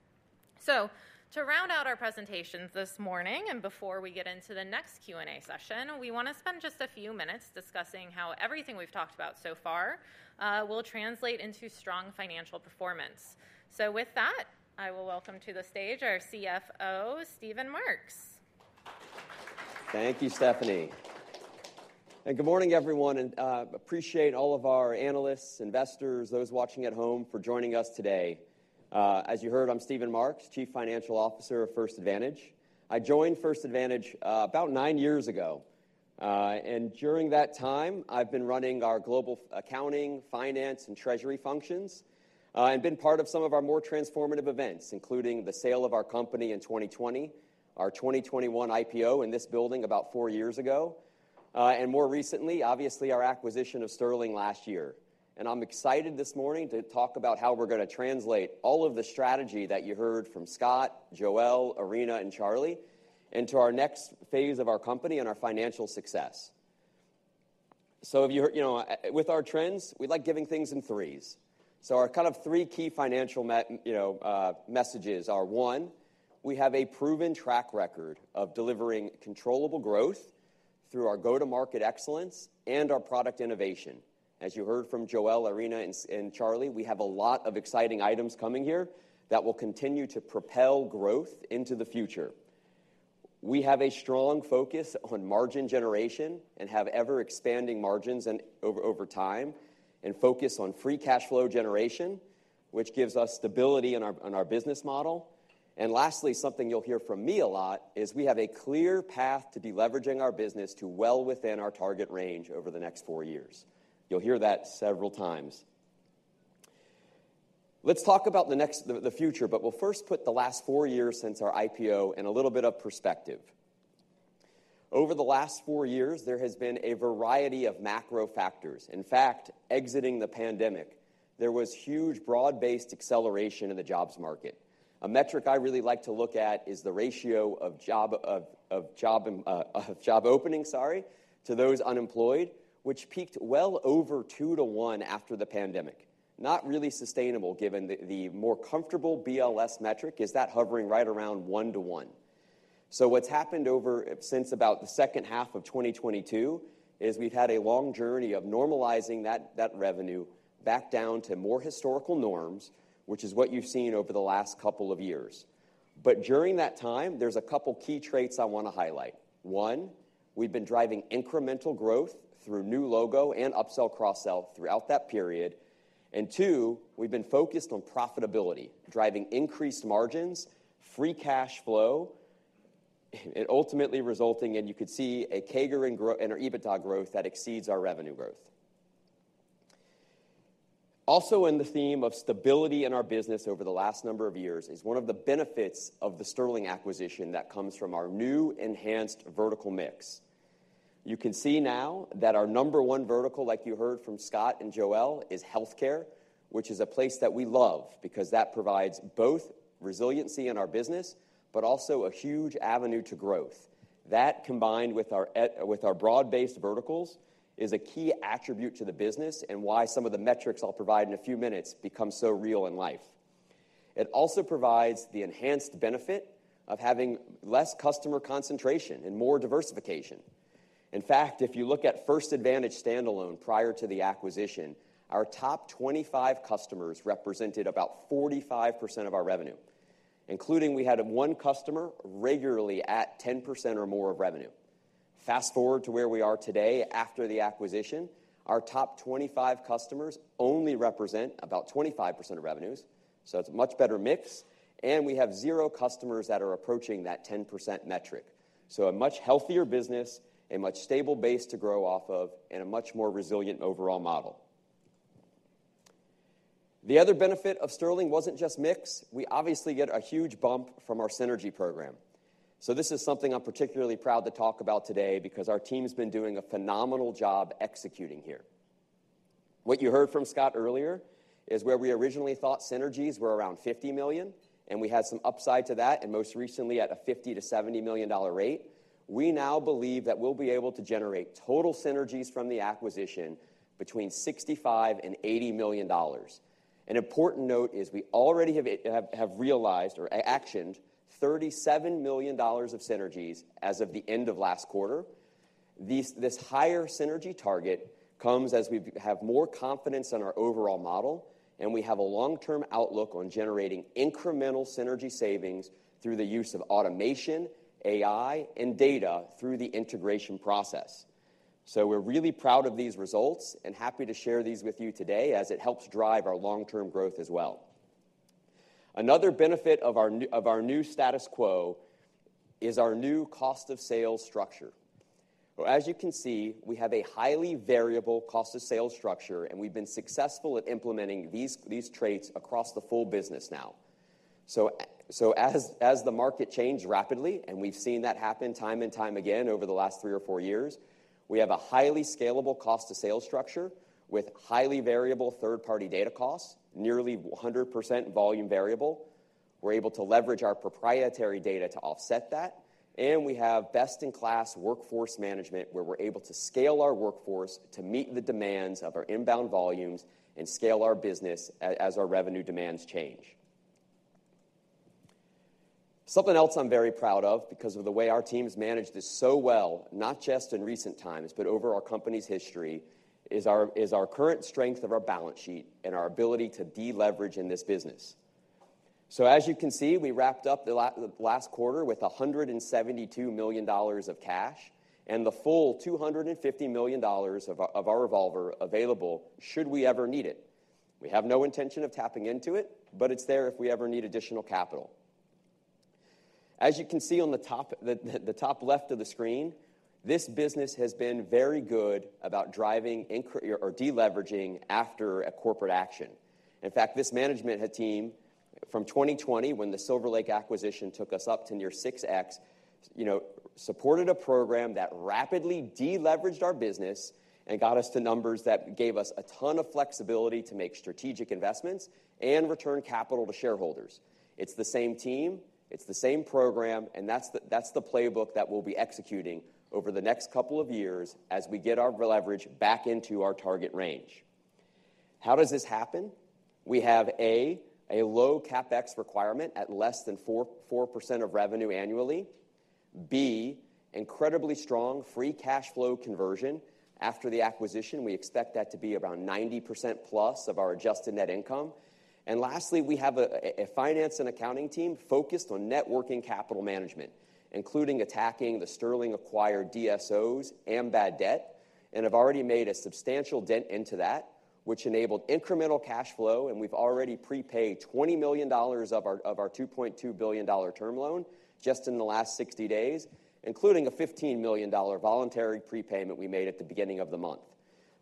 To round out our presentations this morning and before we get into the next Q&A session, we want to spend just a few minutes discussing how everything we've talked about so far will translate into strong financial performance. With that, I will welcome to the stage our CFO, Stephen Marks. Thank you, Stephanie. Good morning, everyone. I appreciate all of our analysts, investors, those watching at home for joining us today. As you heard, I'm Stephen Marks, Chief Financial Officer of First Advantage. I joined First Advantage about nine years ago. During that time, I've been running our global accounting, finance, and treasury functions and been part of some of our more transformative events, including the sale of our company in 2020, our 2021 IPO in this building about four years ago, and more recently, obviously, our acquisition of Sterling last year. I'm excited this morning to talk about how we're going to translate all of the strategy that you heard from Scott, Joelle, Irina, and Charlie into our next phase of our company and our financial success. With our trends, we like giving things in threes. Our kind of three key financial messages are: one, we have a proven track record of delivering controllable growth through our go-to-market excellence and our product innovation. As you heard from Joelle, Irina, and Charlie, we have a lot of exciting items coming here that will continue to propel growth into the future. We have a strong focus on margin generation and have ever-expanding margins over time and focus on free cash flow generation, which gives us stability in our business model. Lastly, something you'll hear from me a lot is we have a clear path to be leveraging our business to well within our target range over the next four years. You'll hear that several times. Let's talk about the future, but we'll first put the last four years since our IPO in a little bit of perspective. Over the last four years, there has been a variety of macro factors. In fact, exiting the pandemic, there was huge broad-based acceleration in the jobs market. A metric I really like to look at is the ratio of job openings, sorry, to those unemployed, which peaked well over two to one after the pandemic. Not really sustainable given the more comfortable BLS metric is that hovering right around one to one. What's happened since about the second half of 2022 is we've had a long journey of normalizing that revenue back down to more historical norms, which is what you've seen over the last couple of years. During that time, there's a couple of key traits I want to highlight. One, we've been driving incremental growth through new logo and upsell cross-sell throughout that period. Two, we've been focused on profitability, driving increased margins, free cash flow, and ultimately resulting in, you could see, a CAGR and our EBITDA growth that exceeds our revenue growth. Also, in the theme of stability in our business over the last number of years is one of the benefits of the Sterling acquisition that comes from our new enhanced vertical mix. You can see now that our number one vertical, like you heard from Scott and Joelle, is healthcare, which is a place that we love because that provides both resiliency in our business but also a huge avenue to growth. That, combined with our broad-based verticals, is a key attribute to the business and why some of the metrics I'll provide in a few minutes become so real in life. It also provides the enhanced benefit of having less customer concentration and more diversification. In fact, if you look at First Advantage standalone prior to the acquisition, our top 25 customers represented about 45% of our revenue, including we had one customer regularly at 10% or more of revenue. Fast forward to where we are today after the acquisition, our top 25 customers only represent about 25% of revenues. It is a much better mix. We have zero customers that are approaching that 10% metric. A much healthier business, a much stable base to grow off of, and a much more resilient overall model. The other benefit of Sterling was not just mix. We obviously get a huge bump from our synergy program. This is something I am particularly proud to talk about today because our team's been doing a phenomenal job executing here. What you heard from Scott earlier is where we originally thought synergies were around $50 million, and we had some upside to that, and most recently at a $50 million-$70 million rate. We now believe that we will be able to generate total synergies from the acquisition between $65 million and $80 million. An important note is we already have realized or actioned $37 million of synergies as of the end of last quarter. This higher synergy target comes as we have more confidence in our overall model, and we have a long-term outlook on generating incremental synergy savings through the use of automation, AI, and data through the integration process. We are really proud of these results and happy to share these with you today as it helps drive our long-term growth as well. Another benefit of our new status quo is our new cost of sales structure. As you can see, we have a highly variable cost of sales structure, and we have been successful at implementing these traits across the full business now. As the market changed rapidly, and we have seen that happen time and time again over the last three or four years, we have a highly scalable cost of sales structure with highly variable third-party data costs, nearly 100% volume variable. We're able to leverage our proprietary data to offset that. We have best-in-class workforce management where we're able to scale our workforce to meet the demands of our inbound volumes and scale our business as our revenue demands change. Something else I'm very proud of because of the way our team has managed this so well, not just in recent times, but over our company's history, is our current strength of our balance sheet and our ability to deleverage in this business. As you can see, we wrapped up the last quarter with $172 million of cash and the full $250 million of our revolver available should we ever need it. We have no intention of tapping into it, but it's there if we ever need additional capital. As you can see on the top left of the screen, this business has been very good about driving or deleveraging after a corporate action. In fact, this management team from 2020, when the Silver Lake acquisition took us up to near 6x, supported a program that rapidly deleveraged our business and got us to numbers that gave us a ton of flexibility to make strategic investments and return capital to shareholders. It is the same team. It is the same program. That is the playbook that we will be executing over the next couple of years as we get our leverage back into our target range. How does this happen? We have A, a low CapEx requirement at less than 4% of revenue annually. B, incredibly strong free cash flow conversion. After the acquisition, we expect that to be around 90%+ of our adjusted net income. Lastly, we have a finance and accounting team focused on networking capital management, including attacking the Sterling-acquired DSOs and bad debt, and have already made a substantial dent into that, which enabled incremental cash flow. We've already prepaid $20 million of our $2.2 billion term loan just in the last 60 days, including a $15 million voluntary prepayment we made at the beginning of the month.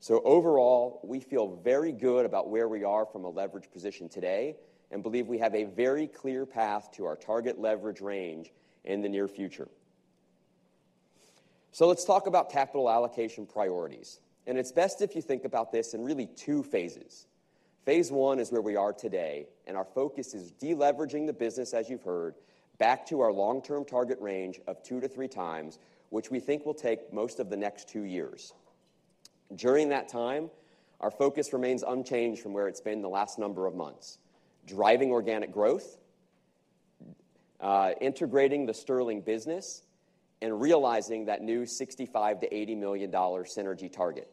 Overall, we feel very good about where we are from a leveraged position today and believe we have a very clear path to our target leverage range in the near future. Let's talk about capital allocation priorities. It's best if you think about this in really two phases. Phase one is where we are today, and our focus is deleveraging the business, as you've heard, back to our long-term target range of 2x to 3x, which we think will take most of the next two years. During that time, our focus remains unchanged from where it's been the last number of months, driving organic growth, integrating the Sterling business, and realizing that new $65 million-$80 million synergy target.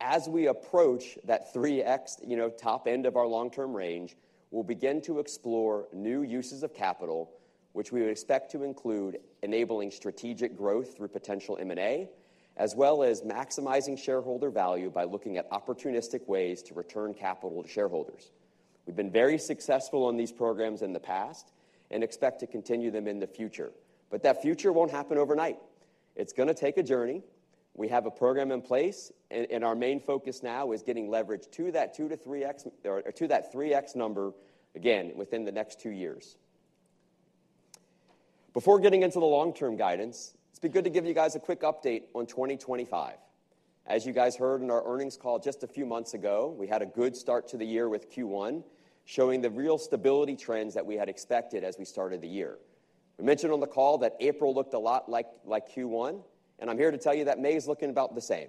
As we approach that 3x top end of our long-term range, we'll begin to explore new uses of capital, which we expect to include enabling strategic growth through potential M&A, as well as maximizing shareholder value by looking at opportunistic ways to return capital to shareholders. We've been very successful on these programs in the past and expect to continue them in the future. That future won't happen overnight. It's going to take a journey. We have a program in place, and our main focus now is getting leverage to that 2x to 3x number again within the next two years. Before getting into the long-term guidance, it's been good to give you guys a quick update on 2025. As you guys heard in our earnings call just a few months ago, we had a good start to the year with Q1 showing the real stability trends that we had expected as we started the year. We mentioned on the call that April looked a lot like Q1, and I'm here to tell you that May is looking about the same.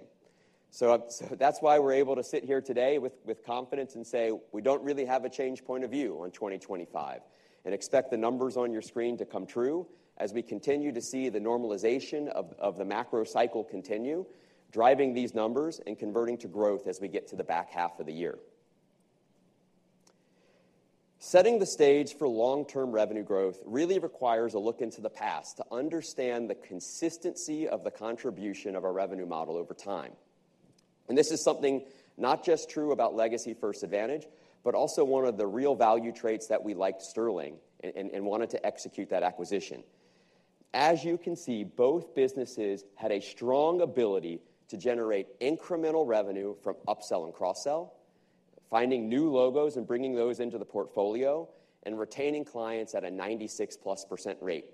That's why we're able to sit here today with confidence and say we don't really have a change point of view on 2025 and expect the numbers on your screen to come true as we continue to see the normalization of the macro cycle continue, driving these numbers and converting to growth as we get to the back half of the year. Setting the stage for long-term revenue growth really requires a look into the past to understand the consistency of the contribution of our revenue model over time. This is something not just true about legacy First Advantage, but also one of the real value traits that we liked Sterling and wanted to execute that acquisition. As you can see, both businesses had a strong ability to generate incremental revenue from upsell and cross-sell, finding new logos and bringing those into the portfolio, and retaining clients at a 96%+ rate.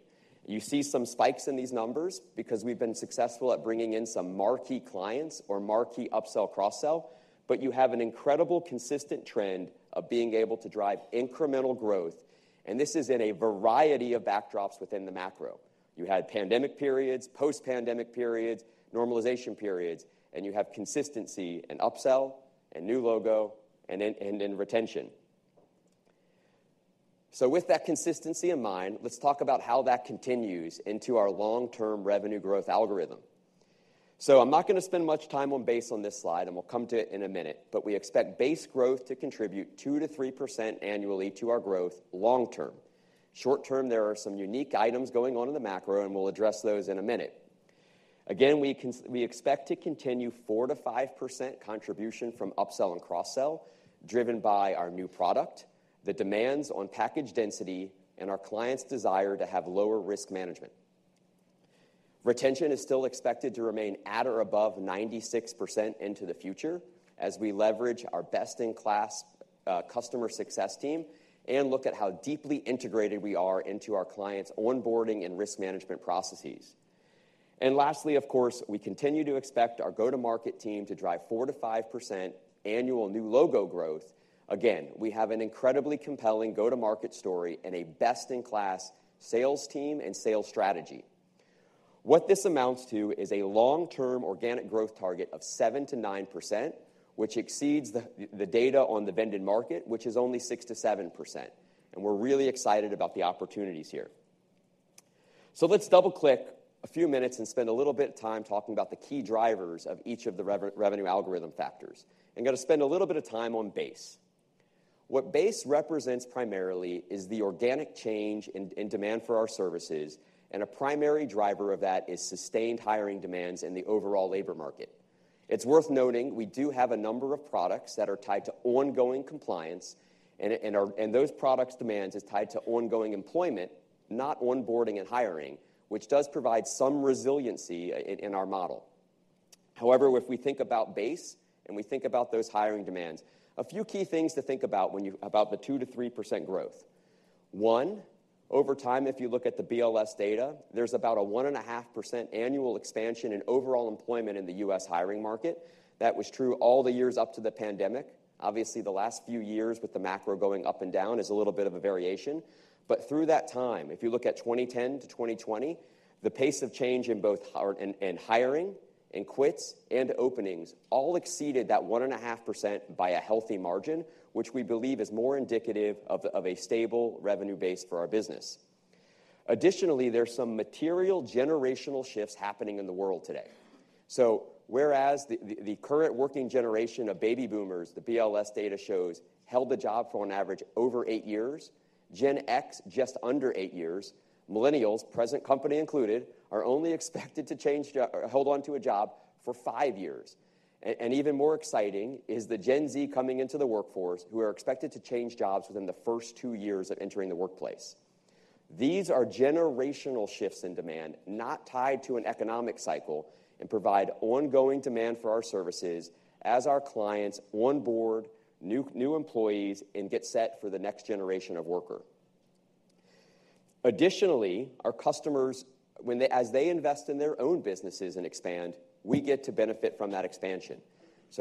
You see some spikes in these numbers because we've been successful at bringing in some marquee clients or marquee upsell cross-sell, but you have an incredible consistent trend of being able to drive incremental growth. This is in a variety of backdrops within the macro. You had pandemic periods, post-pandemic periods, normalization periods, and you have consistency in upsell and new logo and retention. With that consistency in mind, let's talk about how that continues into our long-term revenue growth algorithm. I'm not going to spend much time on base on this slide, and we'll come to it in a minute, but we expect base growth to contribute 2%-3% annually to our growth long-term. Short-term, there are some unique items going on in the macro, and we'll address those in a minute. Again, we expect to continue 4%-5% contribution from upsell and cross-sell driven by our new product, the demands on package density, and our clients' desire to have lower risk management. Retention is still expected to remain at or above 96% into the future as we leverage our best-in-class customer success team and look at how deeply integrated we are into our clients' onboarding and risk management processes. Lastly, of course, we continue to expect our go-to-market team to drive 4%-5% annual new logo growth. Again, we have an incredibly compelling go-to-market story and a best-in-class sales team and sales strategy. What this amounts to is a long-term organic growth target of 7%-9%, which exceeds the data on the vendor market, which is only 6%-7%. We are really excited about the opportunities here. Let's double-click a few minutes and spend a little bit of time talking about the key drivers of each of the revenue algorithm factors. I'm going to spend a little bit of time on base. What base represents primarily is the organic change in demand for our services, and a primary driver of that is sustained hiring demands in the overall labor market. It's worth noting we do have a number of products that are tied to ongoing compliance, and those products' demands are tied to ongoing employment, not onboarding and hiring, which does provide some resiliency in our model. However, if we think about base and we think about those hiring demands, a few key things to think about about the 2%-3% growth. One, over time, if you look at the BLS data, there's about a 1.5% annual expansion in overall employment in the U.S. hiring market. That was true all the years up to the pandemic. Obviously, the last few years with the macro going up and down is a little bit of a variation. Through that time, if you look at 2010-2020, the pace of change in both hiring and quits and openings all exceeded that 1.5% by a healthy margin, which we believe is more indicative of a stable revenue base for our business. Additionally, there are some material generational shifts happening in the world today. Whereas the current working generation of baby boomers, the BLS data shows, held a job for an average over eight years, Gen X just under eight years, millennials, present company included, are only expected to hold on to a job for five years. Even more exciting is the Gen Z coming into the workforce who are expected to change jobs within the first two years of entering the workplace. These are generational shifts in demand, not tied to an economic cycle, and provide ongoing demand for our services as our clients onboard new employees and get set for the next generation of workers. Additionally, our customers, as they invest in their own businesses and expand, we get to benefit from that expansion.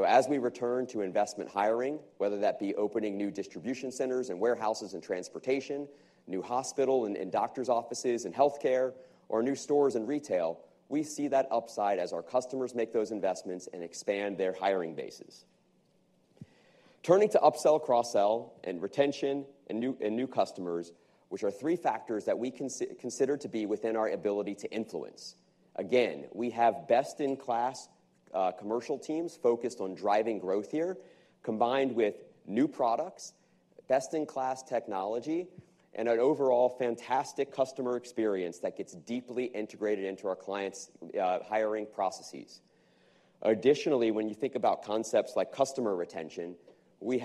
As we return to investment hiring, whether that be opening new distribution centers and warehouses and transportation, new hospital and doctor's offices and healthcare, or new stores and retail, we see that upside as our customers make those investments and expand their hiring bases. Turning to upsell, cross-sell, and retention and new customers, which are three factors that we consider to be within our ability to influence. Again, we have best-in-class commercial teams focused on driving growth here, combined with new products, best-in-class technology, and an overall fantastic customer experience that gets deeply integrated into our clients' hiring processes. Additionally, when you think about concepts like customer retention, we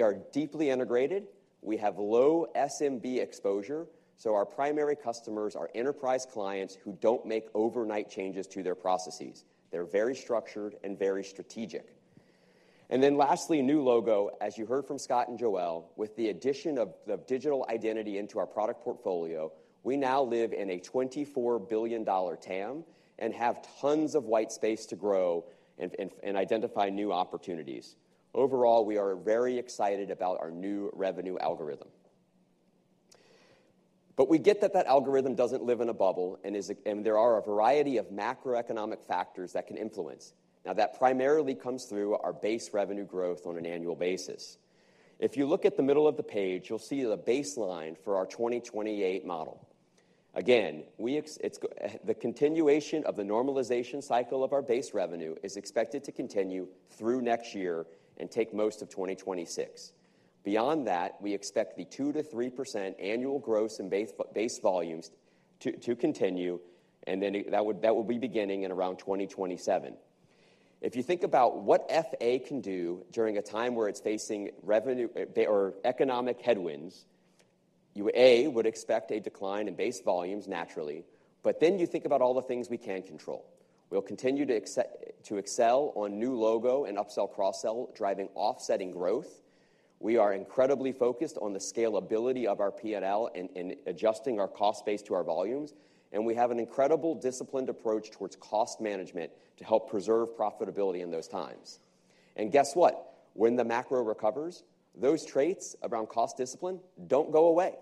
are deeply integrated. We have low SMB exposure. Our primary customers are enterprise clients who do not make overnight changes to their processes. They are very structured and very strategic. Lastly, new logo, as you heard from Scott and Joelle, with the addition of digital identity into our product portfolio, we now live in a $24 billion TAM and have tons of white space to grow and identify new opportunities. Overall, we are very excited about our new revenue algorithm. We get that that algorithm does not live in a bubble, and there are a variety of macroeconomic factors that can influence. Now, that primarily comes through our base revenue growth on an annual basis. If you look at the middle of the page, you'll see the baseline for our 2028 model. Again, the continuation of the normalization cycle of our base revenue is expected to continue through next year and take most of 2026. Beyond that, we expect the 2%-3% annual growth in base volumes to continue, and then that will be beginning in around 2027. If you think about what FA can do during a time where it's facing economic headwinds, you would expect a decline in base volumes naturally, but then you think about all the things we can control. We'll continue to excel on new logo and upsell, cross-sell, driving offsetting growth. We are incredibly focused on the scalability of our P&L and adjusting our cost base to our volumes, and we have an incredibly disciplined approach towards cost management to help preserve profitability in those times. Guess what? When the macro recovers, those traits around cost discipline do not go away.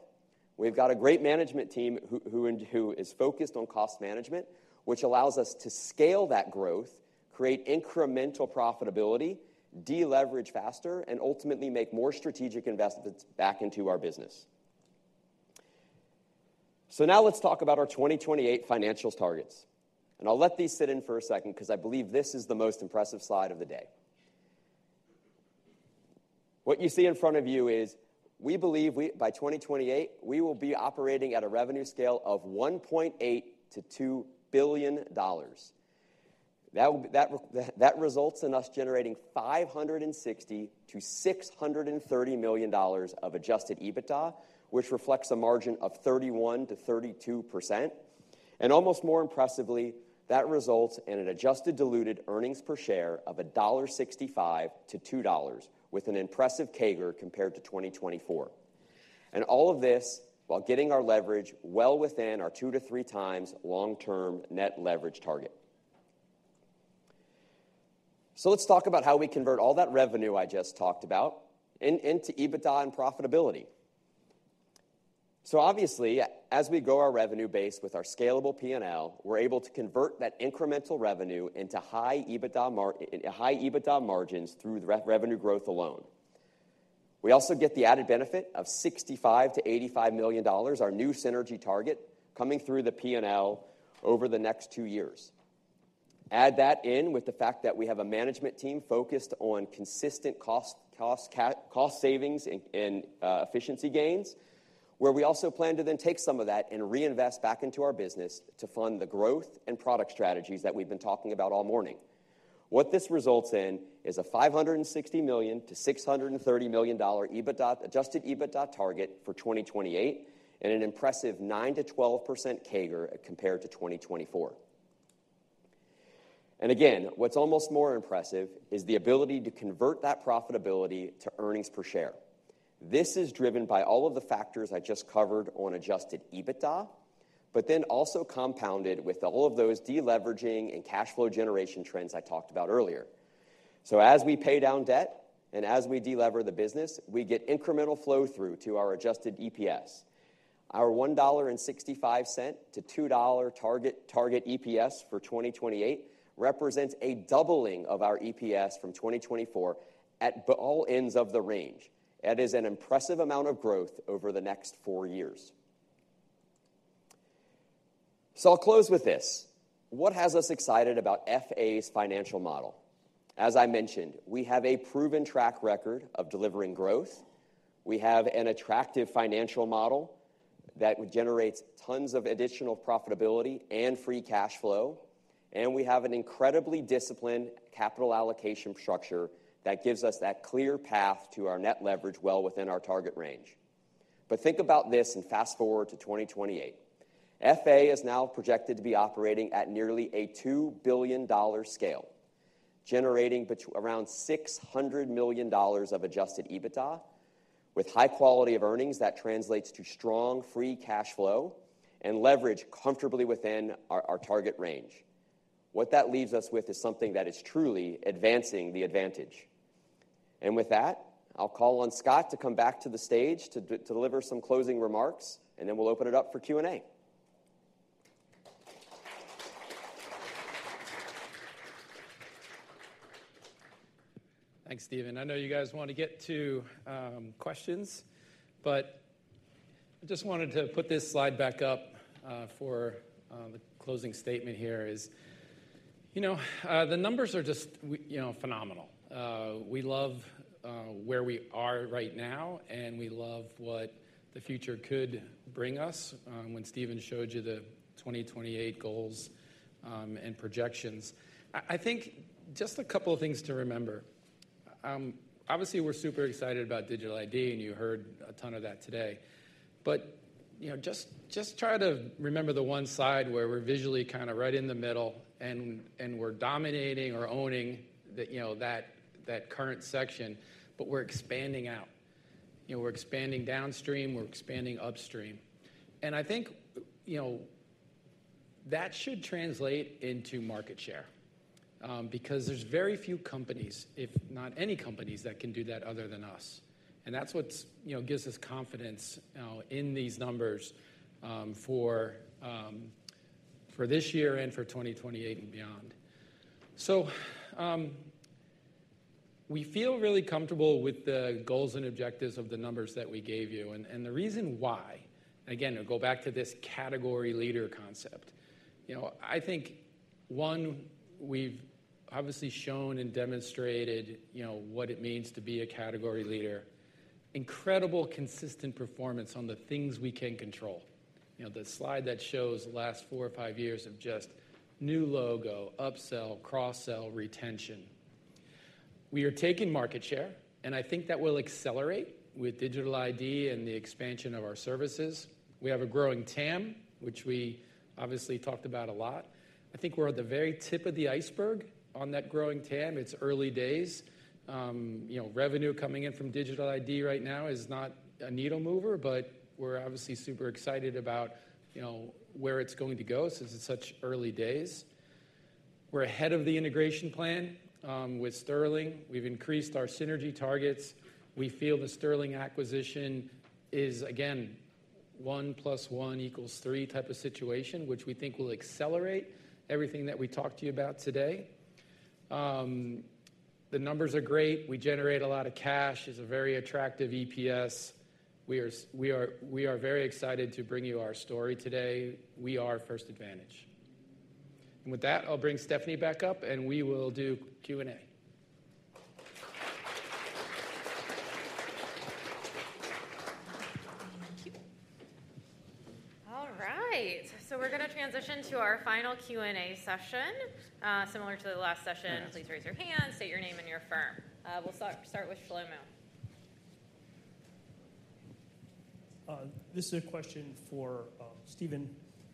We have got a great management team who is focused on cost management, which allows us to scale that growth, create incremental profitability, deleverage faster, and ultimately make more strategic investments back into our business. Now let's talk about our 2028 financial targets. I will let these sit in for a second because I believe this is the most impressive slide of the day. What you see in front of you is we believe by 2028, we will be operating at a revenue scale of $1.8 billion-$2 billion. That results in us generating $560 million-$630 million of Adjusted EBITDA, which reflects a margin of 31%-32%. Almost more impressively, that results in an adjusted diluted earnings per share of $1.65-$2.00, with an impressive CAGR compared to 2024. All of this while getting our leverage well within our 2x to 3x long-term net leverage target. Let's talk about how we convert all that revenue I just talked about into EBITDA and profitability. Obviously, as we grow our revenue base with our scalable P&L, we're able to convert that incremental revenue into high EBITDA margins through revenue growth alone. We also get the added benefit of $65-$85 million, our new synergy target, coming through the P&L over the next two years. Add that in with the fact that we have a management team focused on consistent cost savings and efficiency gains, where we also plan to then take some of that and reinvest back into our business to fund the growth and product strategies that we've been talking about all morning. What this results in is a $560 million-$630 million Adjusted EBITDA target for 2028 and an impressive 9%-12% CAGR compared to 2024. Again, what's almost more impressive is the ability to convert that profitability to earnings per share. This is driven by all of the factors I just covered on Adjusted EBITDA, but then also compounded with all of those deleveraging and cash flow generation trends I talked about earlier. As we pay down debt and as we delever the business, we get incremental flow through to our adjusted EPS. Our $1.65-$2 target EPS for 2028 represents a doubling of our EPS from 2024 at all ends of the range. That is an impressive amount of growth over the next four years. I will close with this. What has us excited about FA's financial model? As I mentioned, we have a proven track record of delivering growth. We have an attractive financial model that generates tons of additional profitability and free cash flow, and we have an incredibly disciplined capital allocation structure that gives us that clear path to our net leverage well within our target range. Think about this and fast forward to 2028. FA is now projected to be operating at nearly a $2 billion scale, generating around $600 million of Adjusted EBITDA, with high quality of earnings that translates to strong free cash flow and leverage comfortably within our target range. What that leaves us with is something that is truly advancing the advantage. With that, I'll call on Scott to come back to the stage to deliver some closing remarks, and then we'll open it up for Q&A. Thanks, Stephen. I know you guys want to get to questions, but I just wanted to put this slide back up for the closing statement here. The numbers are just phenomenal. We love where we are right now, and we love what the future could bring us when Stephen showed you the 2028 goals and projections. I think just a couple of things to remember. Obviously, we're super excited about digital ID, and you heard a ton of that today. Just try to remember the one side where we're visually kind of right in the middle, and we're dominating or owning that current section, but we're expanding out. We're expanding downstream. We're expanding upstream. I think that should translate into market share because there's very few companies, if not any companies, that can do that other than us. That is what gives us confidence in these numbers for this year and for 2028 and beyond. We feel really comfortable with the goals and objectives of the numbers that we gave you. The reason why, again, go back to this category leader concept. I think, one, we have obviously shown and demonstrated what it means to be a category leader. Incredible consistent performance on the things we can control. The slide that shows the last four or five years of just new logo, upsell, cross-sell, retention. We are taking market share, and I think that will accelerate with digital ID and the expansion of our services. We have a growing TAM, which we obviously talked about a lot. I think we are at the very tip of the iceberg on that growing TAM. It is early days. Revenue coming in from digital ID right now is not a needle mover, but we're obviously super excited about where it's going to go since it's such early days. We're ahead of the integration plan with Sterling. We've increased our synergy targets. We feel the Sterling acquisition is, again, 1+1 = 3 type of situation, which we think will accelerate everything that we talked to you about today. The numbers are great. We generate a lot of cash. It's a very attractive EPS. We are very excited to bring you our story today. We are First Advantage. With that, I'll bring Stephanie back up, and we will do Q&A. Thank you. All right. So we're going to transition to our final Q&A session. Similar to the last session, please raise your hand, state your name, and your firm. We'll start with Shlomo. This is a question for Stephen,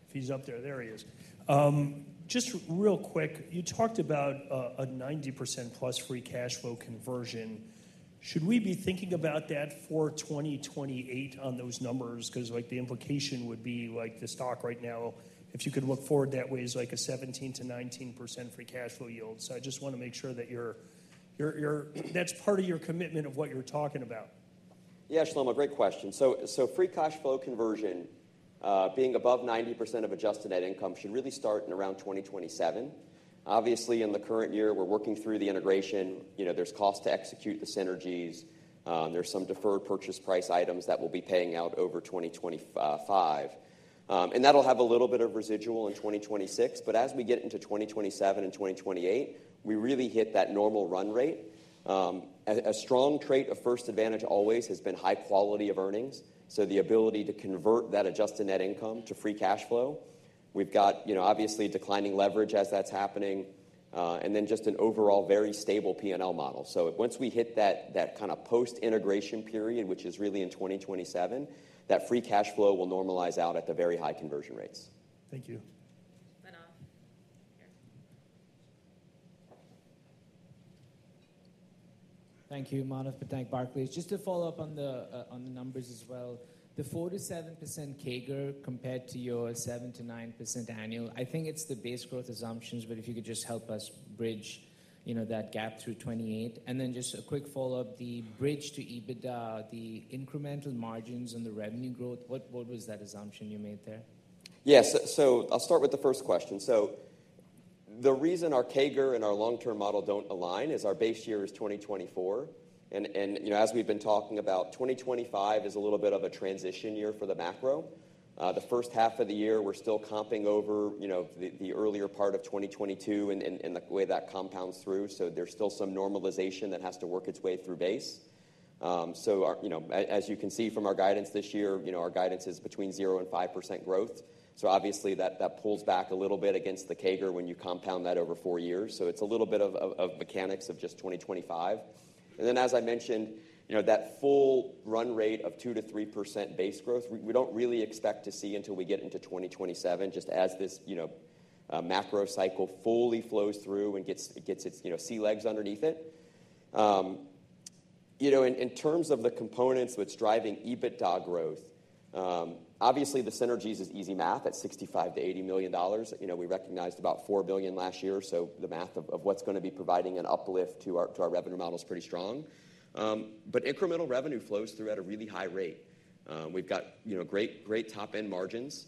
if he's up there. There he is. Just real quick, you talked about a 90%+ free cash flow conversion. Should we be thinking about that for 2028 on those numbers? Because the implication would be the stock right now, if you could look forward that way, is like a 17%-19% free cash flow yield. I just want to make sure that that's part of your commitment of what you're talking about. Yeah, Shlomo, great question. Free cash flow conversion, being above 90% of adjusted net income, should really start in around 2027. Obviously, in the current year, we're working through the integration. There's cost to execute the synergies. There's some deferred purchase price items that we'll be paying out over 2025. That'll have a little bit of residual in 2026. As we get into 2027 and 2028, we really hit that normal run rate. A strong trait of First Advantage always has been high quality of earnings. The ability to convert that adjusted net income to free cash flow. We've got, obviously, declining leverage as that's happening, and then just an overall very stable P&L model. Once we hit that kind of post-integration period, which is really in 2027, that free cash flow will normalize out at the very high conversion rates. Thank you. Thank you, Manaf. Thank Barclays. Just to follow up on the numbers as well. The 4%-7% CAGR compared to your 7%-9% annual, I think it's the base growth assumptions, but if you could just help us bridge that gap through 2028. And then just a quick follow-up, the bridge to EBITDA, the incremental margins and the revenue growth, what was that assumption you made there? Yeah. I'll start with the first question. The reason our CAGR and our long-term model don't align is our base year is 2024. As we've been talking about, 2025 is a little bit of a transition year for the macro. The first half of the year, we're still comping over the earlier part of 2022 and the way that compounds through. There's still some normalization that has to work its way through base. As you can see from our guidance this year, our guidance is between 0%-5% growth. Obviously, that pulls back a little bit against the CAGR when you compound that over four years. It's a little bit of mechanics of just 2025. As I mentioned, that full run rate of 2%-3% base growth, we do not really expect to see until we get into 2027, just as this macro cycle fully flows through and gets its sea legs underneath it. In terms of the components that are driving EBITDA growth, obviously, the synergies is easy math at $65 million-$80 million. We recognized about $4 billion last year. The math of what is going to be providing an uplift to our revenue model is pretty strong. Incremental revenue flows through at a really high rate. We have great top-end margins.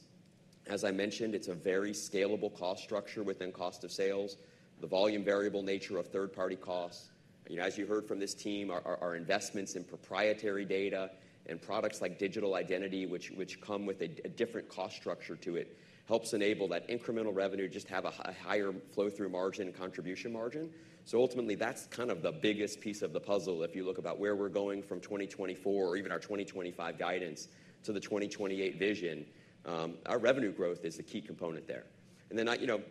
As I mentioned, it is a very scalable cost structure within cost of sales, the volume variable nature of third-party costs. As you heard from this team, our investments in proprietary data and products like digital identity, which come with a different cost structure to it, helps enable that incremental revenue to just have a higher flow-through margin and contribution margin. Ultimately, that's kind of the biggest piece of the puzzle if you look about where we're going from 2024 or even our 2025 guidance to the 2028 vision. Our revenue growth is the key component there.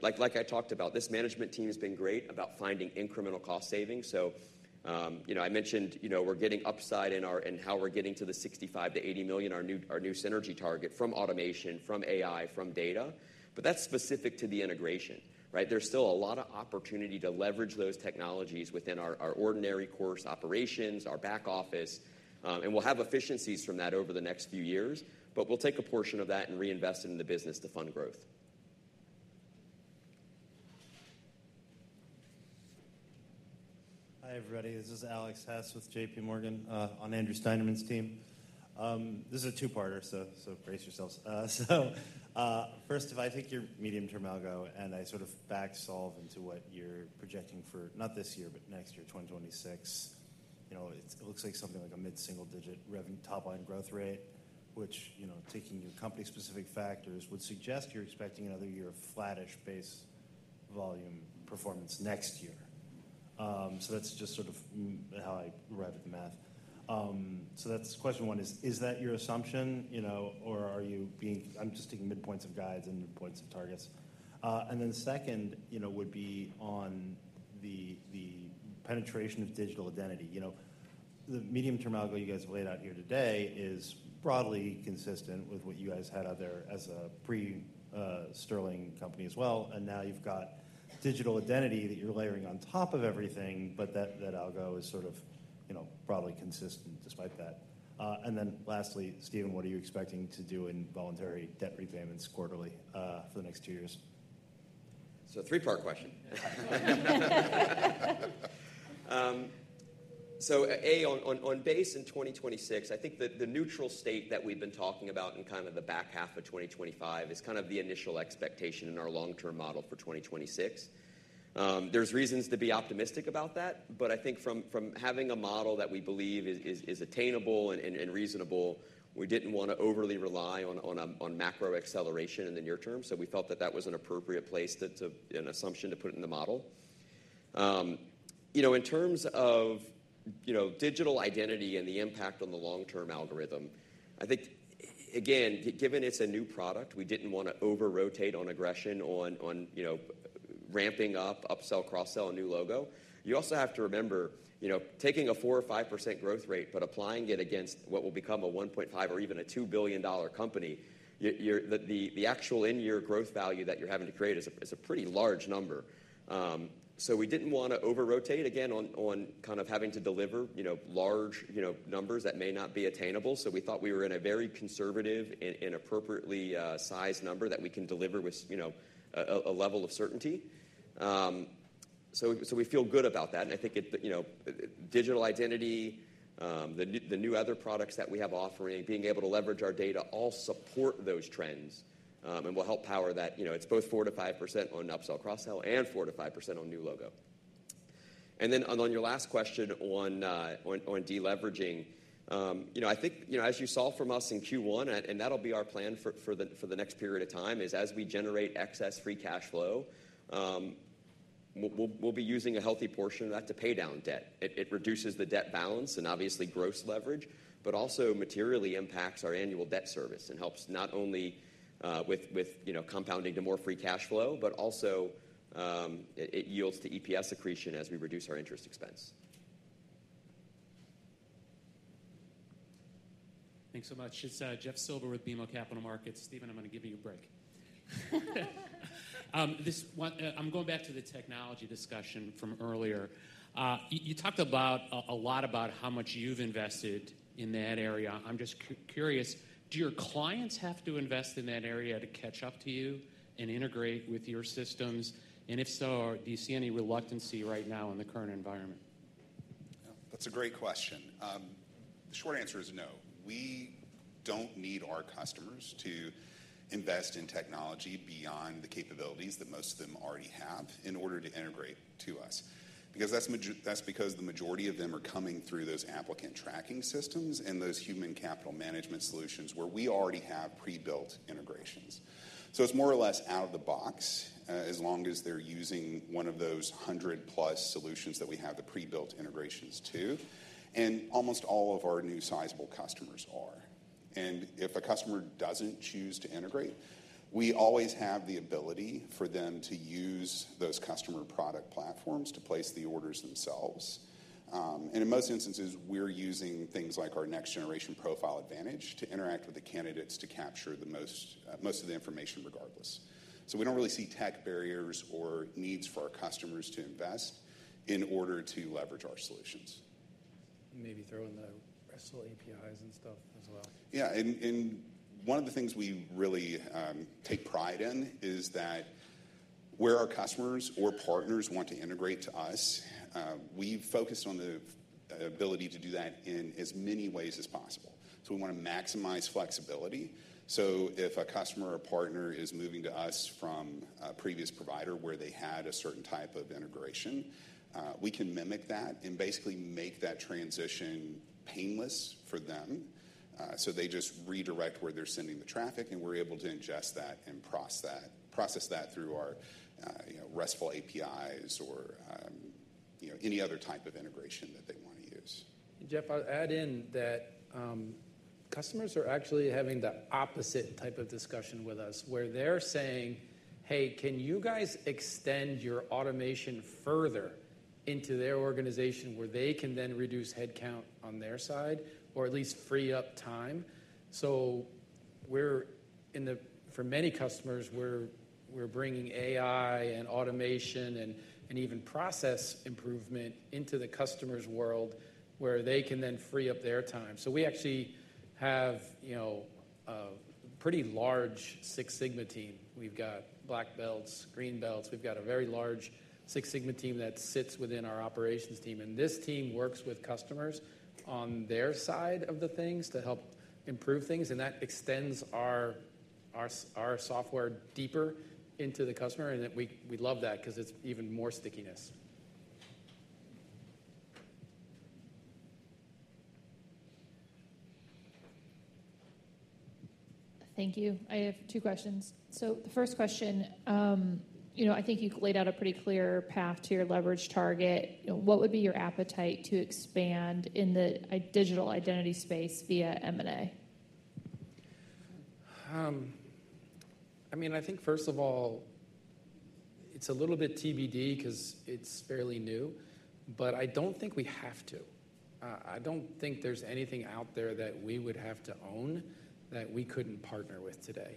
Like I talked about, this management team has been great about finding incremental cost savings. I mentioned we're getting upside in how we're getting to the $65 million-$80 million, our new synergy target from automation, from AI, from data. That's specific to the integration. There's still a lot of opportunity to leverage those technologies within our ordinary course operations, our back office. We will have efficiencies from that over the next few years, but we will take a portion of that and reinvest it in the business to fund growth. Hi, everybody. This is Alex Hess with JPMorgan on Andrew Stein's team. This is a two-parter, so brace yourselves. First, if I take your medium-term algo and I sort of backsolve into what you're projecting for not this year, but next year, 2026, it looks like something like a mid-single-digit revenue top-line growth rate, which, taking your company-specific factors, would suggest you're expecting another year of flattish base volume performance next year. That's just sort of how I arrived at the math. That's question one. Is that your assumption, or are you being--I'm just taking mid-points of guides and mid-points of targets? Second would be on the penetration of digital identity. The medium-term algo you guys have laid out here today is broadly consistent with what you guys had as a pre-Sterling company as well. Now you've got digital identity that you're layering on top of everything, but that algo is sort of broadly consistent despite that. Lastly, Stephen, what are you expecting to do in voluntary debt repayments quarterly for the next two years? A three-part question. A, on base in 2026, I think the neutral state that we've been talking about in kind of the back half of 2025 is kind of the initial expectation in our long-term model for 2026. There are reasons to be optimistic about that. I think from having a model that we believe is attainable and reasonable, we did not want to overly rely on macro acceleration in the near term. We felt that that was an appropriate place and assumption to put it in the model. In terms of digital identity and the impact on the long-term algorithm, I think, again, given it's a new product, we did not want to over-rotate on aggression on ramping up, upsell, cross-sell a new logo. You also have to remember, taking a 4%-5% growth rate, but applying it against what will become a $1.5 billion or even a $2 billion company, the actual in-year growth value that you're having to create is a pretty large number. We did not want to over-rotate, again, on kind of having to deliver large numbers that may not be attainable. We thought we were in a very conservative and appropriately sized number that we can deliver with a level of certainty. We feel good about that. I think digital identity, the new other products that we have offering, being able to leverage our data, all support those trends and will help power that. It's both 4%-5% on upsell, cross-sell, and 4%-5% on new logo. On your last question on deleveraging, I think as you saw from us in Q1, and that will be our plan for the next period of time, as we generate excess free cash flow, we will be using a healthy portion of that to pay down debt. It reduces the debt balance and obviously gross leverage, but also materially impacts our annual debt service and helps not only with compounding to more free cash flow, but also it yields to EPS accretion as we reduce our interest expense. Thanks so much. It's Jeff Silber with BMO Capital Markets. Stephen, I'm going to give you a break. I'm going back to the technology discussion from earlier. You talked a lot about how much you've invested in that area. I'm just curious, do your clients have to invest in that area to catch up to you and integrate with your systems? If so, do you see any reluctance right now in the current environment? That's a great question. The short answer is no. We don't need our customers to invest in technology beyond the capabilities that most of them already have in order to integrate to us. That's because the majority of them are coming through those applicant tracking systems and those human capital management solutions where we already have pre-built integrations. It is more or less out of the box as long as they're using one of those 100+ solutions that we have the pre-built integrations to. Almost all of our new sizable customers are. If a customer doesn't choose to integrate, we always have the ability for them to use those customer product platforms to place the orders themselves. In most instances, we're using things like our next-generation Profile Advantage to interact with the candidates to capture most of the information regardless. We don't really see tech barriers or needs for our customers to invest in order to leverage our solutions. Maybe throw in the rest of the APIs and stuff as well. Yeah. One of the things we really take pride in is that where our customers or partners want to integrate to us, we've focused on the ability to do that in as many ways as possible. We want to maximize flexibility. If a customer or partner is moving to us from a previous provider where they had a certain type of integration, we can mimic that and basically make that transition painless for them. They just redirect where they're sending the traffic, and we're able to ingest that and process that through our RESTful APIs or any other type of integration that they want to use. Jeff, I'll add in that customers are actually having the opposite type of discussion with us, where they're saying, "Hey, can you guys extend your automation further into their organization where they can then reduce headcount on their side or at least free up time?" For many customers, we're bringing AI and automation and even process improvement into the customer's world where they can then free up their time. We actually have a pretty large Six Sigma team. We've got black belts, green belts. We've got a very large Six Sigma team that sits within our operations team. This team works with customers on their side of the things to help improve things. That extends our software deeper into the customer. We love that because it's even more stickiness. Thank you. I have two questions. The first question, I think you've laid out a pretty clear path to your leverage target. What would be your appetite to expand in the digital identity space via M&A? I mean, I think, first of all, it's a little bit TBD because it's fairly new. But I don't think we have to. I don't think there's anything out there that we would have to own that we couldn't partner with today.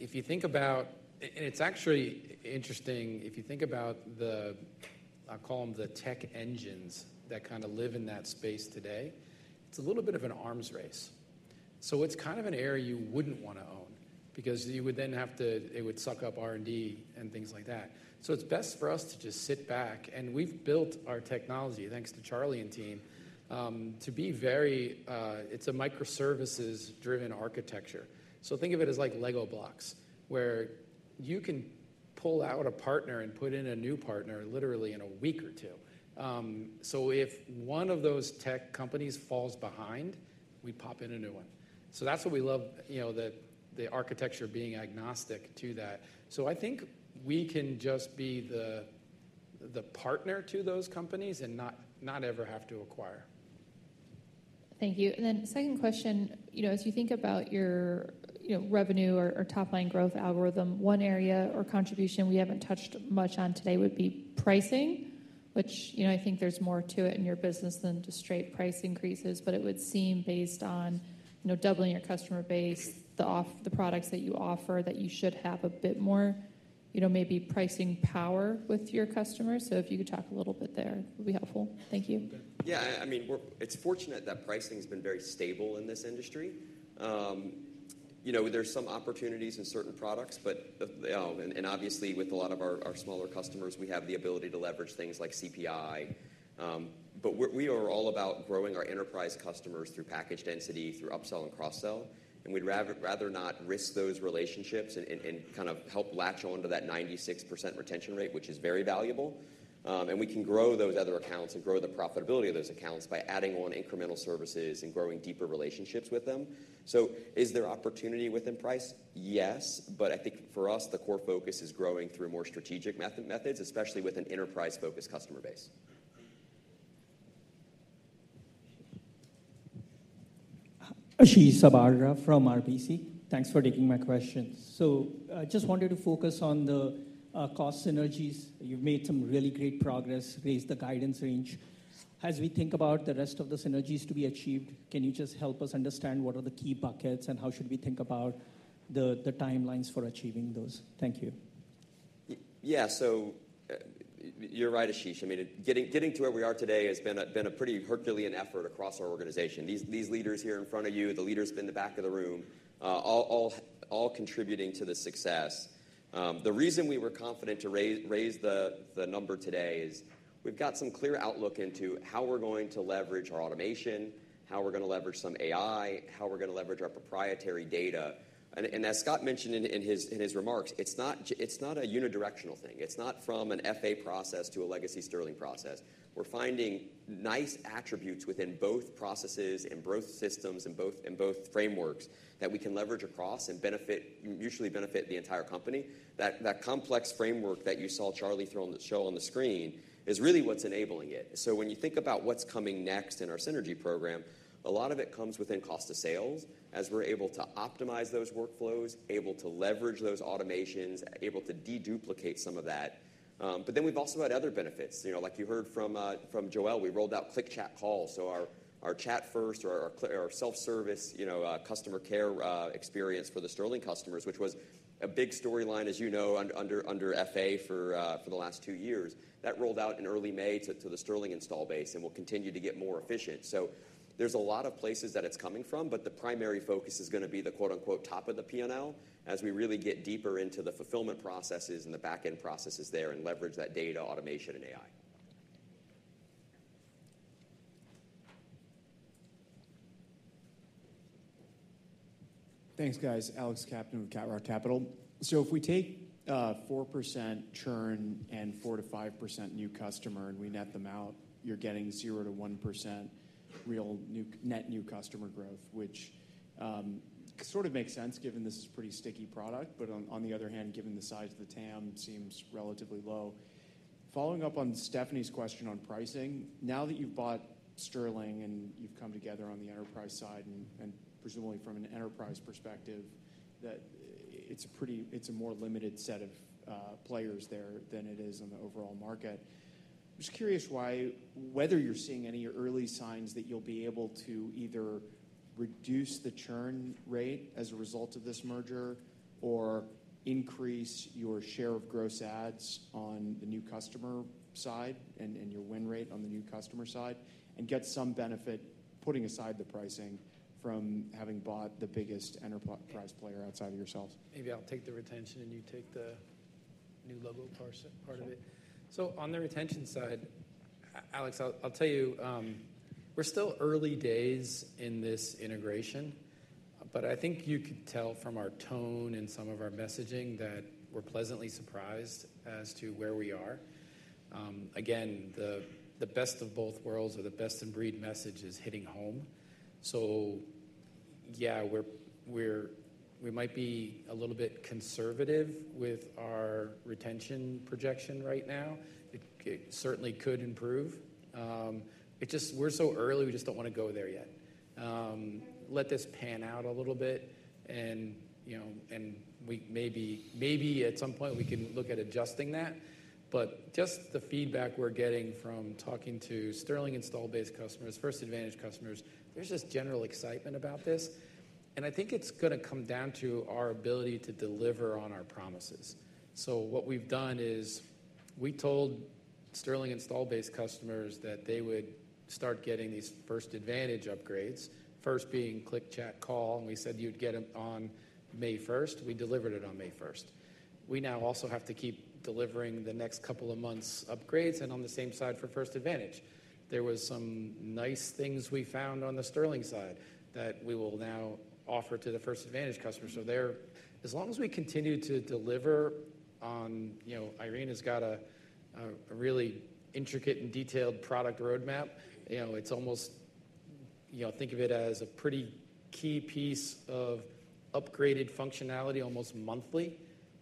If you think about, and it's actually interesting, if you think about, I'll call them the tech engines that kind of live in that space today, it's a little bit of an arms race. It's kind of an area you wouldn't want to own because you would then have to, it would suck up R&D and things like that. It's best for us to just sit back. And we've built our technology, thanks to Charlie and team, to be very, it's a microservices-driven architecture. Think of it as like Lego blocks, where you can pull out a partner and put in a new partner literally in a week or two. If one of those tech companies falls behind, we pop in a new one. That is what we love, the architecture being agnostic to that. I think we can just be the partner to those companies and not ever have to acquire. Thank you. Then second question, as you think about your revenue or top-line growth algorithm, one area or contribution we have not touched much on today would be pricing, which I think there is more to it in your business than just straight price increases. It would seem based on doubling your customer base, the products that you offer that you should have a bit more, maybe pricing power with your customers. If you could talk a little bit there, it would be helpful. Thank you. Yeah. I mean, it's fortunate that pricing has been very stable in this industry. There's some opportunities in certain products. Obviously, with a lot of our smaller customers, we have the ability to leverage things like CPI. We are all about growing our enterprise customers through package density, through upsell and cross-sell. We'd rather not risk those relationships and kind of help latch on to that 96% retention rate, which is very valuable. We can grow those other accounts and grow the profitability of those accounts by adding on incremental services and growing deeper relationships with them. Is there opportunity within price? Yes. I think for us, the core focus is growing through more strategic methods, especially with an enterprise-focused customer base. Ashish Sabadra from RBC. Thanks for taking my questions. I just wanted to focus on the cost synergies. You've made some really great progress, raised the guidance range. As we think about the rest of the synergies to be achieved, can you just help us understand what are the key buckets and how should we think about the timelines for achieving those? Thank you. Yeah. So you're right, Ashish. I mean, getting to where we are today has been a pretty Herculean effort across our organization. These leaders here in front of you, the leaders in the back of the room, all contributing to the success. The reason we were confident to raise the number today is we've got some clear outlook into how we're going to leverage our automation, how we're going to leverage some AI, how we're going to leverage our proprietary data. As Scott mentioned in his remarks, it's not a unidirectional thing. It's not from an FA process to a legacy Sterling process. We're finding nice attributes within both processes and growth systems and both frameworks that we can leverage across and usually benefit the entire company. That complex framework that you saw Charlie show on the screen is really what's enabling it. When you think about what's coming next in our synergy program, a lot of it comes within cost of sales as we're able to optimize those workflows, able to leverage those automations, able to deduplicate some of that. We have also had other benefits. Like you heard from Joelle, we rolled out Click Chat Call, so our chat-first or our self-service customer care experience for the Sterling customers, which was a big storyline, as you know, under FA for the last two years. That rolled out in early May to the Sterling install base and will continue to get more efficient. There are a lot of places that it's coming from, but the primary focus is going to be the "top of the P&L" as we really get deeper into the fulfillment processes and the back-end processes there and leverage that data, automation, and AI. Thanks, guys. Alex Captain with Cat Rock Capital. If we take 4% churn and 4%-5% new customer and we net them out, you're getting 0%-1% real net new customer growth, which sort of makes sense given this is a pretty sticky product. On the other hand, given the size of the TAM, it seems relatively low. Following up on Stephanie's question on pricing, now that you've bought Sterling and you've come together on the enterprise side and presumably from an enterprise perspective, that it's a more limited set of players there than it is on the overall market. I'm just curious whether you're seeing any early signs that you'll be able to either reduce the churn rate as a result of this merger or increase your share of gross ads on the new customer side and your win rate on the new customer side and get some benefit, putting aside the pricing, from having bought the biggest enterprise player outside of yourselves? Maybe I'll take the retention and you take the new logo part of it. On the retention side, Alex, I'll tell you, we're still early days in this integration. I think you could tell from our tone and some of our messaging that we're pleasantly surprised as to where we are. Again, the best of both worlds or the best-in-breed message is hitting home. Yeah, we might be a little bit conservative with our retention projection right now. It certainly could improve. We're so early, we just don't want to go there yet. Let this pan out a little bit. Maybe at some point, we can look at adjusting that. Just the feedback we're getting from talking to Sterling install-based customers, First Advantage customers, there's just general excitement about this. I think it's going to come down to our ability to deliver on our promises. What we've done is we told Sterling install-based customers that they would start getting these First Advantage upgrades, first being Click Chat Call. We said you'd get them on May 1st. We delivered it on May 1st. We now also have to keep delivering the next couple of months' upgrades, and on the same side for First Advantage. There were some nice things we found on the Sterling side that we will now offer to the First Advantage customers. As long as we continue to deliver on Irena has got a really intricate and detailed product roadmap. It's almost, think of it as a pretty key piece of upgraded functionality almost monthly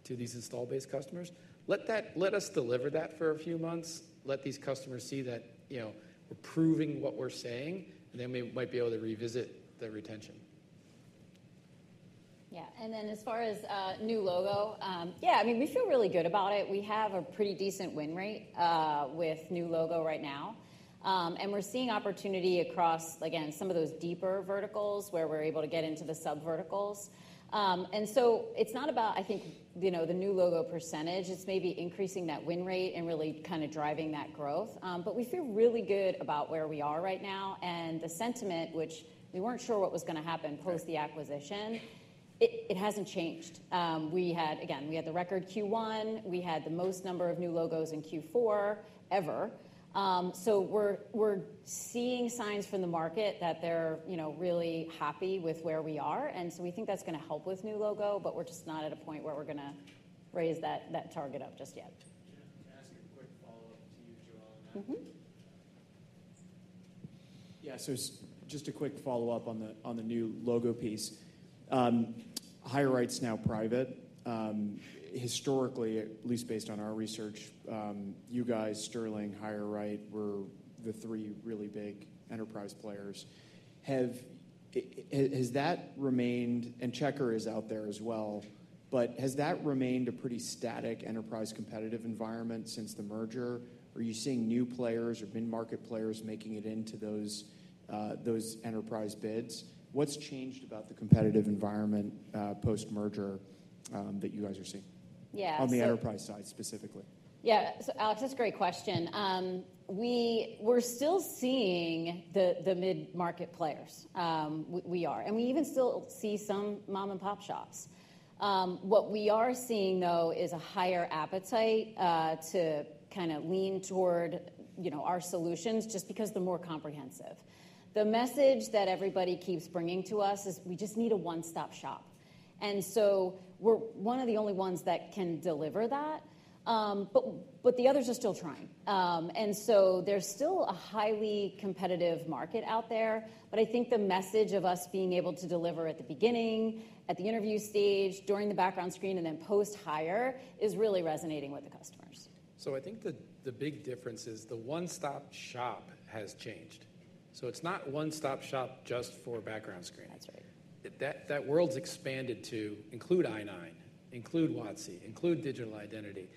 to these install-based customers. Let us deliver that for a few months. Let these customers see that we're proving what we're saying. We might be able to revisit the retention. Yeah. And then as far as new logo, yeah, I mean, we feel really good about it. We have a pretty decent win rate with new logo right now. We are seeing opportunity across, again, some of those deeper verticals where we are able to get into the subverticals. It is not about, I think, the new logo percentage. It is maybe increasing that win rate and really kind of driving that growth. We feel really good about where we are right now. The sentiment, which we were not sure what was going to happen post the acquisition, it has not changed. Again, we had the record Q1. We had the most number of new logos in Q4 ever. We are seeing signs from the market that they are really happy with where we are. We think that is going to help with new logo. We're just not at a point where we're going to raise that target up just yet. Yeah. So just a quick follow-up on the new logo piece. HireRight's now private. Historically, at least based on our research, you guys, Sterling, HireRight, were the three really big enterprise players. And Checkr is out there as well. Has that remained a pretty static enterprise competitive environment since the merger? Are you seeing new players or mid-market players making it into those enterprise bids? What's changed about the competitive environment post-merger that you guys are seeing on the enterprise side specifically? Yeah. So Alex, that's a great question. We're still seeing the mid-market players. We are. And we even still see some mom-and-pop shops. What we are seeing, though, is a higher appetite to kind of lean toward our solutions just because they're more comprehensive. The message that everybody keeps bringing to us is we just need a one-stop shop. We are one of the only ones that can deliver that. The others are still trying. There is still a highly competitive market out there. I think the message of us being able to deliver at the beginning, at the interview stage, during the background screen, and then post-hire is really resonating with the customers. I think the big difference is the one-stop shop has changed. It is not one-stop shop just for background screen. That world has expanded to include I-9, include WATSE, include digital identity.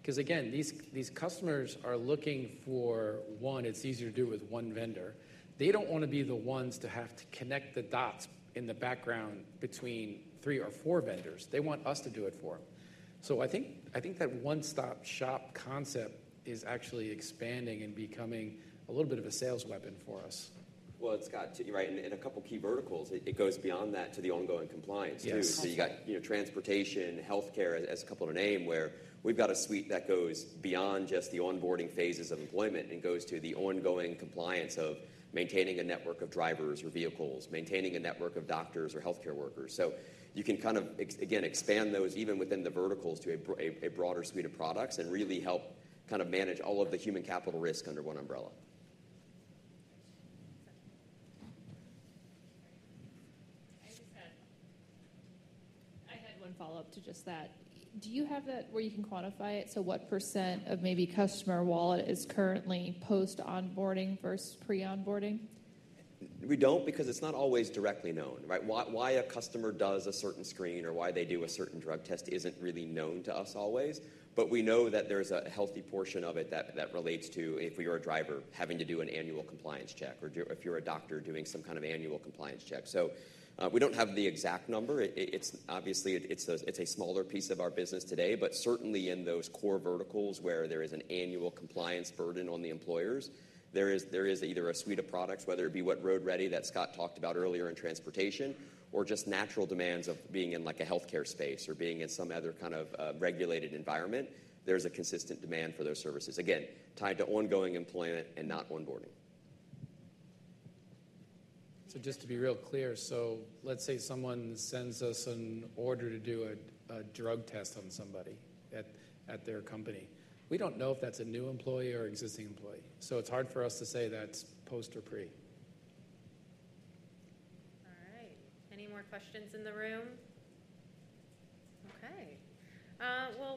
Because again, these customers are looking for one, it is easier to do with one vendor. They do not want to be the ones to have to connect the dots in the background between three or four vendors. They want us to do it for them. I think that one-stop shop concept is actually expanding and becoming a little bit of a sales weapon for us. You're right, in a couple of key verticals, it goes beyond that to the ongoing compliance too. You've got transportation, healthcare as a couple of names where we've got a suite that goes beyond just the onboarding phases of employment and goes to the ongoing compliance of maintaining a network of drivers or vehicles, maintaining a network of doctors or healthcare workers. You can kind of, again, expand those even within the verticals to a broader suite of products and really help kind of manage all of the human capital risk under one umbrella. I had one follow-up to just that. Do you have that where you can quantify it? So what % of maybe customer wallet is currently post-onboarding versus pre-onboarding? We don't because it's not always directly known. Why a customer does a certain screen or why they do a certain drug test isn't really known to us always. We know that there's a healthy portion of it that relates to if you're a driver having to do an annual compliance check or if you're a doctor doing some kind of annual compliance check. We don't have the exact number. Obviously, it's a smaller piece of our business today. Certainly in those core verticals where there is an annual compliance burden on the employers, there is either a suite of products, whether it be what Road Ready that Scott talked about earlier in transportation or just natural demands of being in a healthcare space or being in some other kind of regulated environment, there's a consistent demand for those services. Again, tied to ongoing employment and not onboarding. Just to be real clear, let's say someone sends us an order to do a drug test on somebody at their company. We don't know if that's a new employee or existing employee. It's hard for us to say that's post or pre. All right. Any more questions in the room? Okay.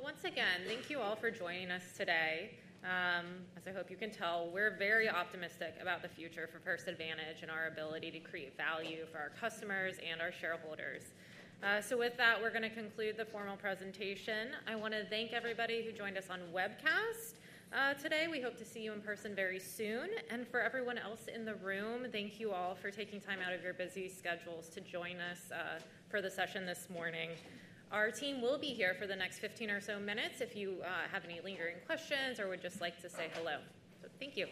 Once again, thank you all for joining us today. As I hope you can tell, we're very optimistic about the future for First Advantage and our ability to create value for our customers and our shareholders. With that, we're going to conclude the formal presentation. I want to thank everybody who joined us on webcast today. We hope to see you in person very soon. For everyone else in the room, thank you all for taking time out of your busy schedules to join us for the session this morning. Our team will be here for the next 15 or so minutes if you have any lingering questions or would just like to say hello. Thank you.